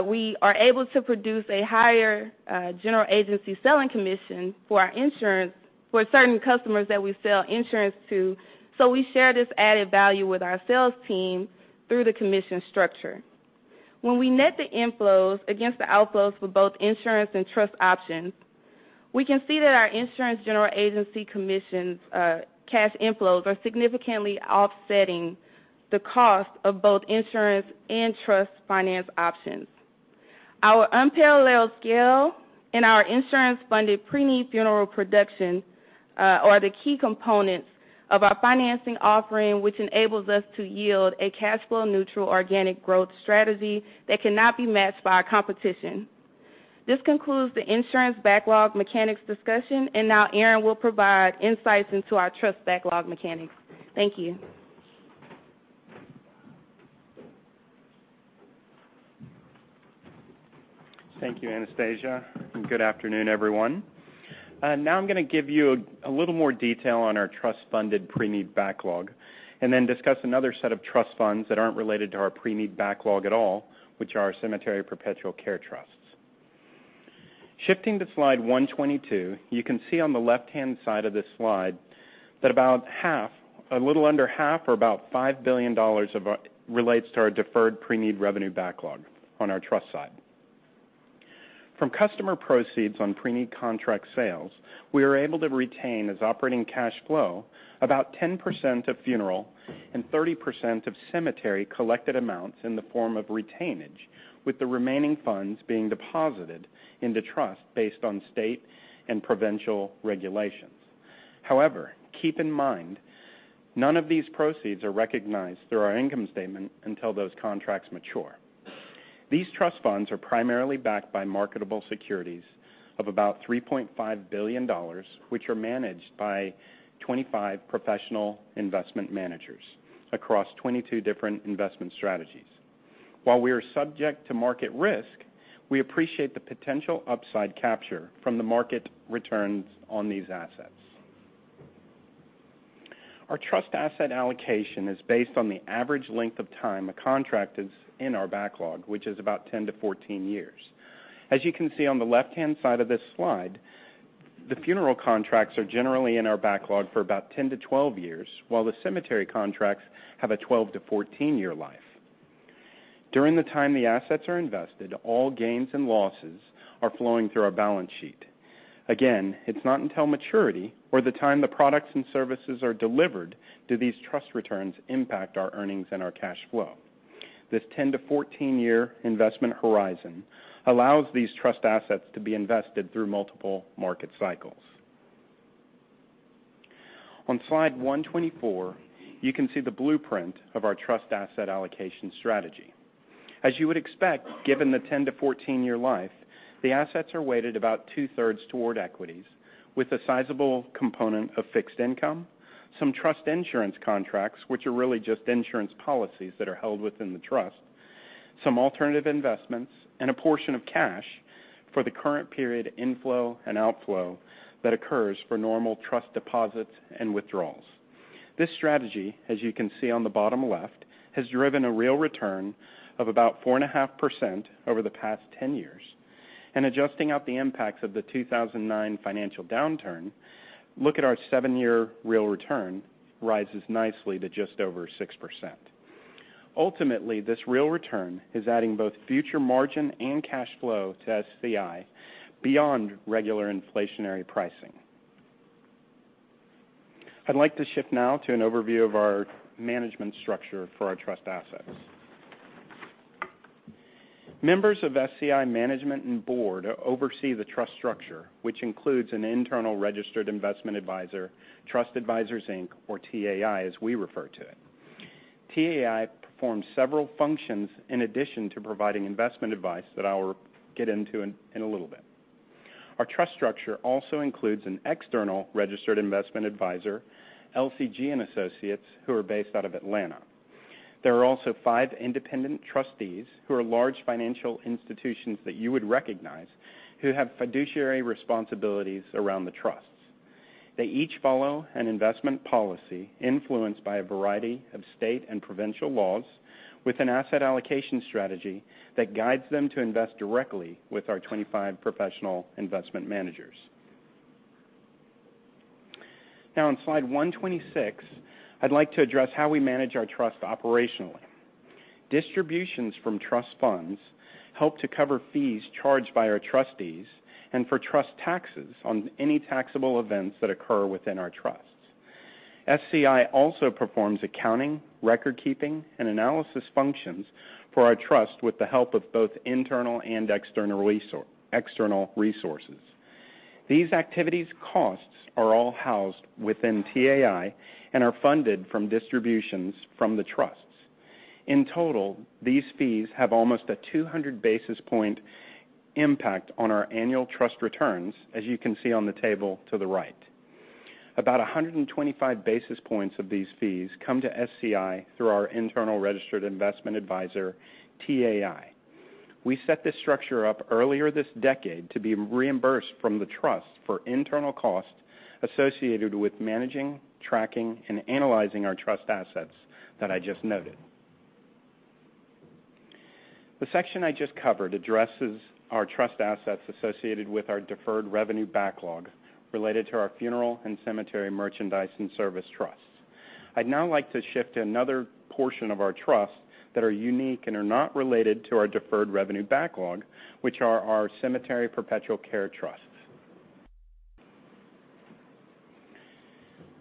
We are able to produce a higher general agency selling commission for our insurance for certain customers that we sell insurance to, we share this added value with our sales team through the commission structure. When we net the inflows against the outflows for both insurance and trust options, we can see that our insurance general agency commissions cash inflows are significantly offsetting the cost of both insurance and trust finance options. Our unparalleled scale and our insurance-funded pre-need funeral production are the key components of our financing offering, which enables us to yield a cashflow-neutral organic growth strategy that cannot be matched by our competition. This concludes the insurance backlog mechanics discussion, Aaron will provide insights into our trust backlog mechanics. Thank you. Thank you, Anastasia, good afternoon, everyone. I'm going to give you a little more detail on our trust funded pre-need backlog and then discuss another set of trust funds that aren't related to our pre-need backlog at all, which are cemetery perpetual care trusts. Shifting to slide 122, you can see on the left-hand side of this slide that about half, a little under half, or about $5 billion, relates to our deferred pre-need revenue backlog on our trust side. From customer proceeds on pre-need contract sales, we are able to retain as operating cash flow about 10% of funeral and 30% of cemetery collected amounts in the form of retainage, with the remaining funds being deposited into trust based on state and provincial regulations. Keep in mind, none of these proceeds are recognized through our income statement until those contracts mature. These trust funds are primarily backed by marketable securities of about $3.5 billion, which are managed by 25 professional investment managers across 22 different investment strategies. While we are subject to market risk, we appreciate the potential upside capture from the market returns on these assets. Our trust asset allocation is based on the average length of time a contract is in our backlog, which is about 10 to 14 years. As you can see on the left-hand side of this slide, the funeral contracts are generally in our backlog for about 10 to 12 years, while the cemetery contracts have a 12 to 14-year life. During the time the assets are invested, all gains and losses are flowing through our balance sheet. It's not until maturity or the time the products and services are delivered, do these trust returns impact our earnings and our cash flow. This 10 to 14-year investment horizon allows these trust assets to be invested through multiple market cycles. On slide 124, you can see the blueprint of our trust asset allocation strategy. As you would expect, given the 10 to 14-year life, the assets are weighted about two-thirds toward equities with a sizable component of fixed income, some trust insurance contracts, which are really just insurance policies that are held within the trust, some alternative investments, and a portion of cash for the current period inflow and outflow that occurs for normal trust deposits and withdrawals. This strategy, as you can see on the bottom left, has driven a real return of about 4.5% over the past 10 years. Adjusting out the impacts of the 2009 financial downturn, look at our seven-year real return, rises nicely to just over 6%. Ultimately, this real return is adding both future margin and cash flow to SCI beyond regular inflationary pricing. I'd like to shift now to an overview of our management structure for our trust assets. Members of SCI management and board oversee the trust structure, which includes an internal registered investment advisor, Trust Advisors Inc., or TAI, as we refer to it. TAI performs several functions in addition to providing investment advice that I'll get into in a little bit. Our trust structure also includes an external registered investment advisor, LCG Associates, who are based out of Atlanta. There are also five independent trustees who are large financial institutions that you would recognize, who have fiduciary responsibilities around the trusts. They each follow an investment policy influenced by a variety of state and provincial laws with an asset allocation strategy that guides them to invest directly with our 25 professional investment managers. On slide 126, I'd like to address how we manage our trust operationally. Distributions from trust funds help to cover fees charged by our trustees and for trust taxes on any taxable events that occur within our trusts. SCI also performs accounting, record keeping, and analysis functions for our trust with the help of both internal and external resources. These activities' costs are all housed within TAI and are funded from distributions from the trusts. In total, these fees have almost a 200-basis-point impact on our annual trust returns, as you can see on the table to the right. About 125 basis points of these fees come to SCI through our internal registered investment advisor, TAI. We set this structure up earlier this decade to be reimbursed from the trust for internal costs associated with managing, tracking, and analyzing our trust assets that I just noted. The section I just covered addresses our trust assets associated with our deferred revenue backlog related to our funeral and cemetery merchandise and service trusts. I'd now like to shift to another portion of our trusts that are unique and are not related to our deferred revenue backlog, which are our cemetery perpetual care trusts.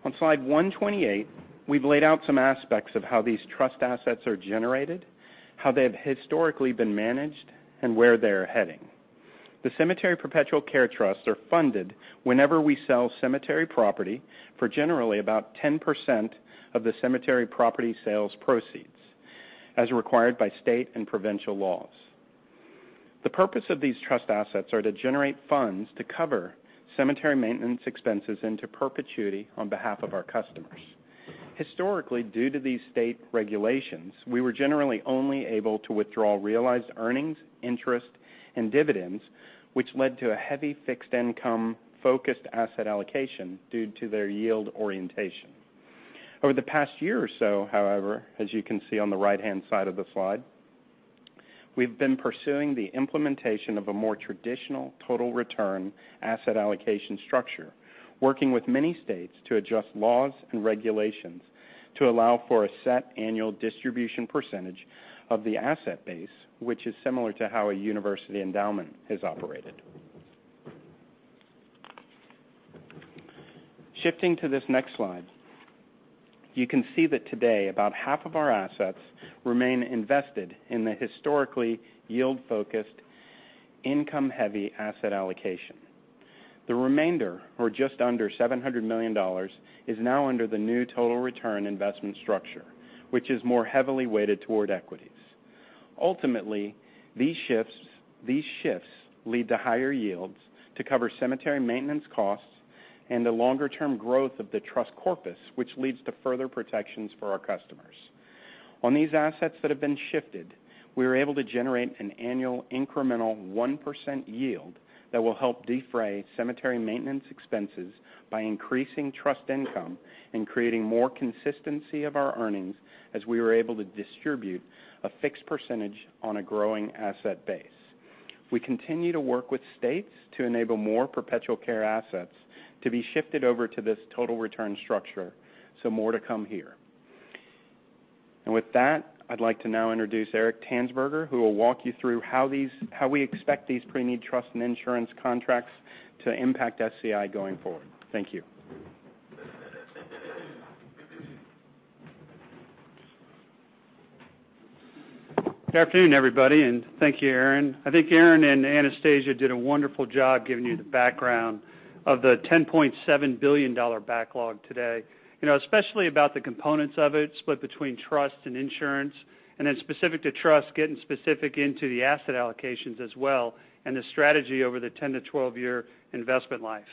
On slide 128, we've laid out some aspects of how these trust assets are generated, how they've historically been managed, and where they're heading. The cemetery perpetual care trusts are funded whenever we sell cemetery property for generally about 10% of the cemetery property sales proceeds, as required by state and provincial laws. The purpose of these trust assets are to generate funds to cover cemetery maintenance expenses into perpetuity on behalf of our customers. Historically, due to these state regulations, we were generally only able to withdraw realized earnings, interest, and dividends, which led to a heavy fixed income-focused asset allocation due to their yield orientation. Over the past year or so, however, as you can see on the right-hand side of the slide, we've been pursuing the implementation of a more traditional total return asset allocation structure, working with many states to adjust laws and regulations to allow for a set annual distribution percentage of the asset base, which is similar to how a university endowment is operated. Shifting to this next slide, you can see that today, about half of our assets remain invested in the historically yield-focused, income-heavy asset allocation. The remainder, or just under $700 million, is now under the new total return investment structure, which is more heavily weighted toward equities. Ultimately, these shifts lead to higher yields to cover cemetery maintenance costs and the longer-term growth of the trust corpus, which leads to further protections for our customers. On these assets that have been shifted, we are able to generate an annual incremental 1% yield that will help defray cemetery maintenance expenses by increasing trust income and creating more consistency of our earnings as we were able to distribute a fixed percentage on a growing asset base. We continue to work with states to enable more perpetual care assets to be shifted over to this total return structure, more to come here. With that, I'd like to now introduce Eric Tanzberger, who will walk you through how we expect these pre-need trust and insurance contracts to impact SCI going forward. Thank you. Good afternoon, everybody, and thank you, Aaron. I think Aaron and Anastasia did a wonderful job giving you the background of the $10.7 billion backlog today, especially about the components of it, split between trust and insurance, and then specific to trust, getting specific into the asset allocations as well, and the strategy over the 10-to-12-year investment life.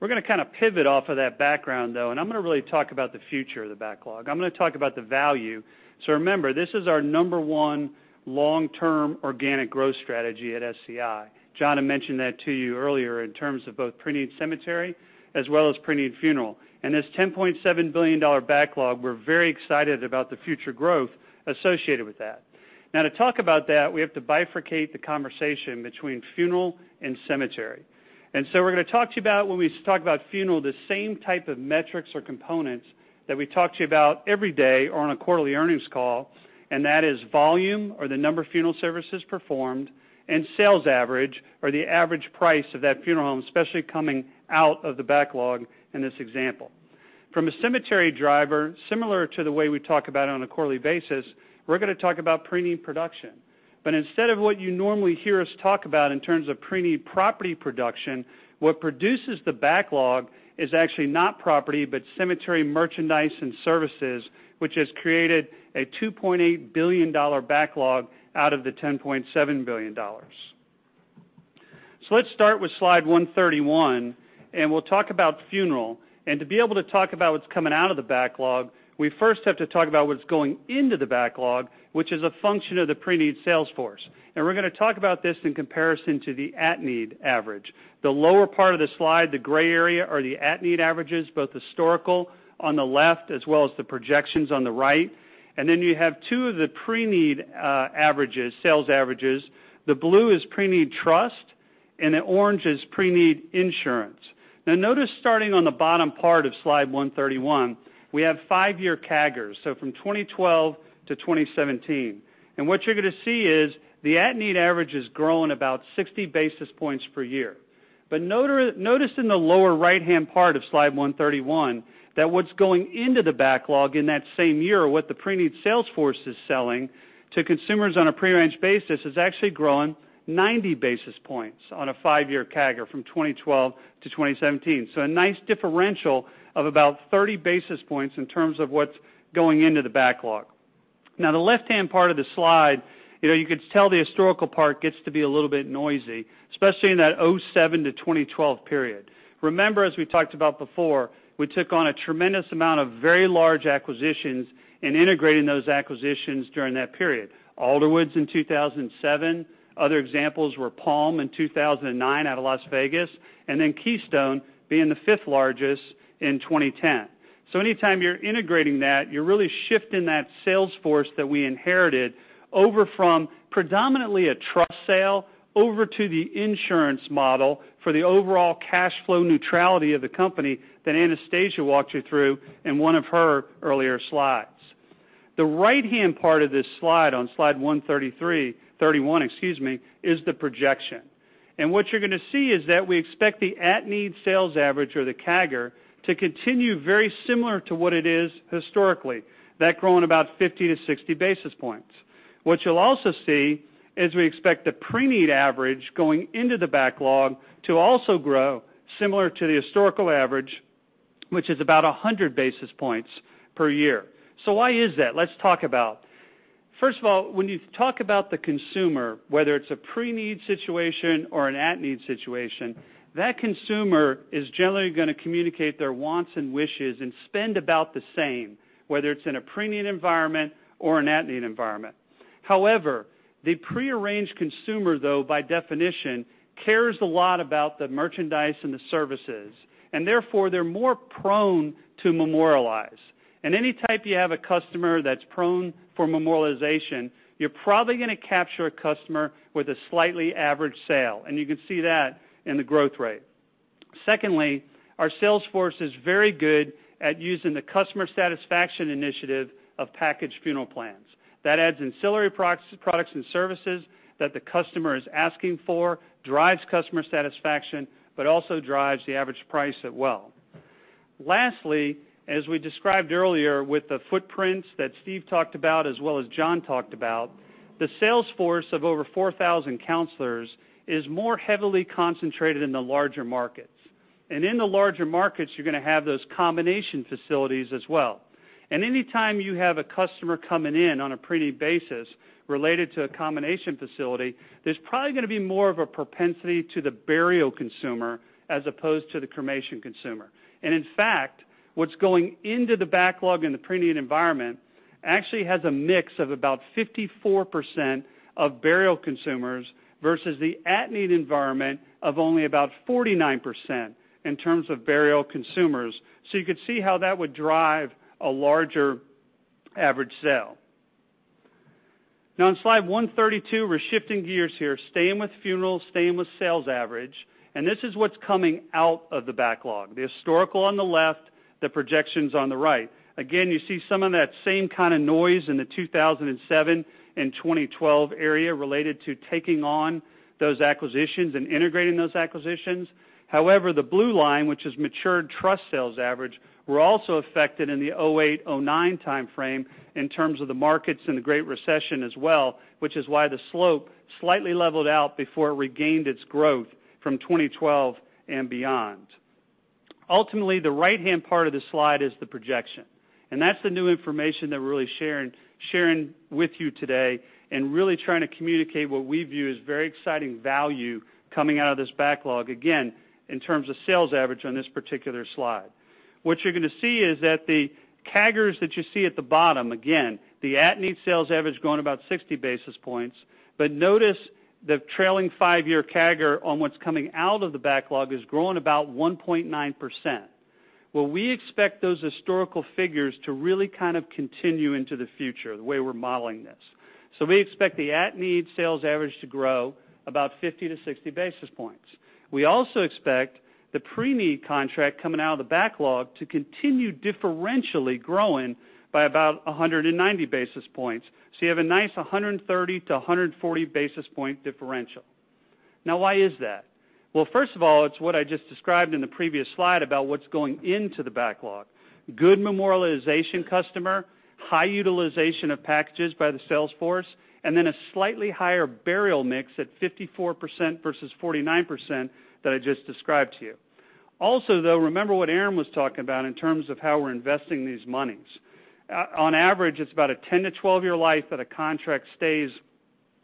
We're going to kind of pivot off of that background, though, and I'm going to really talk about the future of the backlog. I'm going to talk about the value. Remember, this is our number one long-term organic growth strategy at SCI. John had mentioned that to you earlier in terms of both pre-need cemetery as well as pre-need funeral. This $10.7 billion backlog, we're very excited about the future growth associated with that. Now, to talk about that, we have to bifurcate the conversation between funeral and cemetery. We're going to talk to you about, when we talk about funeral, the same type of metrics or components that we talk to you about every day or on a quarterly earnings call, and that is volume or the number of funeral services performed, and sales average or the average price of that funeral home, especially coming out of the backlog in this example. From a cemetery driver, similar to the way we talk about on a quarterly basis, we're going to talk about pre-need production. But instead of what you normally hear us talk about in terms of pre-need property production, what produces the backlog is actually not property, but cemetery merchandise and services, which has created a $2.8 billion backlog out of the $10.7 billion. So let's start with slide 131, and we'll talk about funeral. To be able to talk about what's coming out of the backlog, we first have to talk about what's going into the backlog, which is a function of the pre-need sales force. And we're going to talk about this in comparison to the at-need average. The lower part of the slide, the gray area, are the at-need averages, both historical on the left as well as the projections on the right. And then you have two of the pre-need averages, sales averages. The blue is pre-need trust, and the orange is pre-need insurance. Now notice starting on the bottom part of slide 131, we have five-year CAGRs, so from 2012 to 2017. And what you're going to see is the at-need average is growing about 60 basis points per year. But notice in the lower right-hand part of slide 131 that what's going into the backlog in that same year, what the pre-need sales force is selling to consumers on a prearranged basis, is actually growing 90 basis points on a five-year CAGR from 2012 to 2017. So a nice differential of about 30 basis points in terms of what's going into the backlog. Now, the left-hand part of the slide, you could tell the historical part gets to be a little bit noisy, especially in that 2007 to 2012 period. Remember, as we talked about before, we took on a tremendous amount of very large acquisitions and integrating those acquisitions during that period. Alderwoods in 2007. Other examples were Palm in 2009 out of Las Vegas, and then Keystone being the fifth largest in 2010. Anytime you're integrating that, you're really shifting that sales force that we inherited over from predominantly a trust sale over to the insurance model for the overall cash flow neutrality of the company that Anastasia walked you through in one of her earlier slides. The right-hand part of this slide on slide 131, excuse me, is the projection. What you're going to see is that we expect the at-need sales average or the CAGR to continue very similar to what it is historically, that growing about 50 to 60 basis points. What you'll also see is we expect the pre-need average going into the backlog to also grow similar to the historical average, which is about 100 basis points per year. Why is that? Let's talk about. First of all, when you talk about the consumer, whether it's a pre-need situation or an at-need situation, that consumer is generally going to communicate their wants and wishes and spend about the same, whether it's in a pre-need environment or an at-need environment. However, the prearranged consumer, though, by definition, cares a lot about the merchandise and the services, and therefore they're more prone to memorialize. Any type you have a customer that's prone for memorialization, you're probably going to capture a customer with a slightly average sale, and you can see that in the growth rate. Secondly, our sales force is very good at using the customer satisfaction initiative of packaged funeral plans. That adds ancillary products and services that the customer is asking for, drives customer satisfaction, but also drives the average price as well. Lastly, as we described earlier with the footprints that Steve talked about as well as John talked about, the sales force of over 4,000 counselors is more heavily concentrated in the larger markets. In the larger markets, you're going to have those combination facilities as well. Anytime you have a customer coming in on a pre-need basis related to a combination facility, there's probably going to be more of a propensity to the burial consumer as opposed to the cremation consumer. In fact, what's going into the backlog in the pre-need environment actually has a mix of about 54% of burial consumers versus the at-need environment of only about 49% in terms of burial consumers. You could see how that would drive a larger average sale. On slide 132, we're shifting gears here, staying with funeral, staying with sales average, this is what's coming out of the backlog, the historical on the left, the projections on the right. You see some of that same kind of noise in the 2007 and 2012 area related to taking on those acquisitions and integrating those acquisitions. The blue line, which is matured trust sales average, were also affected in the 2008, 2009 time frame in terms of the markets and the Great Recession as well, which is why the slope slightly leveled out before it regained its growth from 2012 and beyond. The right-hand part of the slide is the projection, that's the new information that we're really sharing with you today, really trying to communicate what we view as very exciting value coming out of this backlog, again, in terms of sales average on this particular slide. You're going to see that the CAGRs that you see at the bottom, again, the at-need sales average growing about 60 basis points, notice the trailing five-year CAGR on what's coming out of the backlog is growing about 1.9%. We expect those historical figures to really kind of continue into the future, the way we're modeling this. We expect the at-need sales average to grow about 50 to 60 basis points. We also expect the pre-need contract coming out of the backlog to continue differentially growing by about 190 basis points. You have a nice 130 to 140 basis point differential. Why is that? First of all, it's what I just described in the previous slide about what's going into the backlog. Good memorialization customer, high utilization of packages by the sales force, a slightly higher burial mix at 54% versus 49% that I just described to you. Remember what Aaron was talking about in terms of how we're investing these monies. On average, it's about a 10 to 12 year life that a contract stays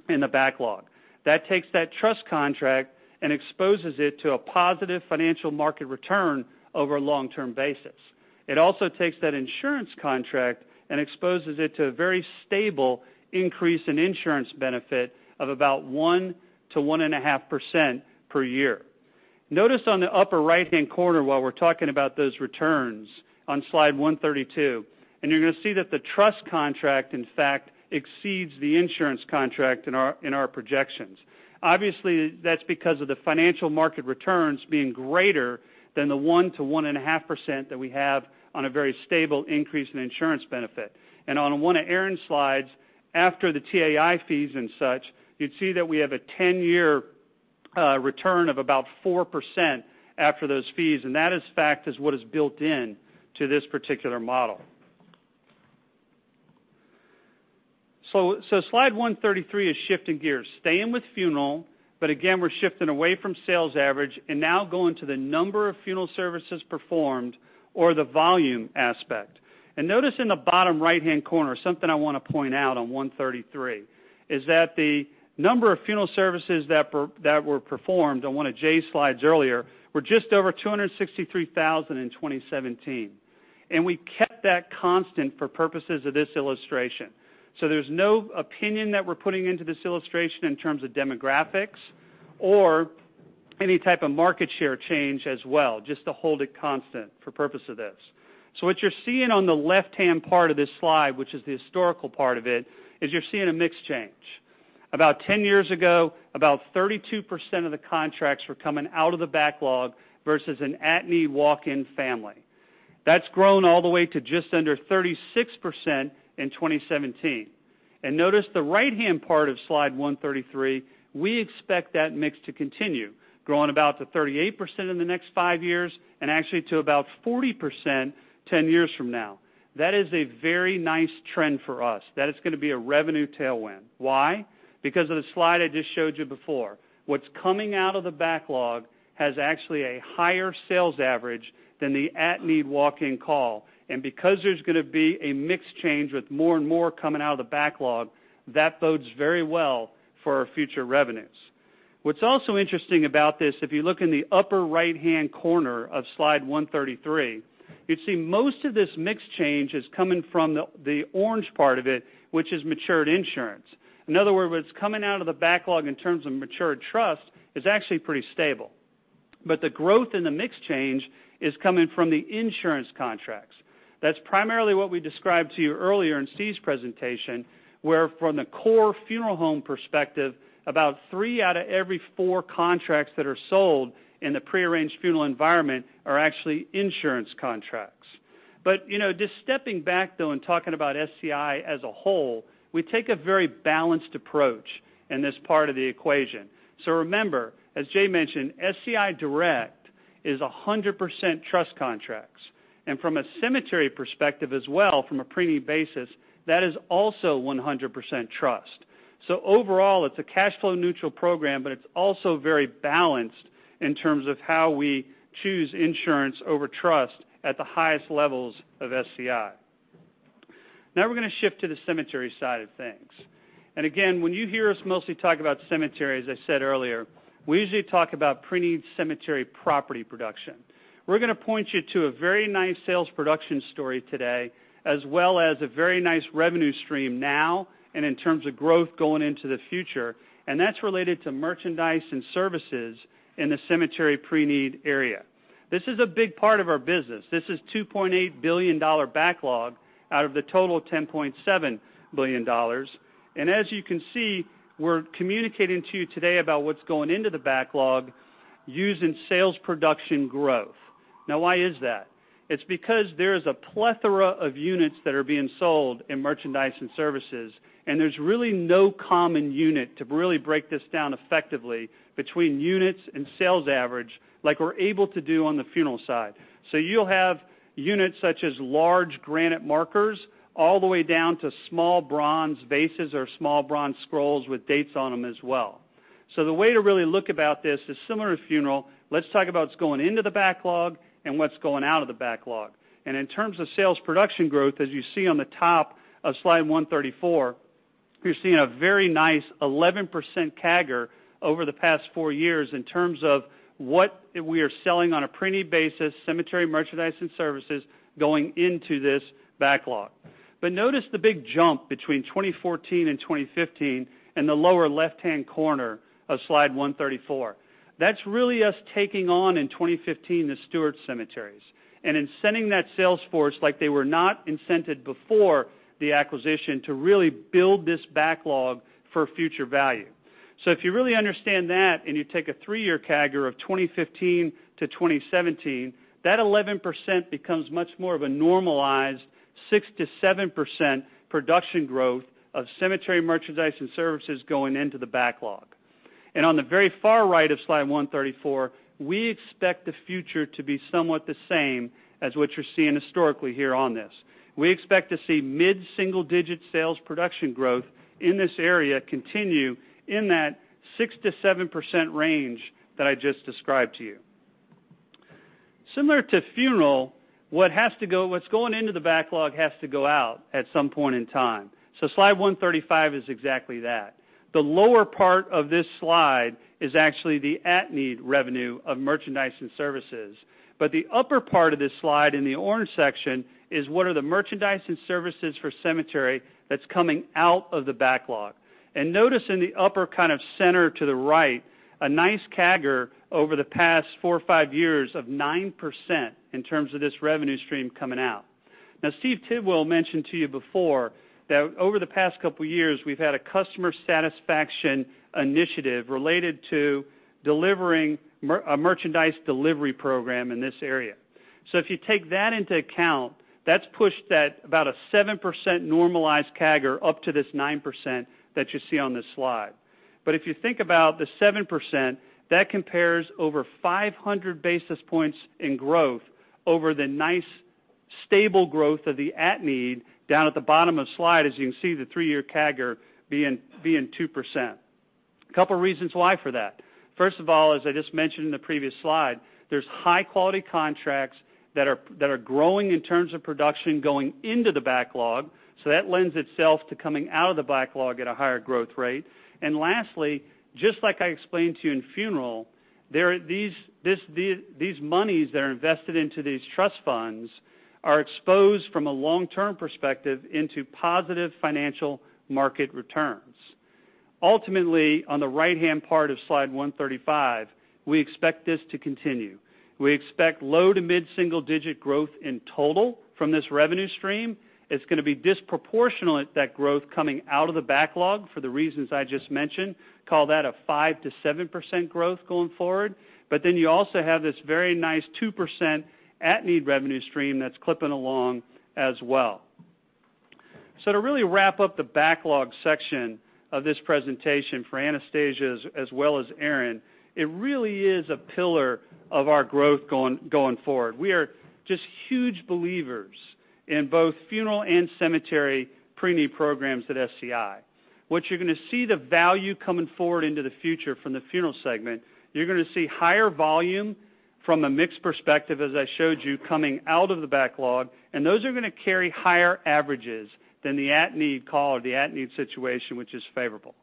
in the backlog. That takes that trust contract exposes it to a positive financial market return over a long-term basis. It also takes that insurance contract exposes it to a very stable increase in insurance benefit of about 1%-1.5% per year. Notice on the upper right-hand corner while we're talking about those returns on slide 132. You're going to see that the trust contract, in fact, exceeds the insurance contract in our projections. Obviously, that's because of the financial market returns being greater than the 1%-1.5% that we have on a very stable increase in insurance benefit. On one of Aaron's slides, after the TAI fees and such, you'd see that we have a 10-year return of about 4% after those fees, that, in fact, is what is built in to this particular model. Slide 133 is shifting gears, staying with funeral, again, we're shifting away from sales average now going to the number of funeral services performed or the volume aspect. Notice in the bottom right-hand corner, something I want to point out on 133, is that the number of funeral services that were performed on one of Jay's slides earlier, were just over 263,000 in 2017. We kept that constant for purposes of this illustration. There's no opinion that we're putting into this illustration in terms of demographics or any type of market share change as well, just to hold it constant for purpose of this. What you're seeing on the left-hand part of this slide, which is the historical part of it, is you're seeing a mix change. About 10 years ago, about 32% of the contracts were coming out of the backlog versus an at-need walk-in family. That's grown all the way to just under 36% in 2017. Notice the right-hand part of slide 133, we expect that mix to continue, growing about to 38% in the next five years and actually to about 40% 10 years from now. That is a very nice trend for us. That is going to be a revenue tailwind. Why? Because of the slide I just showed you before. What's coming out of the backlog has actually a higher sales average than the at-need walk-in call. Because there's going to be a mix change with more and more coming out of the backlog, that bodes very well for our future revenues. What's also interesting about this, if you look in the upper right-hand corner of slide 133, you'd see most of this mix change is coming from the orange part of it, which is matured insurance. In other words, what's coming out of the backlog in terms of matured trust is actually pretty stable. The growth in the mix change is coming from the insurance contracts. That's primarily what we described to you earlier in Steve's presentation, where from the core funeral home perspective, about three out of every four contracts that are sold in the pre-arranged funeral environment are actually insurance contracts. Just stepping back, though, and talking about SCI as a whole, we take a very balanced approach in this part of the equation. Remember, as Jay mentioned, SCI Direct is 100% trust contracts. From a cemetery perspective as well, from a pre-need basis, that is also 100% trust. Overall, it's a cash flow neutral program, but it's also very balanced in terms of how we choose insurance over trust at the highest levels of SCI. Now we're going to shift to the cemetery side of things. Again, when you hear us mostly talk about cemeteries, as I said earlier, we usually talk about pre-need cemetery property production. We're going to point you to a very nice sales production story today, as well as a very nice revenue stream now and in terms of growth going into the future, and that's related to merchandise and services in the cemetery pre-need area. This is a big part of our business. This is $2.8 billion backlog out of the total $10.7 billion. As you can see, we're communicating to you today about what's going into the backlog using sales production growth. Why is that? It's because there is a plethora of units that are being sold in merchandise and services, and there's really no common unit to really break this down effectively between units and sales average, like we're able to do on the funeral side. You'll have units such as large granite markers all the way down to small bronze vases or small bronze scrolls with dates on them as well. The way to really look about this is similar to funeral. Let's talk about what's going into the backlog and what's going out of the backlog. In terms of sales production growth, as you see on the top of slide 134, you're seeing a very nice 11% CAGR over the past four years in terms of what we are selling on a pre-need basis, cemetery merchandise and services going into this backlog. Notice the big jump between 2014 and 2015 in the lower left-hand corner of slide 134. That's really us taking on in 2015, the Stewart cemeteries, and incenting that sales force like they were not incented before the acquisition to really build this backlog for future value. If you really understand that and you take a three-year CAGR of 2015 to 2017, that 11% becomes much more of a normalized 6%-7% production growth of cemetery merchandise and services going into the backlog. On the very far right of slide 134, we expect the future to be somewhat the same as what you're seeing historically here on this. We expect to see mid-single digit sales production growth in this area continue in that 6%-7% range that I just described to you. Similar to funeral, what's going into the backlog has to go out at some point in time. Slide 135 is exactly that. The lower part of this slide is actually the at-need revenue of merchandise and services. The upper part of this slide in the orange section is what are the merchandise and services for cemetery that's coming out of the backlog. Notice in the upper center to the right, a nice CAGR over the past four or five years of 9% in terms of this revenue stream coming out. Steve Tidwell mentioned to you before that over the past couple years, we've had a customer satisfaction initiative related to a merchandise delivery program in this area. If you take that into account, that's pushed that about a 7% normalized CAGR up to this 9% that you see on this slide. If you think about the 7%, that compares over 500 basis points in growth over the nice stable growth of the at-need down at the bottom of slide. As you can see, the three-year CAGR being 2%. A couple reasons why for that. First of all, as I just mentioned in the previous slide, there's high-quality contracts that are growing in terms of production going into the backlog, so that lends itself to coming out of the backlog at a higher growth rate. Lastly, just like I explained to you in funeral, these monies that are invested into these trust funds are exposed from a long-term perspective into positive financial market returns. Ultimately, on the right-hand part of slide 135, we expect this to continue. We expect low to mid-single digit growth in total from this revenue stream. It's going to be disproportionate, that growth coming out of the backlog for the reasons I just mentioned. Call that a 5%-7% growth going forward. You also have this very nice 2% at-need revenue stream that's clipping along as well. To really wrap up the backlog section of this presentation for Anastasia as well as Aaron, it really is a pillar of our growth going forward. We are just huge believers in both funeral and cemetery pre-need programs at SCI. What you're going to see the value coming forward into the future from the funeral segment, you're going to see higher volume from a mixed perspective, as I showed you, coming out of the backlog, and those are going to carry higher averages than the at-need call or the at-need situation, which is favorable.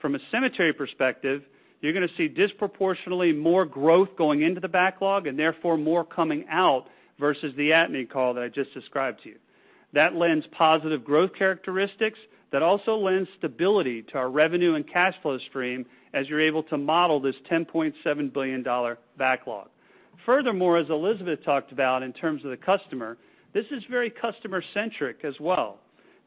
From a cemetery perspective, you're going to see disproportionately more growth going into the backlog, and therefore, more coming out versus the at-need that I just described to you. That lends positive growth characteristics, that also lends stability to our revenue and cash flow stream as you're able to model this $10.7 billion backlog. Furthermore, as Elisabeth talked about in terms of the customer, this is very customer-centric as well.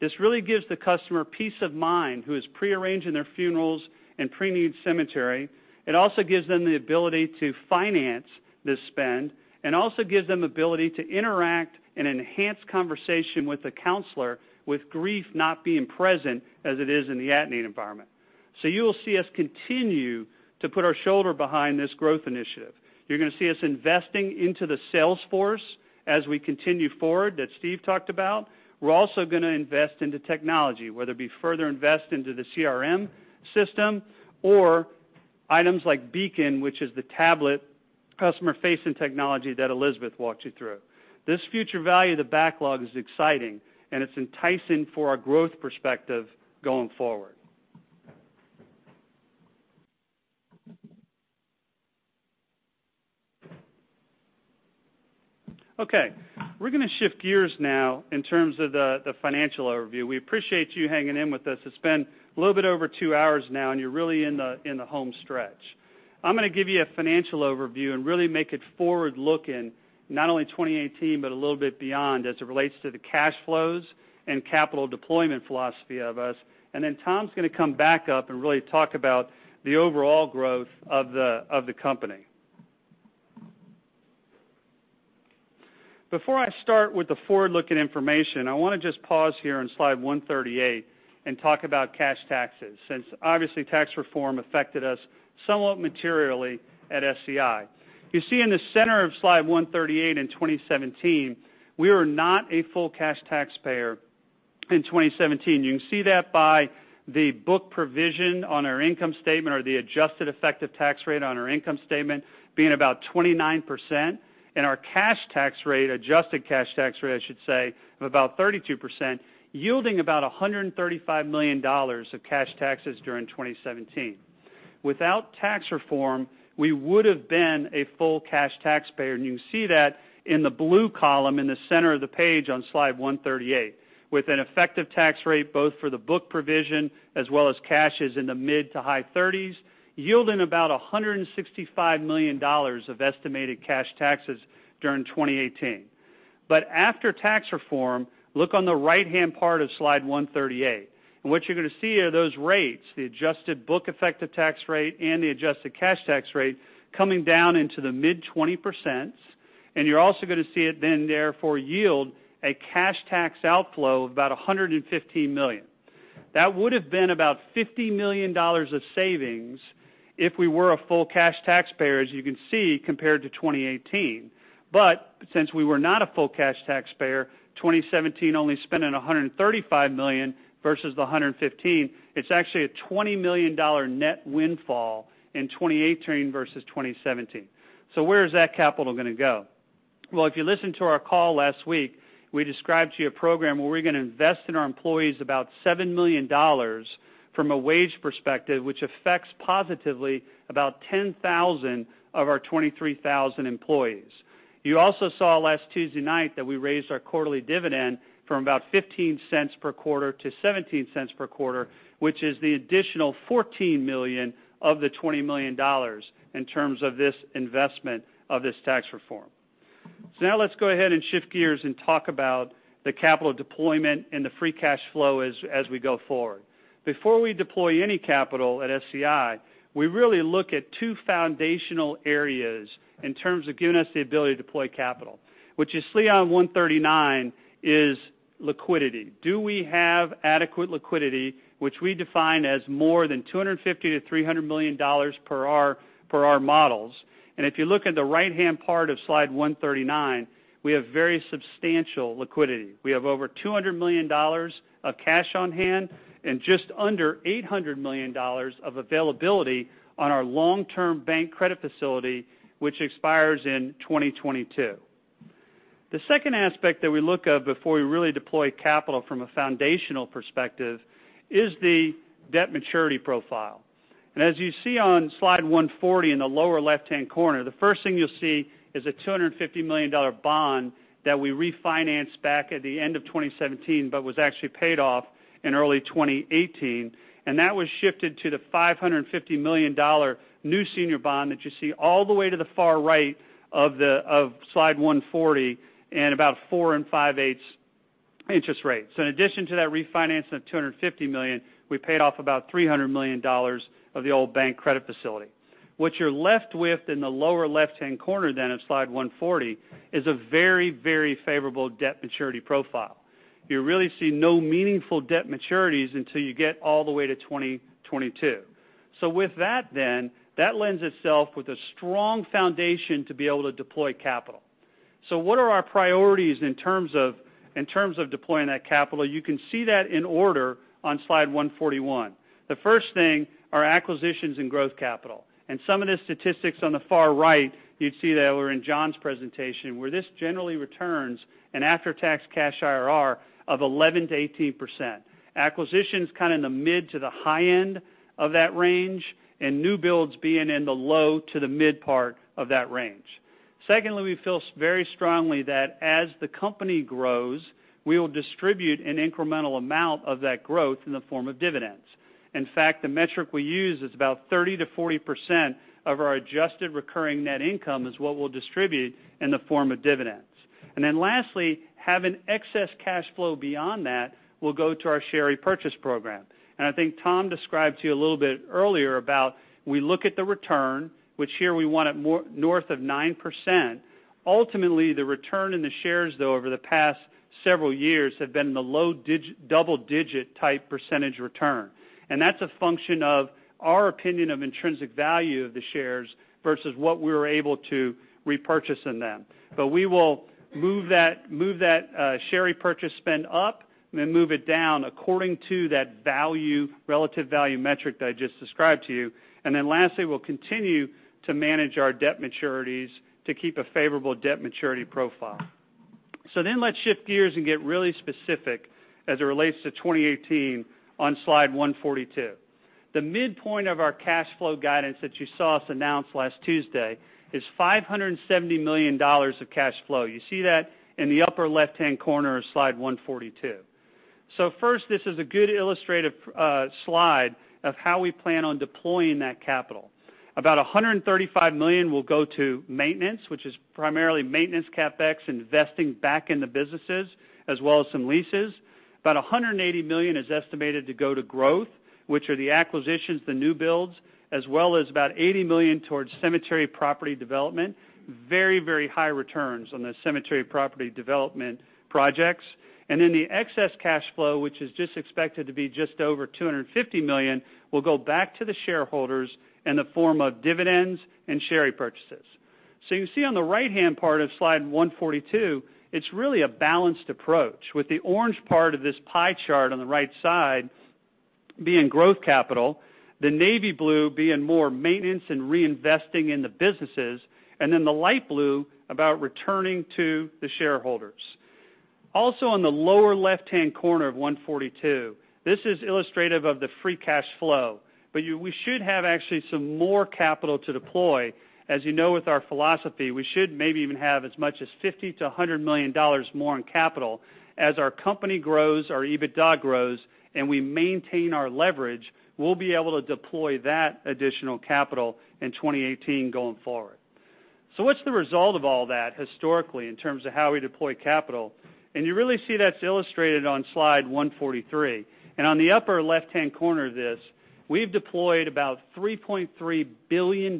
This really gives the customer peace of mind who is pre-arranging their funerals and pre-need cemetery. It also gives them the ability to finance this spend, and also gives them ability to interact and enhance conversation with a counselor with grief not being present as it is in the at-need environment. You will see us continue to put our shoulder behind this growth initiative. You're going to see us investing into the sales force as we continue forward, that Steve talked about. We're also going to invest into technology, whether it be further invest into the CRM system or items like Beacon, which is the tablet customer-facing technology that Elisabeth walked you through. This future value of the backlog is exciting, and it's enticing for our growth perspective going forward. Okay. We're going to shift gears now in terms of the financial overview. We appreciate you hanging in with us. It's been a little bit over 2 hours now, and you're really in the home stretch. I'm going to give you a financial overview and really make it forward-looking, not only 2018, but a little bit beyond as it relates to the cash flows and capital deployment philosophy of us. Tom's going to come back up and really talk about the overall growth of the company. Before I start with the forward-looking information, I want to just pause here on slide 138 and talk about cash taxes, since obviously tax reform affected us somewhat materially at SCI. You see in the center of slide 138 in 2017, we were not a full cash taxpayer in 2017. You can see that by the book provision on our income statement or the adjusted effective tax rate on our income statement being about 29%, and our cash tax rate, adjusted cash tax rate, I should say, of about 32%, yielding about $135 million of cash taxes during 2017. Without tax reform, we would've been a full cash taxpayer, you can see that in the blue column in the center of the page on slide 138, with an effective tax rate both for the book provision as well as cashes in the mid to high 30s, yielding about $165 million of estimated cash taxes during 2018. After tax reform, look on the right-hand part of slide 138. What you're going to see are those rates, the adjusted book effective tax rate and the adjusted cash tax rate, coming down into the mid-20%. You're also going to see it then, therefore, yield a cash tax outflow of about $115 million. That would have been about $50 million of savings if we were a full cash taxpayer, as you can see, compared to 2018. Since we were not a full cash taxpayer, 2017, only spending $135 million versus the $115 million, it is actually a $20 million net windfall in 2018 versus 2017. Where is that capital going to go? Well, if you listened to our call last week, we described to you a program where we are going to invest in our employees about $7 million from a wage perspective, which affects positively about 10,000 of our 23,000 employees. You also saw last Tuesday night that we raised our quarterly dividend from about $0.15 per quarter to $0.17 per quarter, which is the additional $14 million of the $20 million in terms of this investment of this tax reform. Now let's go ahead and shift gears and talk about the capital deployment and the free cash flow as we go forward. Before we deploy any capital at SCI, we really look at two foundational areas in terms of giving us the ability to deploy capital, which you see on slide 139 is liquidity. Do we have adequate liquidity, which we define as more than $250 million-$300 million per our models? If you look at the right-hand part of slide 139, we have very substantial liquidity. We have over $200 million of cash on hand and just under $800 million of availability on our long-term bank credit facility, which expires in 2022. The second aspect that we look at before we really deploy capital from a foundational perspective is the debt maturity profile. As you see on slide 140 in the lower left-hand corner, the first thing you will see is a $250 million bond that we refinanced back at the end of 2017 but was actually paid off in early 2018. That was shifted to the $550 million new senior bond that you see all the way to the far right of slide 140 and about 4 and five-eighths interest rates. In addition to that refinancing of $250 million, we paid off about $300 million of the old bank credit facility. What you are left with in the lower left-hand corner of slide 140 is a very favorable debt maturity profile. You really see no meaningful debt maturities until you get all the way to 2022. With that lends itself with a strong foundation to be able to deploy capital. What are our priorities in terms of deploying that capital? You can see that in order on slide 141. The first thing are acquisitions and growth capital. Some of the statistics on the far right, you would see that were in John's presentation, where this generally returns an after-tax cash IRR of 11%-18%. Acquisitions kind of in the mid to the high end of that range, and new builds being in the low to the mid part of that range. Secondly, we feel very strongly that as the company grows, we will distribute an incremental amount of that growth in the form of dividends. In fact, the metric we use is about 30%-40% of our adjusted recurring net income is what we will distribute in the form of dividends. Lastly, having excess cash flow beyond that will go to our share repurchase program. I think Tom described to you a little bit earlier about we look at the return, which here we want it north of 9%. Ultimately, the return in the shares, though, over the past several years have been in the low double-digit type percentage return. That's a function of our opinion of intrinsic value of the shares versus what we were able to repurchase in them. We will move that share repurchase spend up and move it down according to that relative value metric that I just described to you. Lastly, we'll continue to manage our debt maturities to keep a favorable debt maturity profile. Let's shift gears and get really specific as it relates to 2018 on slide 142. The midpoint of our cash flow guidance that you saw us announce last Tuesday is $570 million of cash flow. You see that in the upper left-hand corner of slide 142. First, this is a good illustrative slide of how we plan on deploying that capital. About $135 million will go to maintenance, which is primarily maintenance CapEx investing back in the businesses, as well as some leases. About $180 million is estimated to go to growth, which are the acquisitions, the new builds, as well as about $80 million towards cemetery property development. Very high returns on the cemetery property development projects. The excess cash flow, which is just expected to be just over $250 million, will go back to the shareholders in the form of dividends and share repurchases. You see on the right-hand part of slide 142, it's really a balanced approach, with the orange part of this pie chart on the right side being growth capital, the navy blue being more maintenance and reinvesting in the businesses, and the light blue about returning to the shareholders. Also on the lower left-hand corner of 142, this is illustrative of the free cash flow, but we should have actually some more capital to deploy. As you know with our philosophy, we should maybe even have as much as $50 million to $100 million more in capital. As our company grows, our EBITDA grows, and we maintain our leverage, we'll be able to deploy that additional capital in 2018 going forward. What's the result of all that historically in terms of how we deploy capital? You really see that's illustrated on slide 143. On the upper left-hand corner of this, we've deployed about $3.3 billion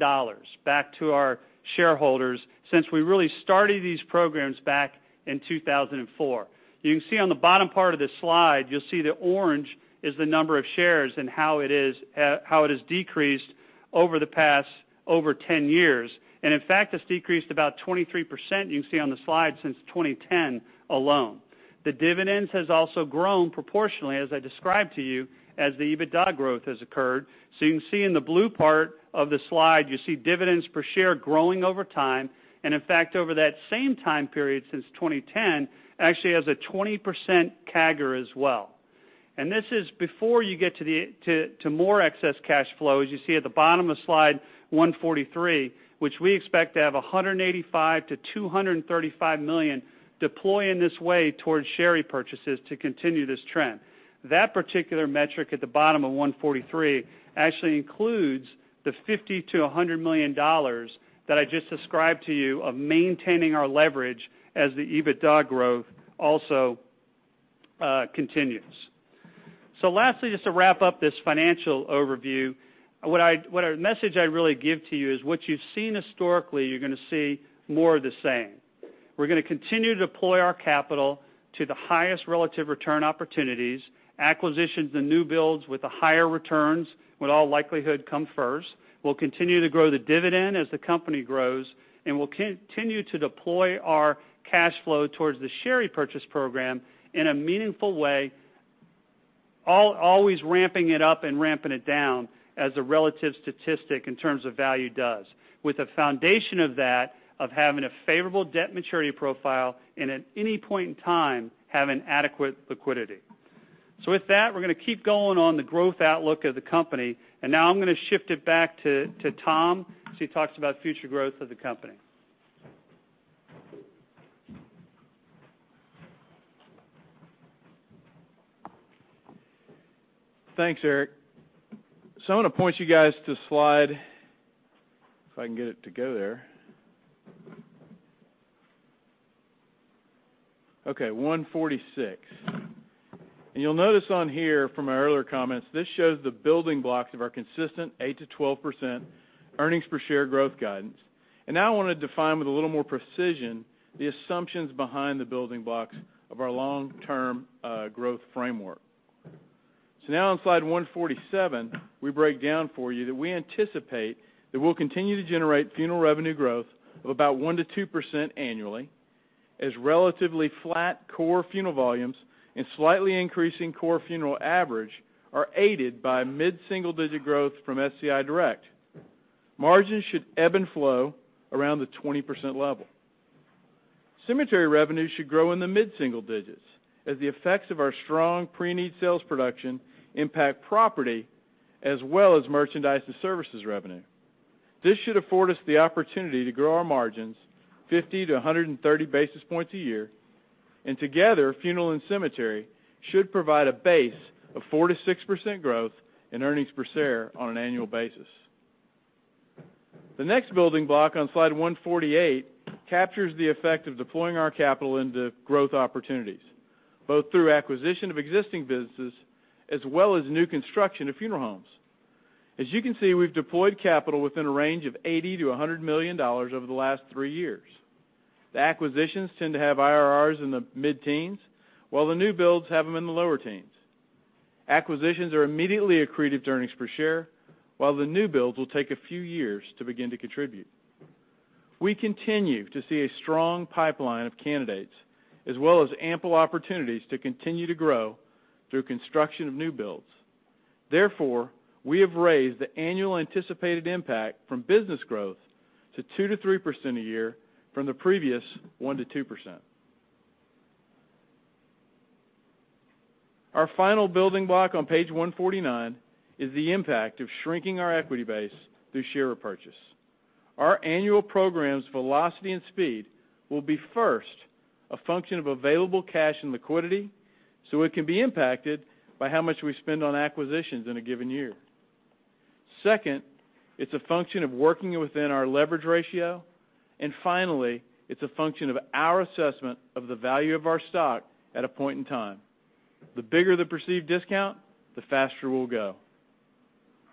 back to our shareholders since we really started these programs back in 2004. You can see on the bottom part of this slide, you'll see the orange is the number of shares and how it has decreased over the past over 10 years. In fact, it's decreased about 23%, you can see on the slide, since 2010 alone. The dividends has also grown proportionally, as I described to you, as the EBITDA growth has occurred. You can see in the blue part of the slide, you see dividends per share growing over time, in fact, over that same time period since 2010, actually has a 20% CAGR as well. This is before you get to more excess cash flow, as you see at the bottom of slide 143, which we expect to have $185 million-$235 million deployed in this way towards share repurchase to continue this trend. That particular metric at the bottom of 143 actually includes the $50 million-$100 million that I just described to you of maintaining our leverage as the EBITDA growth also continues. Lastly, just to wrap up this financial overview, the message I'd really give to you is what you've seen historically, you're going to see more of the same. We're going to continue to deploy our capital to the highest relative return opportunities. Acquisitions and new builds with the higher returns would all likelihood come first. We'll continue to grow the dividend as the company grows, we'll continue to deploy our cash flow towards the share repurchase program in a meaningful way, always ramping it up and ramping it down as a relative statistic in terms of value does. With the foundation of that, of having a favorable debt maturity profile, at any point in time, have an adequate liquidity. With that, we're going to keep going on the growth outlook of the company, now I'm going to shift it back to Tom as he talks about future growth of the company. Thanks, Eric. I want to point you guys to slide, if I can get it to go there. Okay, 146. You'll notice on here from our earlier comments, this shows the building blocks of our consistent 8%-12% earnings per share growth guidance. Now I want to define with a little more precision the assumptions behind the building blocks of our long-term growth framework. Now on slide 147, we break down for you that we anticipate that we'll continue to generate funeral revenue growth of about 1%-2% annually as relatively flat core funeral volumes and slightly increasing core funeral average are aided by mid-single-digit growth from SCI Direct. Margins should ebb and flow around the 20% level. Cemetery revenue should grow in the mid-single digits as the effects of our strong pre-need sales production impact property as well as merchandise and services revenue. This should afford us the opportunity to grow our margins 50-130 basis points a year, together, funeral and cemetery should provide a base of 4%-6% growth in earnings per share on an annual basis. The next building block on slide 148 captures the effect of deploying our capital into growth opportunities, both through acquisition of existing businesses as well as new construction of funeral homes. As you can see, we've deployed capital within a range of $80 million-$100 million over the last three years. The acquisitions tend to have IRRs in the mid-teens, while the new builds have them in the lower teens. Acquisitions are immediately accretive to earnings per share, while the new builds will take a few years to begin to contribute. We continue to see a strong pipeline of candidates, as well as ample opportunities to continue to grow through construction of new builds. Therefore, we have raised the annual anticipated impact from business growth to 2%-3% a year from the previous 1%-2%. Our final building block on page 149 is the impact of shrinking our equity base through share repurchase. Our annual program's velocity and speed will be first a function of available cash and liquidity, so it can be impacted by how much we spend on acquisitions in a given year. Second, it's a function of working within our leverage ratio. Finally, it's a function of our assessment of the value of our stock at a point in time. The bigger the perceived discount, the faster we'll go.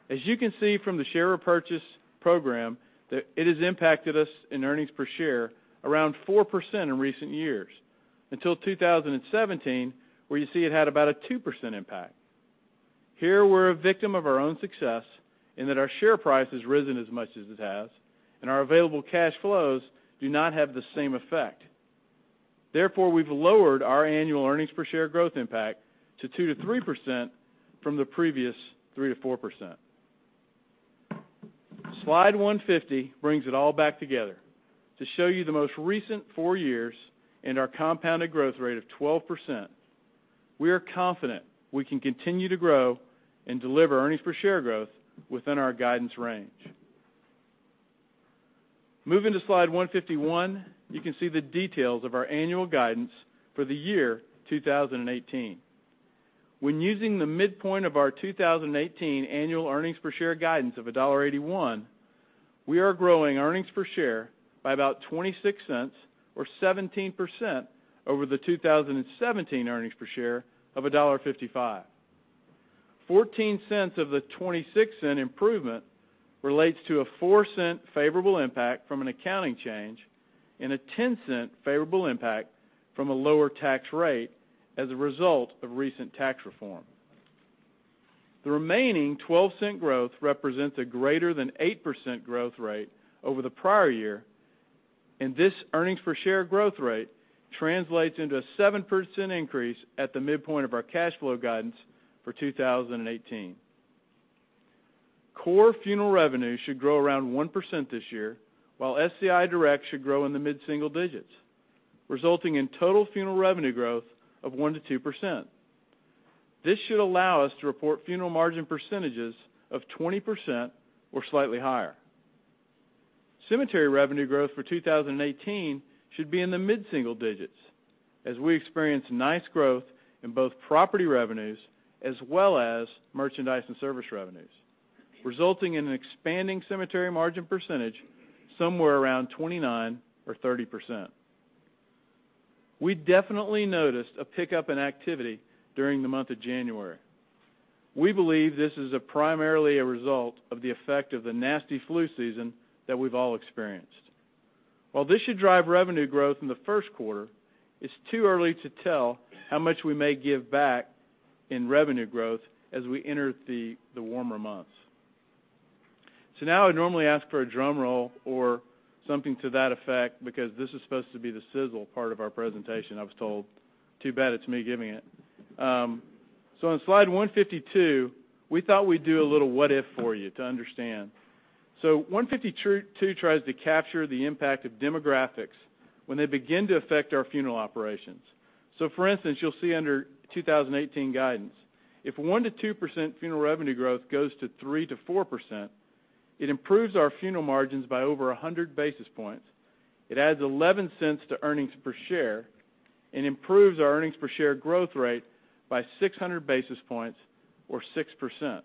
As you can see from the share repurchase program, it has impacted us in earnings per share around 4% in recent years, until 2017, where you see it had about a 2% impact. Here we're a victim of our own success in that our share price has risen as much as it has, and our available cash flows do not have the same effect. Therefore, we've lowered our annual earnings per share growth impact to 2%-3% from the previous 3%-4%. Slide 150 brings it all back together to show you the most recent four years and our compounded growth rate of 12%. We are confident we can continue to grow and deliver earnings per share growth within our guidance range. Moving to slide 151, you can see the details of our annual guidance for the year 2018. When using the midpoint of our 2018 annual earnings per share guidance of $1.81, we are growing earnings per share by about $0.26 or 17% over the 2017 earnings per share of $1.55. $0.14 of the $0.26 improvement relates to a $0.04 favorable impact from an accounting change and a $0.10 favorable impact from a lower tax rate as a result of recent tax reform. The remaining $0.12 growth represents a greater than 8% growth rate over the prior year, and this earnings per share growth rate translates into a 7% increase at the midpoint of our cash flow guidance for 2018. Core funeral revenue should grow around 1% this year, while SCI Direct should grow in the mid-single digits, resulting in total funeral revenue growth of 1%-2%. This should allow us to report funeral margin percentages of 20% or slightly higher. Cemetery revenue growth for 2018 should be in the mid-single digits, as we experience nice growth in both property revenues as well as merchandise and service revenues, resulting in an expanding cemetery margin percentage somewhere around 29% or 30%. We definitely noticed a pickup in activity during the month of January. We believe this is primarily a result of the effect of the nasty flu season that we've all experienced. While this should drive revenue growth in the first quarter, it's too early to tell how much we may give back in revenue growth as we enter the warmer months. Now I normally ask for a drum roll or something to that effect because this is supposed to be the sizzle part of our presentation, I was told. Too bad it's me giving it. On slide 152, we thought we'd do a little what if for you to understand. 152 tries to capture the impact of demographics when they begin to affect our funeral operations. For instance, you'll see under 2018 guidance, if 1%-2% funeral revenue growth goes to 3%-4%, it improves our funeral margins by over 100 basis points. It adds $0.11 to earnings per share and improves our earnings per share growth rate by 600 basis points or 6%.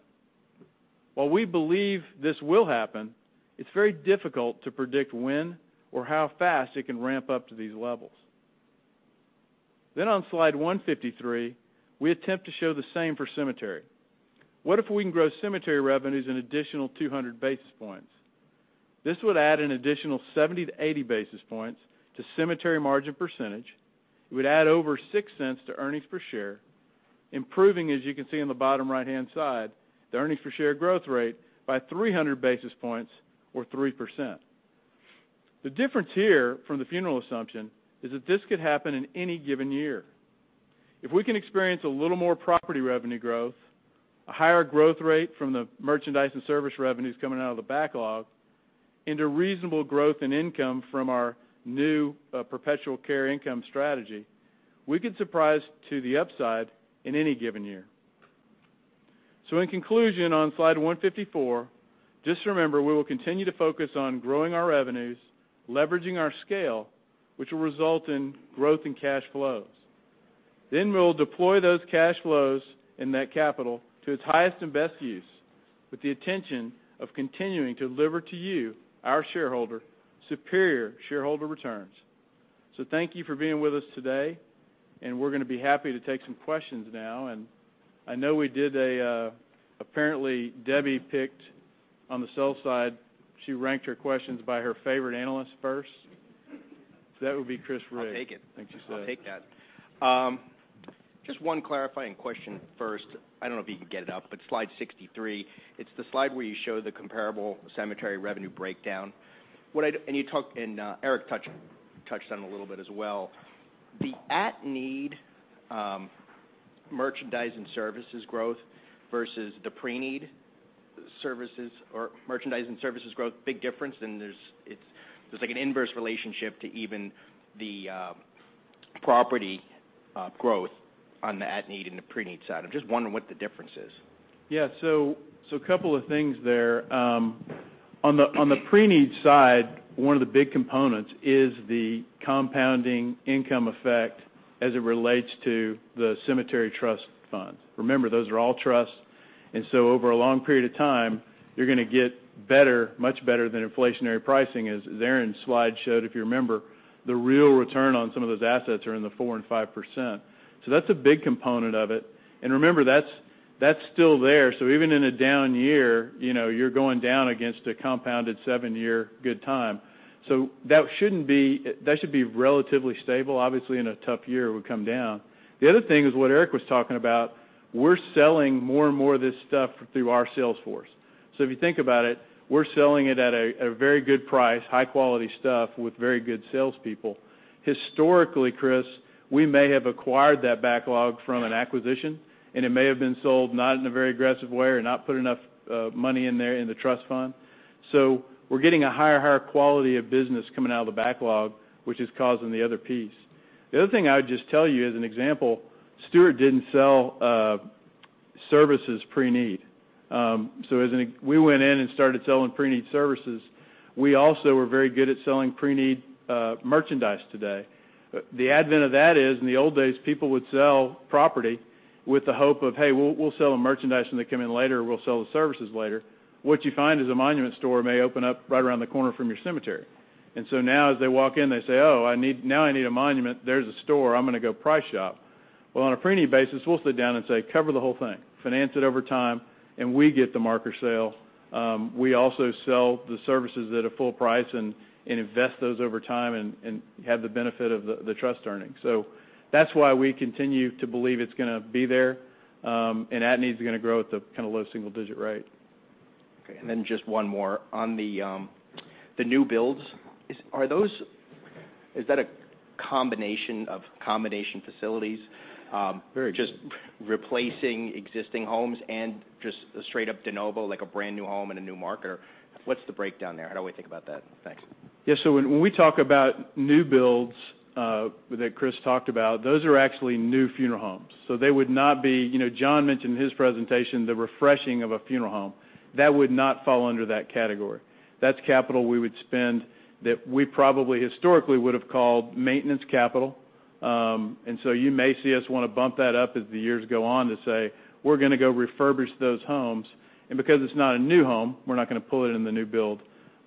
While we believe this will happen, it's very difficult to predict when or how fast it can ramp up to these levels. On slide 153, we attempt to show the same for cemetery. What if we can grow cemetery revenues an additional 200 basis points? This would add an additional 70-80 basis points to cemetery margin percentage. It would add over $0.06 to earnings per share, improving, as you can see on the bottom right-hand side, the earnings per share growth rate by 300 basis points or 3%. The difference here from the funeral assumption is that this could happen in any given year. If we can experience a little more property revenue growth, a higher growth rate from the merchandise and service revenues coming out of the backlog into reasonable growth and income from our new perpetual care income strategy, we could surprise to the upside in any given year. In conclusion, on slide 154, just remember, we will continue to focus on growing our revenues, leveraging our scale, which will result in growth in cash flows. We'll deploy those cash flows and that capital to its highest and best use with the intention of continuing to deliver to you, our shareholder, superior shareholder returns. Thank you for being with us today, and we're going to be happy to take some questions now. I know we did apparently Debbie picked on the sell side. She ranked her questions by her favorite analyst first. That would be Chris Riggs. I'll take it. I think she said. I'll take that. Just one clarifying question first. I don't know if you can get it up, but slide 63. It's the slide where you show the comparable cemetery revenue breakdown. Eric touched on it a little bit as well. The at-need merchandise and services growth versus the pre-need services or merchandise and services growth, big difference, and there's an inverse relationship to even the property growth on the at-need and the pre-need side. I'm just wondering what the difference is. Yeah. A couple of things there. On the pre-need side, one of the big components is the compounding income effect as it relates to the cemetery trust funds. Remember, those are all trusts, and over a long period of time, you're going to get better, much better than inflationary pricing, as Aaron's slide showed, if you remember. The real return on some of those assets are in the 4% and 5%. That's a big component of it. Remember, that's still there. Even in a down year, you're going down against a compounded 7-year good time. That should be relatively stable. Obviously, in a tough year, it would come down. The other thing is what Eric was talking about. We're selling more and more of this stuff through our sales force. If you think about it, we're selling it at a very good price, high-quality stuff with very good salespeople. Historically, Chris, we may have acquired that backlog from an acquisition, and it may have been sold not in a very aggressive way or not put enough money in there in the trust fund. We're getting a higher quality of business coming out of the backlog, which is causing the other piece. The other thing I would just tell you as an example, Stewart didn't sell Services pre-need. As we went in and started selling pre-need services, we also were very good at selling pre-need merchandise today. The advent of that is, in the old days, people would sell property with the hope of, hey, we'll sell them merchandise when they come in later, or we'll sell the services later. What you find is a monument store may open up right around the corner from your cemetery. Now as they walk in, they say, "Oh, now I need a monument. There's a store. I'm going to go price shop." On a pre-need basis, we'll sit down and say, cover the whole thing, finance it over time, and we get the marker sale. We also sell the services that are full price and invest those over time and have the benefit of the trust earnings. That's why we continue to believe it's going to be there, and at-need's going to grow at the kind of low single-digit rate. Just one more. On the new builds, is that a combination of combination facilities- Very- just replacing existing homes and just a straight up de novo, like a brand-new home and a new market, or what's the breakdown there? How do we think about that? Thanks. When we talk about new builds, that Chris talked about, those are actually new funeral homes. They would not be. John mentioned in his presentation the refreshing of a funeral home. That would not fall under that category. That's capital we would spend that we probably historically would've called maintenance capital. You may see us want to bump that up as the years go on to say, we're going to go refurbish those homes. Because it's not a new home, we're not going to pull it in the new build.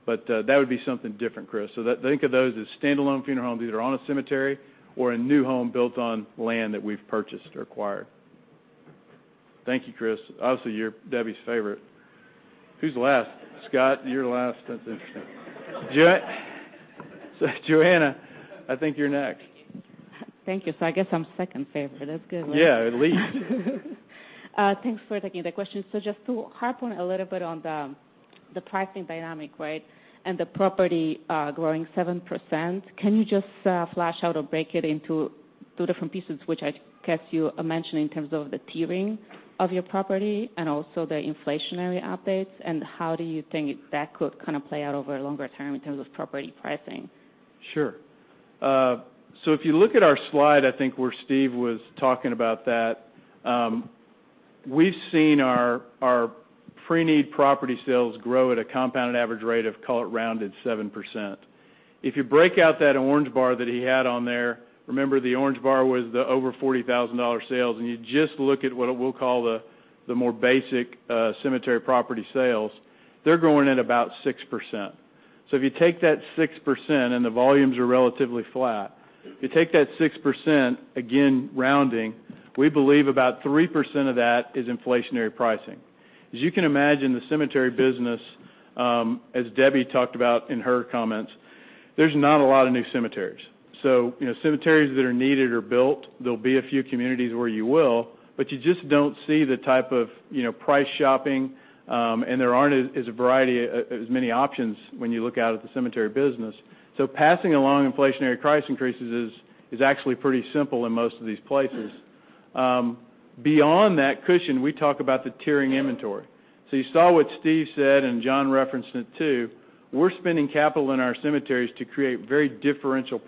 That would be something different, Chris. Think of those as standalone funeral homes, either on a cemetery or a new home built on land that we've purchased or acquired. Thank you, Chris. Obviously, you're Debbie's favorite. Who's the last? Scott, you're last. That's interesting. Joanna, I think you're next. Thank you. I guess I'm second favorite. That's good. Yeah, at least. Thanks for taking the question. Just to harp on a little bit on the pricing dynamic, right, and the property growing 7%, can you just flesh out or break it into two different pieces, which I guess you mentioned in terms of the tiering of your property and also the inflationary updates, and how do you think that could kind of play out over a longer term in terms of property pricing? Sure. If you look at our slide, I think where Steve was talking about that. We've seen our pre-need property sales grow at a compounded average rate of, call it rounded 7%. If you break out that orange bar that he had on there, remember, the orange bar was the over $40,000 sales, and you just look at what we'll call the more basic cemetery property sales, they're growing at about 6%. If you take that 6%, and the volumes are relatively flat, if you take that 6%, again, rounding, we believe about 3% of that is inflationary pricing. As you can imagine, the cemetery business, as Debbie talked about in her comments, there's not a lot of new cemeteries. Cemeteries that are needed are built. There'll be a few communities where you will, but you just don't see the type of price shopping, and there aren't as many options when you look out at the cemetery business. Passing along inflationary price increases is actually pretty simple in most of these places. Beyond that cushion, we talk about the tiering inventory. You saw what Steve said, and John referenced it, too. We're spending capital in our cemeteries to create very differential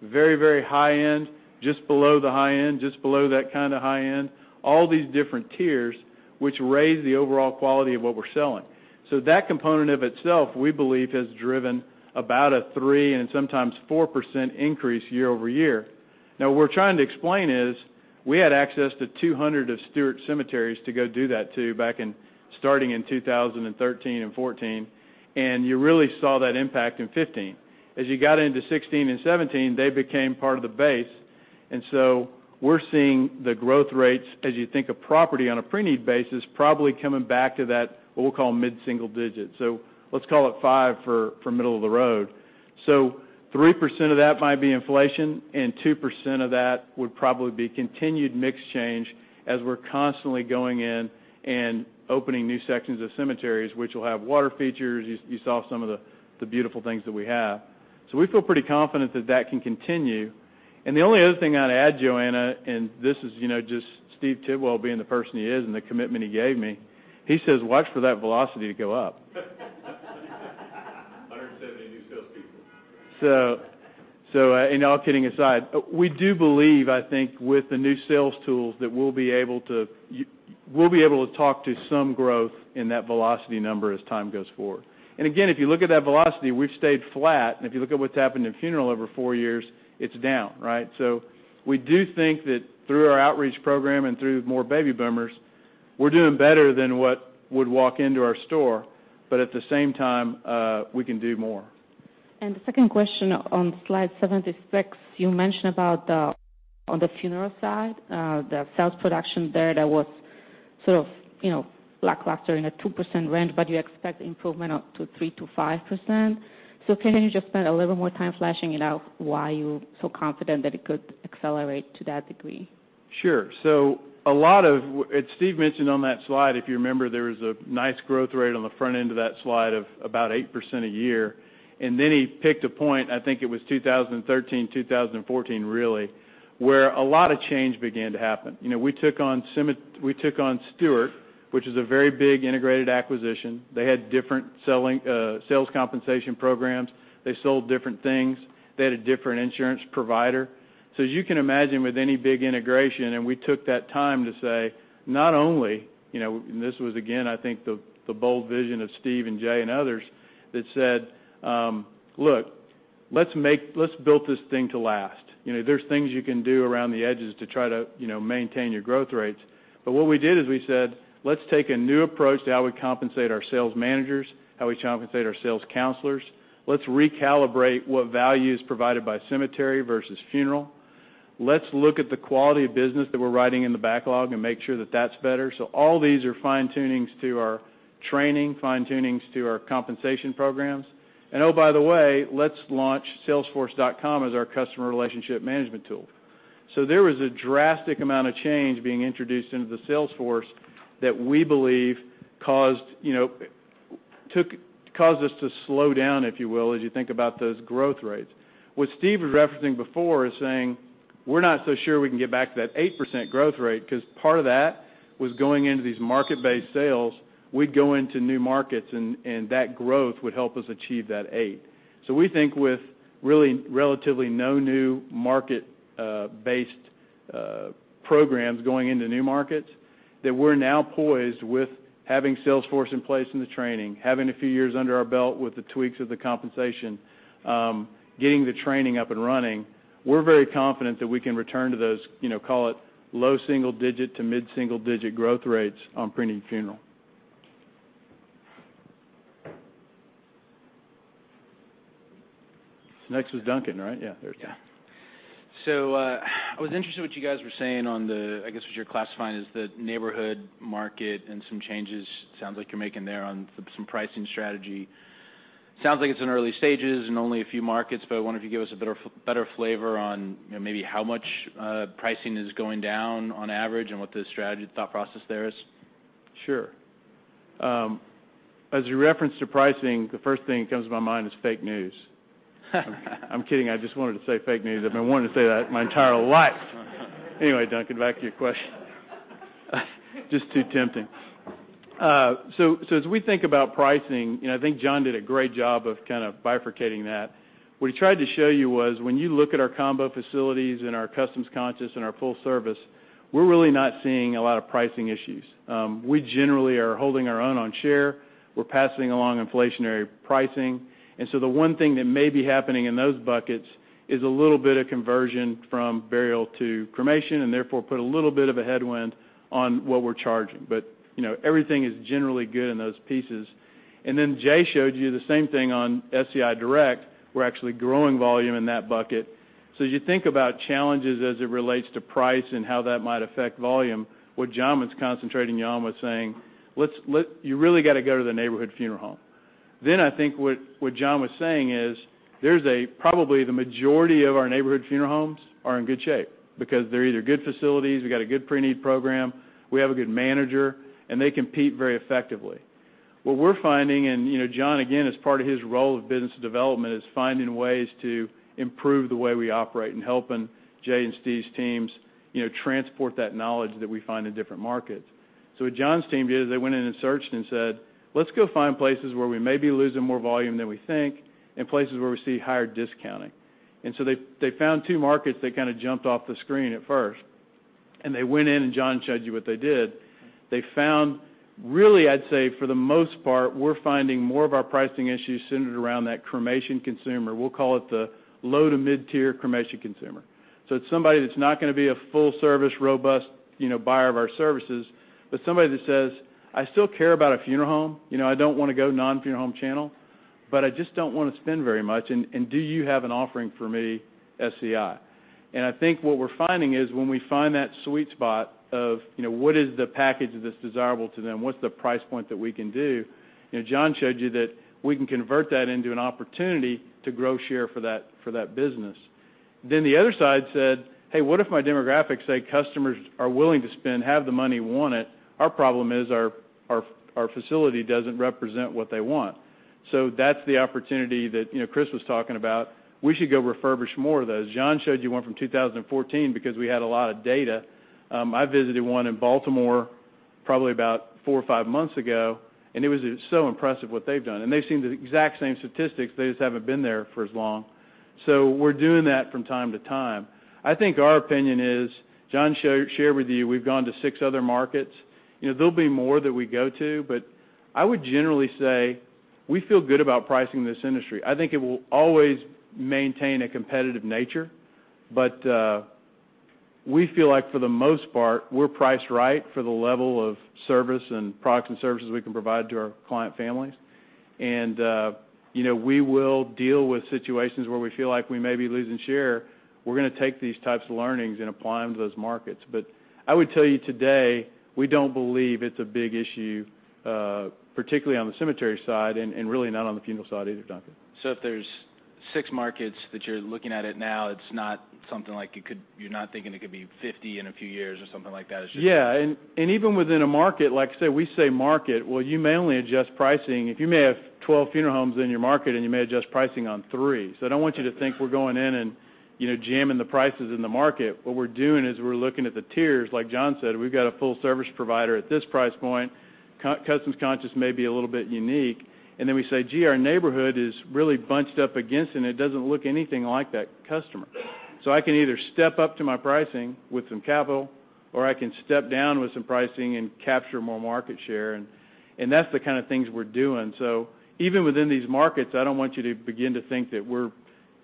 product. Very high end, just below the high end, just below that kind of high end, all these different tiers which raise the overall quality of what we're selling. That component of itself, we believe, has driven about a 3% and sometimes 4% increase year-over-year. What we're trying to explain is we had access to 200 of Stewart cemeteries to go do that too back in starting in 2013 and 2014, and you really saw that impact in 2015. As you got into 2016 and 2017, they became part of the base. We're seeing the growth rates, as you think of property on a pre-need basis, probably coming back to that, what we'll call mid-single digit. Let's call it 5 for middle of the road. 3% of that might be inflation, and 2% of that would probably be continued mix change as we're constantly going in and opening new sections of cemeteries, which will have water features. You saw some of the beautiful things that we have. We feel pretty confident that that can continue. The only other thing I'd add, Joanna, and this is just Steve Tidwell being the person he is and the commitment he gave me. He says, "Watch for that velocity to go up. 170 new salespeople. All kidding aside, we do believe, I think, with the new sales tools, that we'll be able to talk to some growth in that velocity number as time goes forward. Again, if you look at that velocity, we've stayed flat. If you look at what's happened in funeral over four years, it's down, right? We do think that through our outreach program and through more baby boomers, we're doing better than what would walk into our store. At the same time, we can do more. The second question on slide 76, you mentioned about on the funeral side, the sales production there that was sort of lackluster in a 2% range, but you expect improvement up to 3%-5%. Can you just spend a little more time fleshing it out, why you're so confident that it could accelerate to that degree? Sure. As Steve mentioned on that slide, if you remember, there was a nice growth rate on the front end of that slide of about 8% a year. Then he picked a point, I think it was 2013, 2014, really, where a lot of change began to happen. We took on Stewart Enterprises, which is a very big integrated acquisition. They had different sales compensation programs. They sold different things. They had a different insurance provider. As you can imagine with any big integration, and we took that time to say, not only, and this was again, I think the bold vision of Steve and Jay and others that said, "Look, let's build this thing to last." There's things you can do around the edges to try to maintain your growth rates. What we did is we said, let's take a new approach to how we compensate our sales managers, how we compensate our sales counselors. Let's recalibrate what value is provided by cemetery versus funeral. Let's look at the quality of business that we're writing in the backlog and make sure that that's better. All these are fine-tunings to our training, fine-tunings to our compensation programs. Oh, by the way, let's launch salesforce.com as our customer relationship management tool. There was a drastic amount of change being introduced into the sales force that we believe caused us to slow down, if you will, as you think about those growth rates. What Steve was referencing before is saying, we're not so sure we can get back to that 8% growth rate because part of that was going into these market-based sales. We'd go into new markets, and that growth would help us achieve that 8. We think with really relatively no new market-based programs going into new markets, that we're now poised with having Salesforce in place in the training, having a few years under our belt with the tweaks of the compensation, getting the training up and running. We're very confident that we can return to those, call it low single-digit to mid-single-digit growth rates on pre-need funeral. Next was Duncan, right? Yes, there's Duncan. I was interested what you guys were saying on the, I guess, what you're classifying as the neighborhood market and some changes sounds like you're making there on some pricing strategy. Sounds like it's in early stages and only a few markets, but I wonder if you give us a better flavor on maybe how much pricing is going down on average and what the strategy thought process there is. Sure. As you referenced to pricing, the first thing that comes to my mind is fake news. I'm kidding. I just wanted to say fake news. I've been wanting to say that my entire life. Anyway, Duncan, back to your question. Just too tempting. As we think about pricing, I think John did a great job of kind of bifurcating that. What he tried to show you was when you look at our combo facilities and our customs-conscious and our full service, we're really not seeing a lot of pricing issues. We generally are holding our own on share. We're passing along inflationary pricing. The one thing that may be happening in those buckets is a little bit of conversion from burial to cremation, and therefore put a little bit of a headwind on what we're charging. Everything is generally good in those pieces. Jay showed you the same thing on SCI Direct. We're actually growing volume in that bucket. As you think about challenges as it relates to price and how that might affect volume, what John was concentrating on was saying, you really got to go to the neighborhood funeral home. I think what John was saying is probably the majority of our neighborhood funeral homes are in good shape because they're either good facilities, we got a good pre-need program, we have a good manager, and they compete very effectively. What we're finding, and John, again, as part of his role of business development, is finding ways to improve the way we operate and helping Jay and Steve's teams transport that knowledge that we find in different markets. What John's team did is they went in and searched and said, "Let's go find places where we may be losing more volume than we think and places where we see higher discounting." They found two markets that kind of jumped off the screen at first, and they went in and John showed you what they did. They found, really, I'd say for the most part, we're finding more of our pricing issues centered around that cremation consumer. We'll call it the low to mid-tier cremation consumer. It's somebody that's not going to be a full service, robust buyer of our services, but somebody that says, "I still care about a funeral home. I don't want to go non-funeral-home channel, but I just don't want to spend very much. Do you have an offering for me, SCI?" I think what we're finding is when we find that sweet spot of what is the package that's desirable to them, what's the price point that we can do? John showed you that we can convert that into an opportunity to grow share for that business. The other side said, "Hey, what if my demographics say customers are willing to spend, have the money, want it. Our problem is our facility doesn't represent what they want." That's the opportunity that Chris was talking about. We should go refurbish more of those. John showed you one from 2014 because we had a lot of data. I visited one in Baltimore probably about four or five months ago, and it was so impressive what they've done, and they've seen the exact same statistics. They just haven't been there for as long. We're doing that from time to time. I think our opinion is, John shared with you, we've gone to six other markets. There'll be more that we go to, I would generally say we feel good about pricing in this industry. I think it will always maintain a competitive nature, we feel like for the most part, we're priced right for the level of service and products and services we can provide to our client families. We will deal with situations where we feel like we may be losing share. We're going to take these types of learnings and apply them to those markets. I would tell you today, we don't believe it's a big issue, particularly on the cemetery side and really not on the funeral side either, Duncan. Six markets that you're looking at it now, it's not something like you're not thinking it could be 50 in a few years or something like that? Yeah. Even within a market, like I said, we say market, you may only adjust pricing. You may have 12 funeral homes in your market, and you may adjust pricing on three. I don't want you to think we're going in and jamming the prices in the market. What we're doing is we're looking at the tiers. Like John said, we've got a full service provider at this price point. Customers conscious may be a little bit unique. Then we say, gee, our neighborhood is really bunched up against, and it doesn't look anything like that customer. I can either step up to my pricing with some capital, or I can step down with some pricing and capture more market share, that's the kind of things we're doing. Even within these markets, I don't want you to begin to think that we're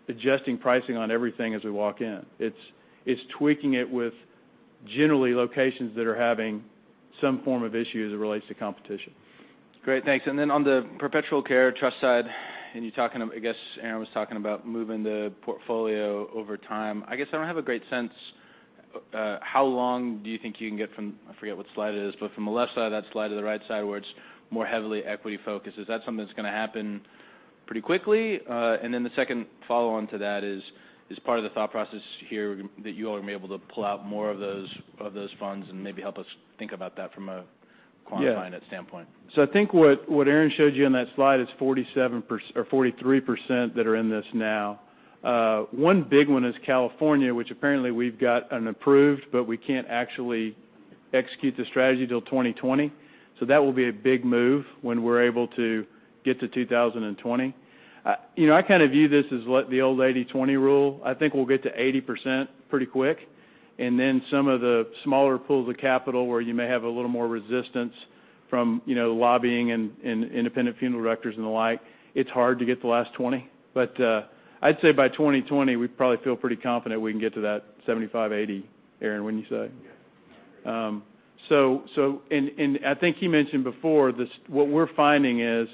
adjusting pricing on everything as we walk in. It's tweaking it with generally locations that are having some form of issue as it relates to competition. Great. Thanks. Then on the perpetual care trust side, I guess Aaron was talking about moving the portfolio over time. I guess I don't have a great sense, how long do you think you can get from, I forget what slide it is, but from the left side of that slide to the right side, where it's more heavily equity focused. Is that something that's going to happen pretty quickly? Then the second follow-on to that is part of the thought process here that you all will be able to pull out more of those funds and maybe help us think about that from a quantifying standpoint? I think what Aaron showed you on that slide is 43% that are in this now. One big one is California, which apparently we've got an approved, but we can't actually execute the strategy till 2020. That will be a big move when we're able to get to 2020. I view this as the old 80/20 rule. I think we'll get to 80% pretty quick, then some of the smaller pools of capital, where you may have a little more resistance from lobbying and independent funeral directors and the like, it's hard to get the last 20. I'd say by 2020, we probably feel pretty confident we can get to that 75, 80, Aaron, wouldn't you say? Yes. I think he mentioned before, what we're finding is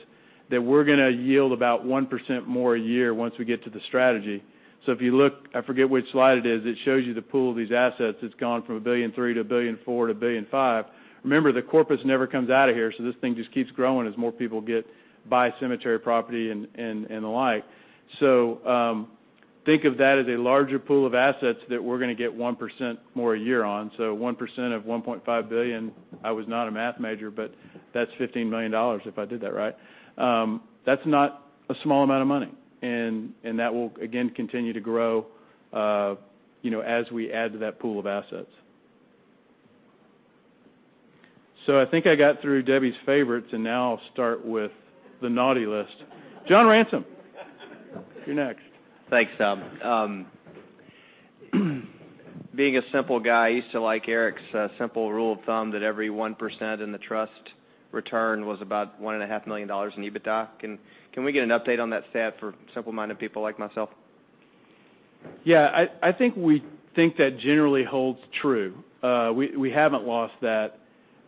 that we're going to yield about 1% more a year once we get to the strategy. If you look, I forget which slide it is, it shows you the pool of these assets that's gone from $1.3 billion to $1.4 billion to $1.5 billion. Remember, the corpus never comes out of here, so this thing just keeps growing as more people buy cemetery property and the like. Think of that as a larger pool of assets that we're going to get 1% more a year on. 1% of $1.5 billion, I was not a math major, but that's $15 million if I did that right. That's not a small amount of money, and that will, again, continue to grow as we add to that pool of assets. I think I got through Debbie's favorites, and now I'll start with the naughty list. John Ransom, you're next. Thanks, Tom. Being a simple guy, I used to like Eric's simple rule of thumb that every 1% in the trust return was about $1.5 million in EBITDA. Can we get an update on that stat for simple-minded people like myself? I think we think that generally holds true. We haven't lost that.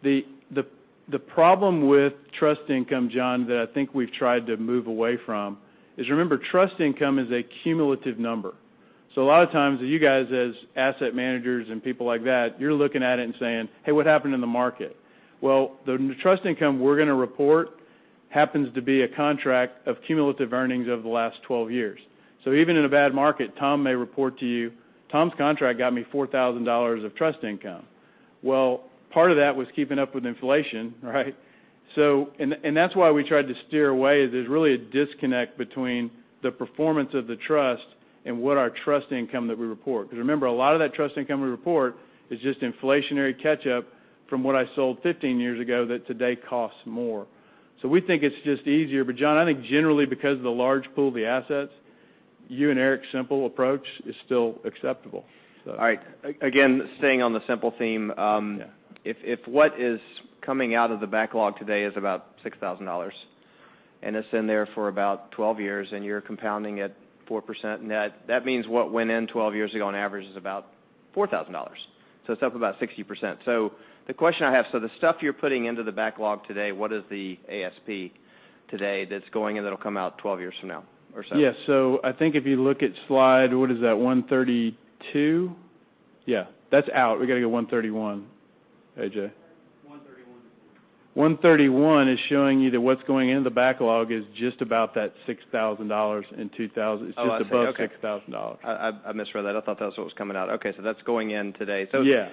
The problem with trust income, John, that I think we've tried to move away from is remember, trust income is a cumulative number. A lot of times, you guys as asset managers and people like that, you're looking at it and saying, "Hey, what happened in the market?" The trust income we're going to report happens to be a contract of cumulative earnings over the last 12 years. Even in a bad market, Tom may report to you, Tom's contract got me $4,000 of trust income. Part of that was keeping up with inflation, right? That's why we tried to steer away, there's really a disconnect between the performance of the trust and what our trust income that we report. Remember, a lot of that trust income we report is just inflationary catch-up from what I sold 15 years ago that today costs more. We think it's just easier. John, I think generally because of the large pool of the assets, you and Eric's simple approach is still acceptable. All right. Again, staying on the simple theme. Yeah if what is coming out of the backlog today is about $6,000, and it's in there for about 12 years, and you're compounding at 4% net, that means what went in 12 years ago on average is about $4,000. It's up about 60%. The question I have, the stuff you're putting into the backlog today, what is the ASP today that's going in that'll come out 12 years from now or so? Yeah. I think if you look at slide, what is that, 132? Yeah. That's out. We got to go 131. A.J.? 131. 131 is showing you that what's going into the backlog is just above $6,000. Oh, I see. Okay. It's just above $6,000. I misread that. I thought that was what was coming out. Okay, that's going in today. Yeah.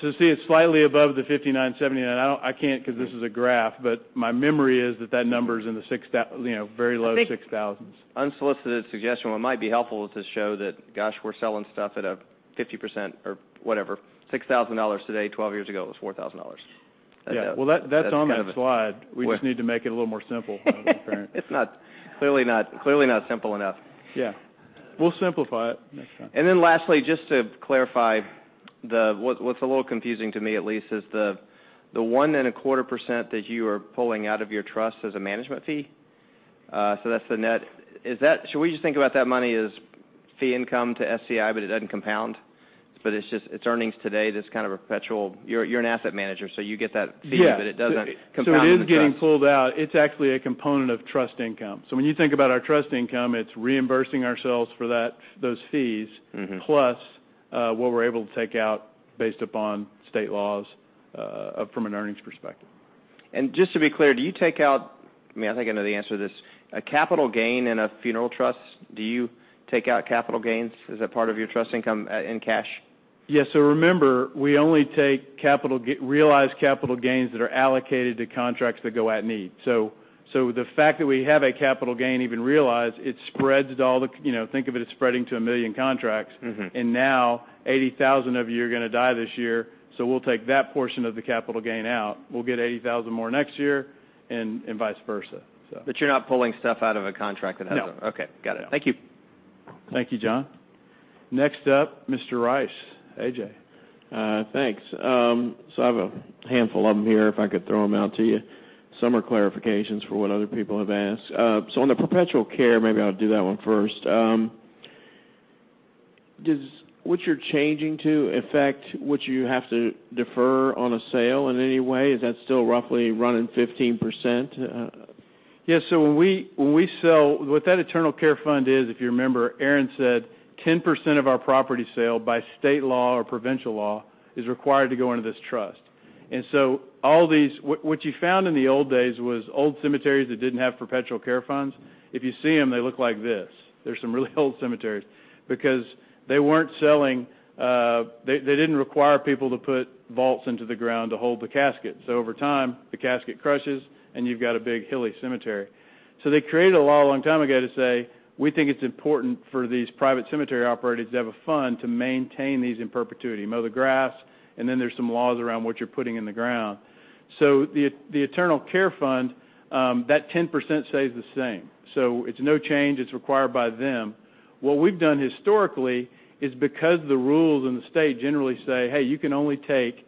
See, it's slightly above the $5,979. I can't because this is a graph, my memory is that number's in the very low $6,000s. Unsolicited suggestion. What might be helpful is to show that, gosh, we're selling stuff at a 50% or whatever, $6,000 today, 12 years ago, it was $4,000. That's it. Yeah. Well, that's on that slide. We just need to make it a little more simple, apparently. It's clearly not simple enough. Yeah. We'll simplify it next time. Lastly, just to clarify, what's a little confusing to me at least is the 1.25% that you are pulling out of your trust as a management fee. That's the net. It doesn't compound? It's earnings today that's kind of perpetual. You're an asset manager, so you get that fee- Yeah It doesn't compound the trust. It is getting pulled out. It's actually a component of trust income. When you think about our trust income, it's reimbursing ourselves for those fees- What we're able to take out based upon state laws from an earnings perspective. Just to be clear, do you take out, I think I know the answer to this, a capital gain in a funeral trust? Do you take out capital gains as a part of your trust income, in cash? Yes. Remember, we only take realized capital gains that are allocated to contracts that go at-need. The fact that we have a capital gain even realized, think of it as spreading to 1 million contracts. Now 80,000 of you are going to die this year, we'll take that portion of the capital gain out. We'll get 80,000 more next year and vice versa. You're not pulling stuff out of a contract that has. No. Okay. Got it. Thank you. Thank you, John. Next up, Mr. Rice, A.J. Thanks. I have a handful of them here, if I could throw them out to you. Some are clarifications for what other people have asked. On the perpetual care, maybe I'll do that one first. Does what you're changing to affect what you have to defer on a sale in any way? Is that still roughly running 15%? What that eternal care fund is, if you remember, Aaron Foley said 10% of our property sale by state law or provincial law is required to go into this trust. What you found in the old days was old cemeteries that didn't have perpetual care funds. If you see them, they look like this. They're some really old cemeteries. Because they didn't require people to put vaults into the ground to hold the casket. Over time, the casket crushes, and you've got a big hilly cemetery. They created a law a long time ago to say, we think it's important for these private cemetery operators to have a fund to maintain these in perpetuity, mow the grass, and then there's some laws around what you're putting in the ground. The eternal care fund, that 10% stays the same. It's no change. It's required by them. What we've done historically is because the rules in the state generally say, hey, you can only take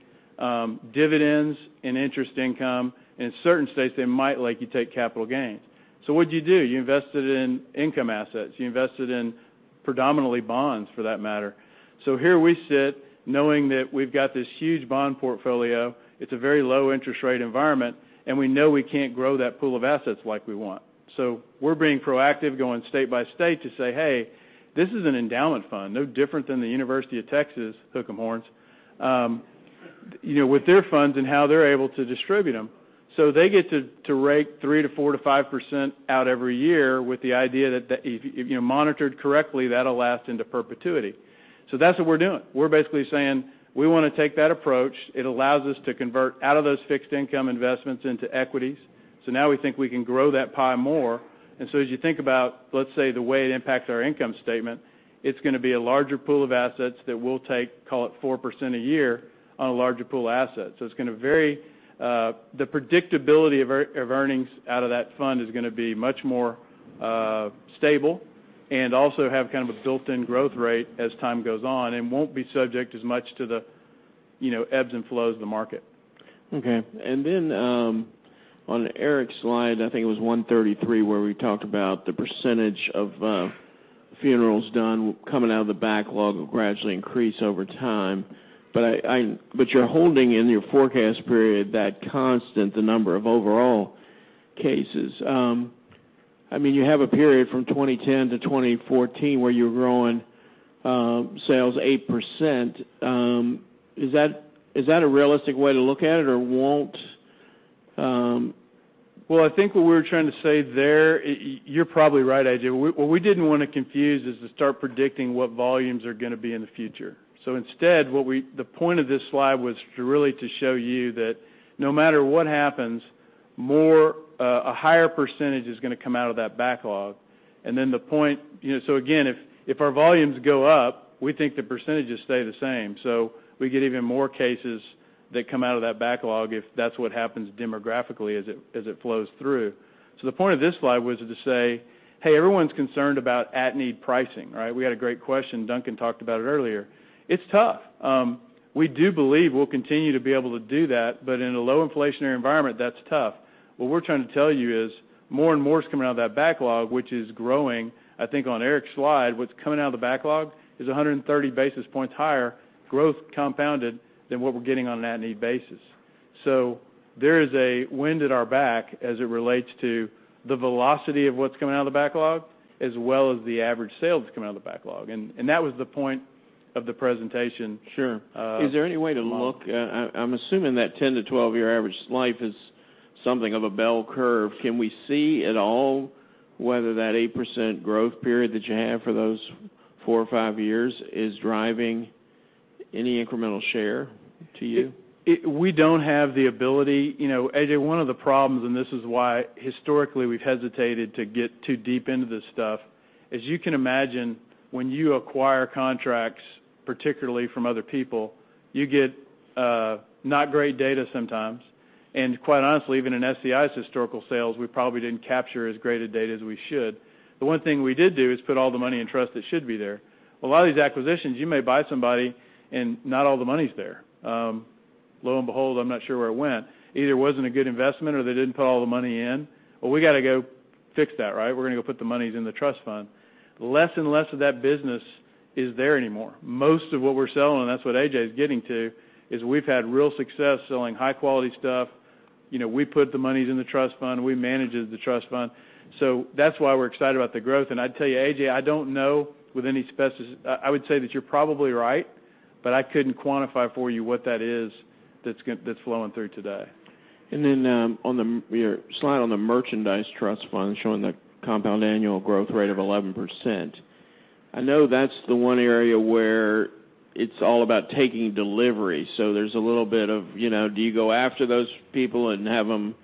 dividends and interest income. In certain states, they might let you take capital gains. What'd you do? You invested in income assets. You invested in predominantly bonds for that matter. Here we sit knowing that we've got this huge bond portfolio, it's a very low interest rate environment, and we know we can't grow that pool of assets like we want. We're being proactive, going state by state to say, hey, this is an endowment fund, no different than the University of Texas, hook 'em horns, with their funds and how they're able to distribute them. They get to rake 3%-4%-5% out every year with the idea that if you monitor it correctly, that'll last into perpetuity. That's what we're doing. We're basically saying, we want to take that approach. It allows us to convert out of those fixed income investments into equities. Now we think we can grow that pie more. As you think about, let's say, the way it impacts our income statement, it's going to be a larger pool of assets that we'll take, call it 4% a year on a larger pool of assets. The predictability of earnings out of that fund is going to be much more stable and also have kind of a built-in growth rate as time goes on and won't be subject as much to the ebbs and flows of the market. Okay. On Eric Tanzberger's slide, I think it was 133, where we talked about the percentage of funerals done coming out of the backlog will gradually increase over time. You're holding in your forecast period that constant, the number of overall cases. You have a period from 2010 to 2014 where you're growing sales 8%. Is that a realistic way to look at it or won't- Well, I think what we were trying to say there, you're probably right, A.J. What we didn't want to confuse is to start predicting what volumes are going to be in the future. Instead, the point of this slide was really to show you that no matter what happens, a higher percentage is going to come out of that backlog. Again, if our volumes go up, we think the percentages stay the same. We get even more cases that come out of that backlog if that's what happens demographically as it flows through. The point of this slide was to say, hey, everyone's concerned about at-need pricing, right? We had a great question. Duncan talked about it earlier. It's tough. We do believe we'll continue to be able to do that, but in a low inflationary environment, that's tough. What we're trying to tell you is more and more is coming out of that backlog, which is growing. I think on Eric's slide, what's coming out of the backlog is 130 basis points higher growth compounded than what we're getting on an at-need basis. There is a wind at our back as it relates to the velocity of what's coming out of the backlog, as well as the average sale that's coming out of the backlog, and that was the point of the presentation. Sure. Is there any way to look? I'm assuming that 10-12 year average life is something of a bell curve. Can we see at all whether that 8% growth period that you have for those four or five years is driving any incremental share to you? We don't have the ability. A.J., one of the problems, and this is why, historically, we've hesitated to get too deep into this stuff, as you can imagine, when you acquire contracts, particularly from other people, you get not great data sometimes. Quite honestly, even in SCI's historical sales, we probably didn't capture as great a data as we should. The one thing we did do is put all the money in trust that should be there. A lot of these acquisitions, you may buy somebody, and not all the money's there. Lo and behold, I'm not sure where it went. Either it wasn't a good investment, or they didn't put all the money in. Well, we got to go fix that, right? We're going to go put the monies in the trust fund. Less and less of that business is there anymore. Most of what we're selling, that's what A.J.'s getting to, is we've had real success selling high-quality stuff. We put the monies in the trust fund. We manage the trust fund. That's why we're excited about the growth. I'd tell you, A.J., I would say that you're probably right. I couldn't quantify for you what that is that's flowing through today. On your slide on the merchandise trust fund showing the compound annual growth rate of 11%, I know that's the one area where it's all about taking delivery. There's a little bit of, do you go after those people and have them,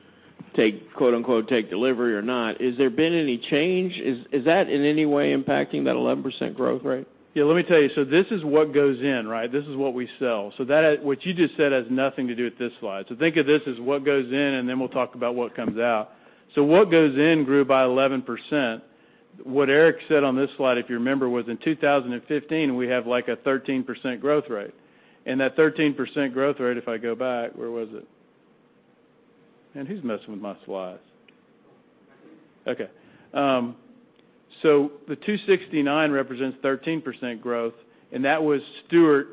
quote unquote, "take delivery" or not? Has there been any change? Is that in any way impacting that 11% growth rate? Yeah, let me tell you. This is what goes in, right? This is what we sell. What you just said has nothing to do with this slide. Think of this as what goes in, then we'll talk about what comes out. What goes in grew by 11%. What Eric said on this slide, if you remember, was in 2015, we have a 13% growth rate. That 13% growth rate, if I go back-- Where was it? Man, who's messing with my slides? Okay. The 269 represents 13% growth, and that was Stewart.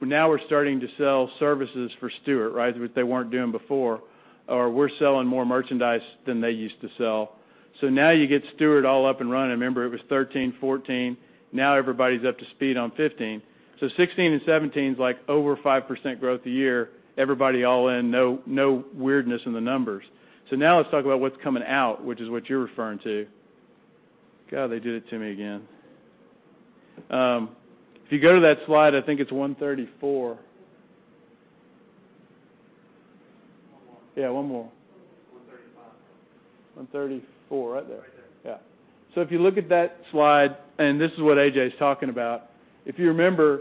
Now we're starting to sell services for Stewart, which they weren't doing before, or we're selling more merchandise than they used to sell. Now you get Stewart all up and running. Remember, it was 2013, 2014. Now everybody's up to speed on 2015. 2016 and 2017 is over 5% growth a year. Everybody all in, no weirdness in the numbers. Now let's talk about what's coming out, which is what you're referring to. God, they did it to me again. If you go to that slide, I think it's 134. One more. Yeah, one more. 135. 134, right there. Right there. Yeah. If you look at that slide, this is what A.J.'s talking about, if you remember,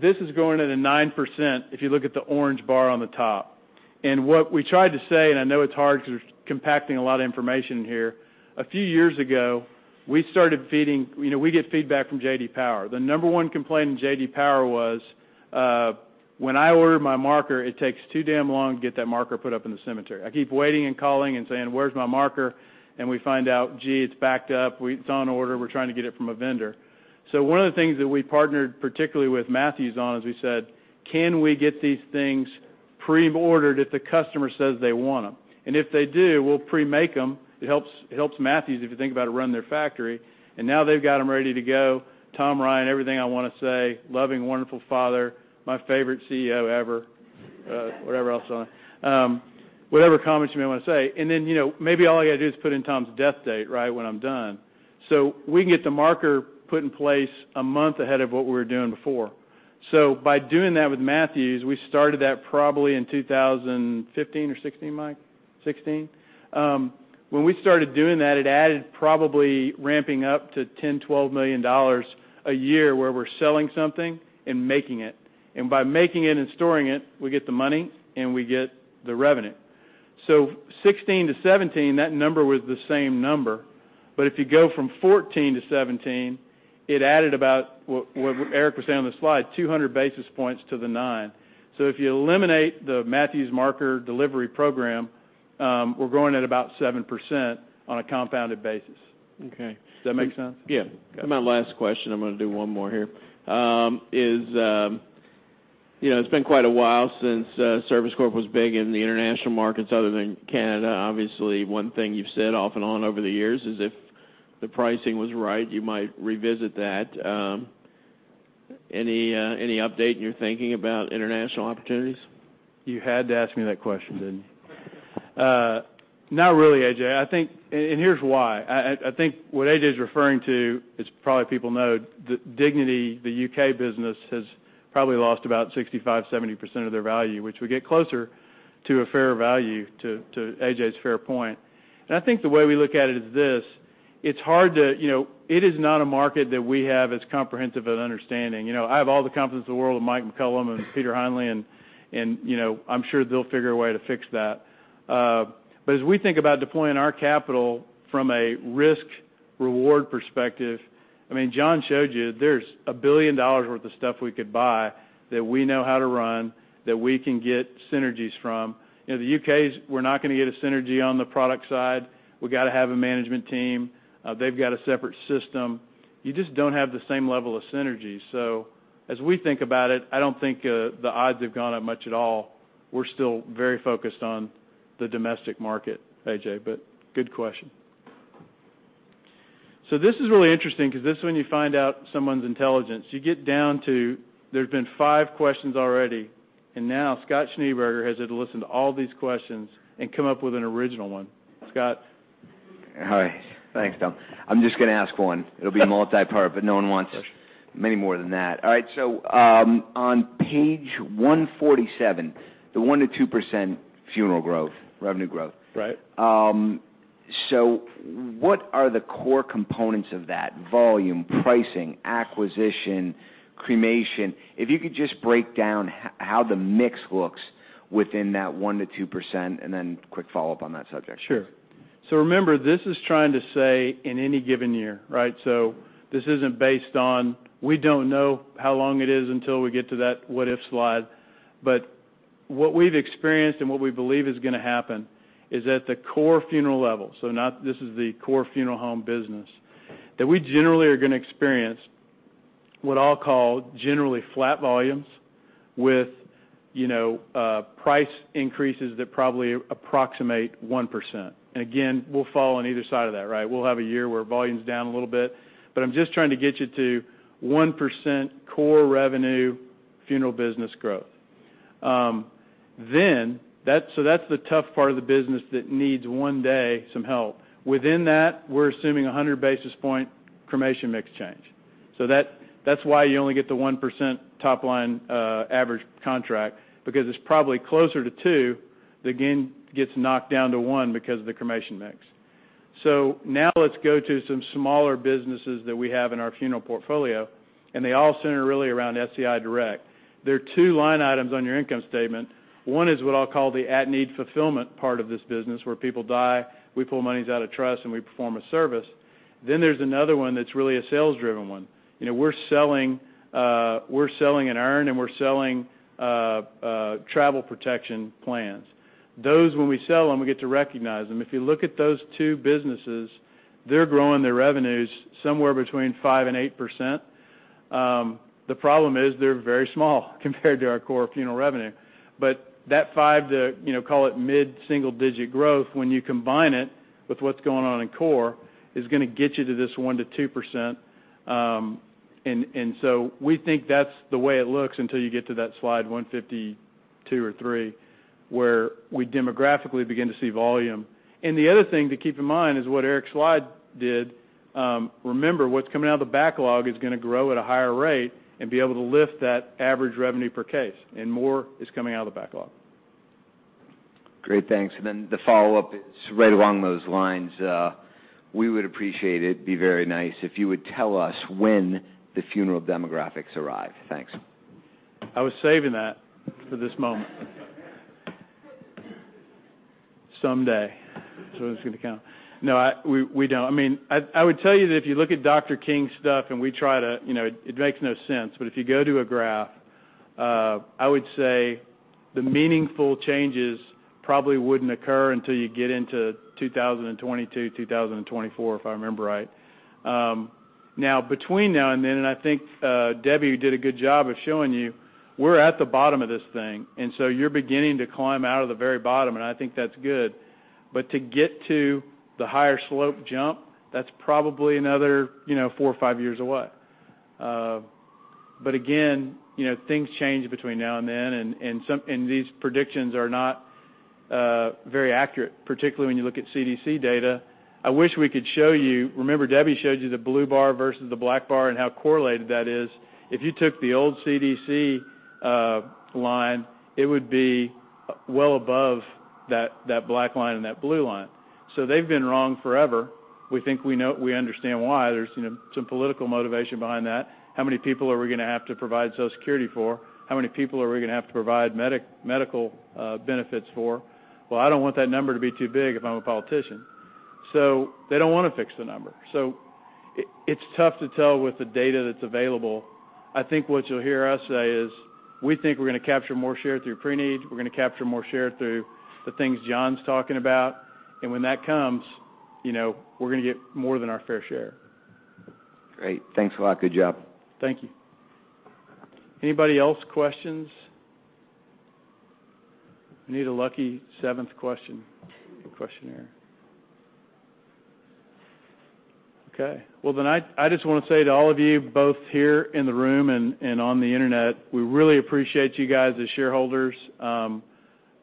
this is going at a 9%, if you look at the orange bar on the top. What we tried to say, and I know it's hard because we're compacting a lot of information here, a few years ago, we get feedback from J.D. Power. The number one complaint in J.D. Power was, when I order my marker, it takes too damn long to get that marker put up in the cemetery. I keep waiting and calling and saying, "Where's my marker?" We find out, gee, it's backed up. It's on order. We're trying to get it from a vendor. One of the things that we partnered particularly with Matthews on is we said, can we get these things pre-ordered if the customer says they want them? If they do, we'll pre-make them. It helps Matthews, if you think about it, run their factory. Now they've got them ready to go. Tom Ryan, everything I want to say, loving, wonderful father, my favorite CEO ever, whatever else is on. Whatever comments you may want to say. Then, maybe all I got to do is put in Tom's death date, right, when I'm done. We can get the marker put in place a month ahead of what we were doing before. By doing that with Matthews, we started that probably in 2015 or 2016, Mike? 2016? When we started doing that, it added probably ramping up to $10 million, $12 million a year where we're selling something and making it. By making it and storing it, we get the money, and we get the revenue. 2016 to 2017, that number was the same number. If you go from 2014 to 2017, it added about, what Eric Tanzberger was saying on the slide, 200 basis points to the nine. If you eliminate the Matthews marker delivery program, we're growing at about 7% on a compounded basis. Okay. Does that make sense? Yeah. My last question, I'm going to do one more here, is it's been quite a while since Service Corp was big in the international markets other than Canada. Obviously, one thing you've said off and on over the years is if the pricing was right, you might revisit that. Any update in your thinking about international opportunities? You had to ask me that question, didn't you? Not really, A.J. I think what A.J.'s referring to is probably people know that Dignity, the U.K. business, has probably lost about 65%-70% of their value, which would get closer to a fair value to A.J.'s fair point. I think the way we look at it is this: it is not a market that we have as comprehensive an understanding. I have all the confidence in the world in Mike McCollum and Peter Hanley, and I'm sure they'll figure a way to fix that. As we think about deploying our capital from a risk-reward perspective, I mean, John showed you there's $1 billion worth of stuff we could buy that we know how to run, that we can get synergies from. The U.K.'s, we're not going to get a synergy on the product side. We got to have a management team. They've got a separate system. You just don't have the same level of synergy. As we think about it, I don't think the odds have gone up much at all. We're still very focused on the domestic market, A.J., but good question. This is really interesting because this is when you find out someone's intelligence. You get down to, there's been five questions already, and now Scott Schneeberger has had to listen to all these questions and come up with an original one. Scott? Hi. Thanks, Tom. I'm just going to ask one. It'll be multi-part, but no one wants many more than that. All right. On page 147, the 1%-2% funeral revenue growth. Right. What are the core components of that? Volume, pricing, acquisition, cremation? If you could just break down how the mix looks within that 1%-2%, and then quick follow-up on that subject. Remember, this is trying to say in any given year. This isn't based on, we don't know how long it is until we get to that what if slide. What we've experienced and what we believe is going to happen is at the core funeral level, this is the core funeral home business, that we generally are going to experience what I'll call generally flat volumes. With price increases that probably approximate 1%. Again, we'll fall on either side of that, right? We'll have a year where volume's down a little bit. I'm just trying to get you to 1% core revenue funeral business growth. That's the tough part of the business that needs one day some help. Within that, we're assuming a 100 basis point cremation mix change. That's why you only get the 1% top line average contract, because it's probably closer to 2%, but again, gets knocked down to 1% because of the cremation mix. Now let's go to some smaller businesses that we have in our funeral portfolio, and they all center really around SCI Direct. There are two line items on your income statement. One is what I'll call the at-need fulfillment part of this business where people die, we pull monies out of trust, and we perform a service. There's another one that's really a sales-driven one. We're selling an urn, and we're selling travel protection plans. Those, when we sell them, we get to recognize them. If you look at those two businesses, they're growing their revenues somewhere between 5%-8%. The problem is they're very small compared to our core funeral revenue. That 5 to call it mid-single digit growth, when you combine it with what's going on in core, is going to get you to this 1%-2%. We think that's the way it looks until you get to that slide 152 or 153, where we demographically begin to see volume. The other thing to keep in mind is what Eric's slide did. Remember, what's coming out of the backlog is going to grow at a higher rate and be able to lift that average revenue per case, and more is coming out of the backlog. Great, thanks. The follow-up is right along those lines. We would appreciate it, be very nice if you would tell us when the funeral demographics arrive. Thanks. I was saving that for this moment. Someday. That's what I was going to count. No, we don't. I would tell you that if you look at Dr. King's stuff, it makes no sense, but if you go to a graph, I would say the meaningful changes probably wouldn't occur until you get into 2022, 2024, if I remember right. Now, between now and then, and I think Debbie did a good job of showing you, we're at the bottom of this thing. You're beginning to climb out of the very bottom, and I think that's good. To get to the higher slope jump, that's probably another four or five years away. Again, things change between now and then, and these predictions are not very accurate, particularly when you look at CDC data. I wish we could show you. Remember Debbie showed you the blue bar versus the black bar and how correlated that is. If you took the old CDC line, it would be well above that black line and that blue line. They've been wrong forever. We think we understand why. There's some political motivation behind that. How many people are we going to have to provide Social Security for? How many people are we going to have to provide medical benefits for? Well, I don't want that number to be too big if I'm a politician. They don't want to fix the number. It's tough to tell with the data that's available. I think what you'll hear us say is we think we're going to capture more share through pre-need. We're going to capture more share through the things John's talking about. When that comes, we're going to get more than our fair share. Great. Thanks a lot. Good job. Thank you. Anybody else, questions? I need a lucky seventh questioner. Okay. I just want to say to all of you, both here in the room and on the internet, we really appreciate you guys as shareholders.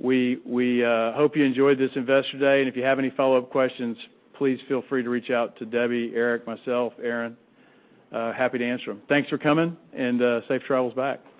We hope you enjoyed this Investor Day. If you have any follow-up questions, please feel free to reach out to Debbie, Eric, myself, Aaron. Happy to answer them. Thanks for coming. Safe travels back.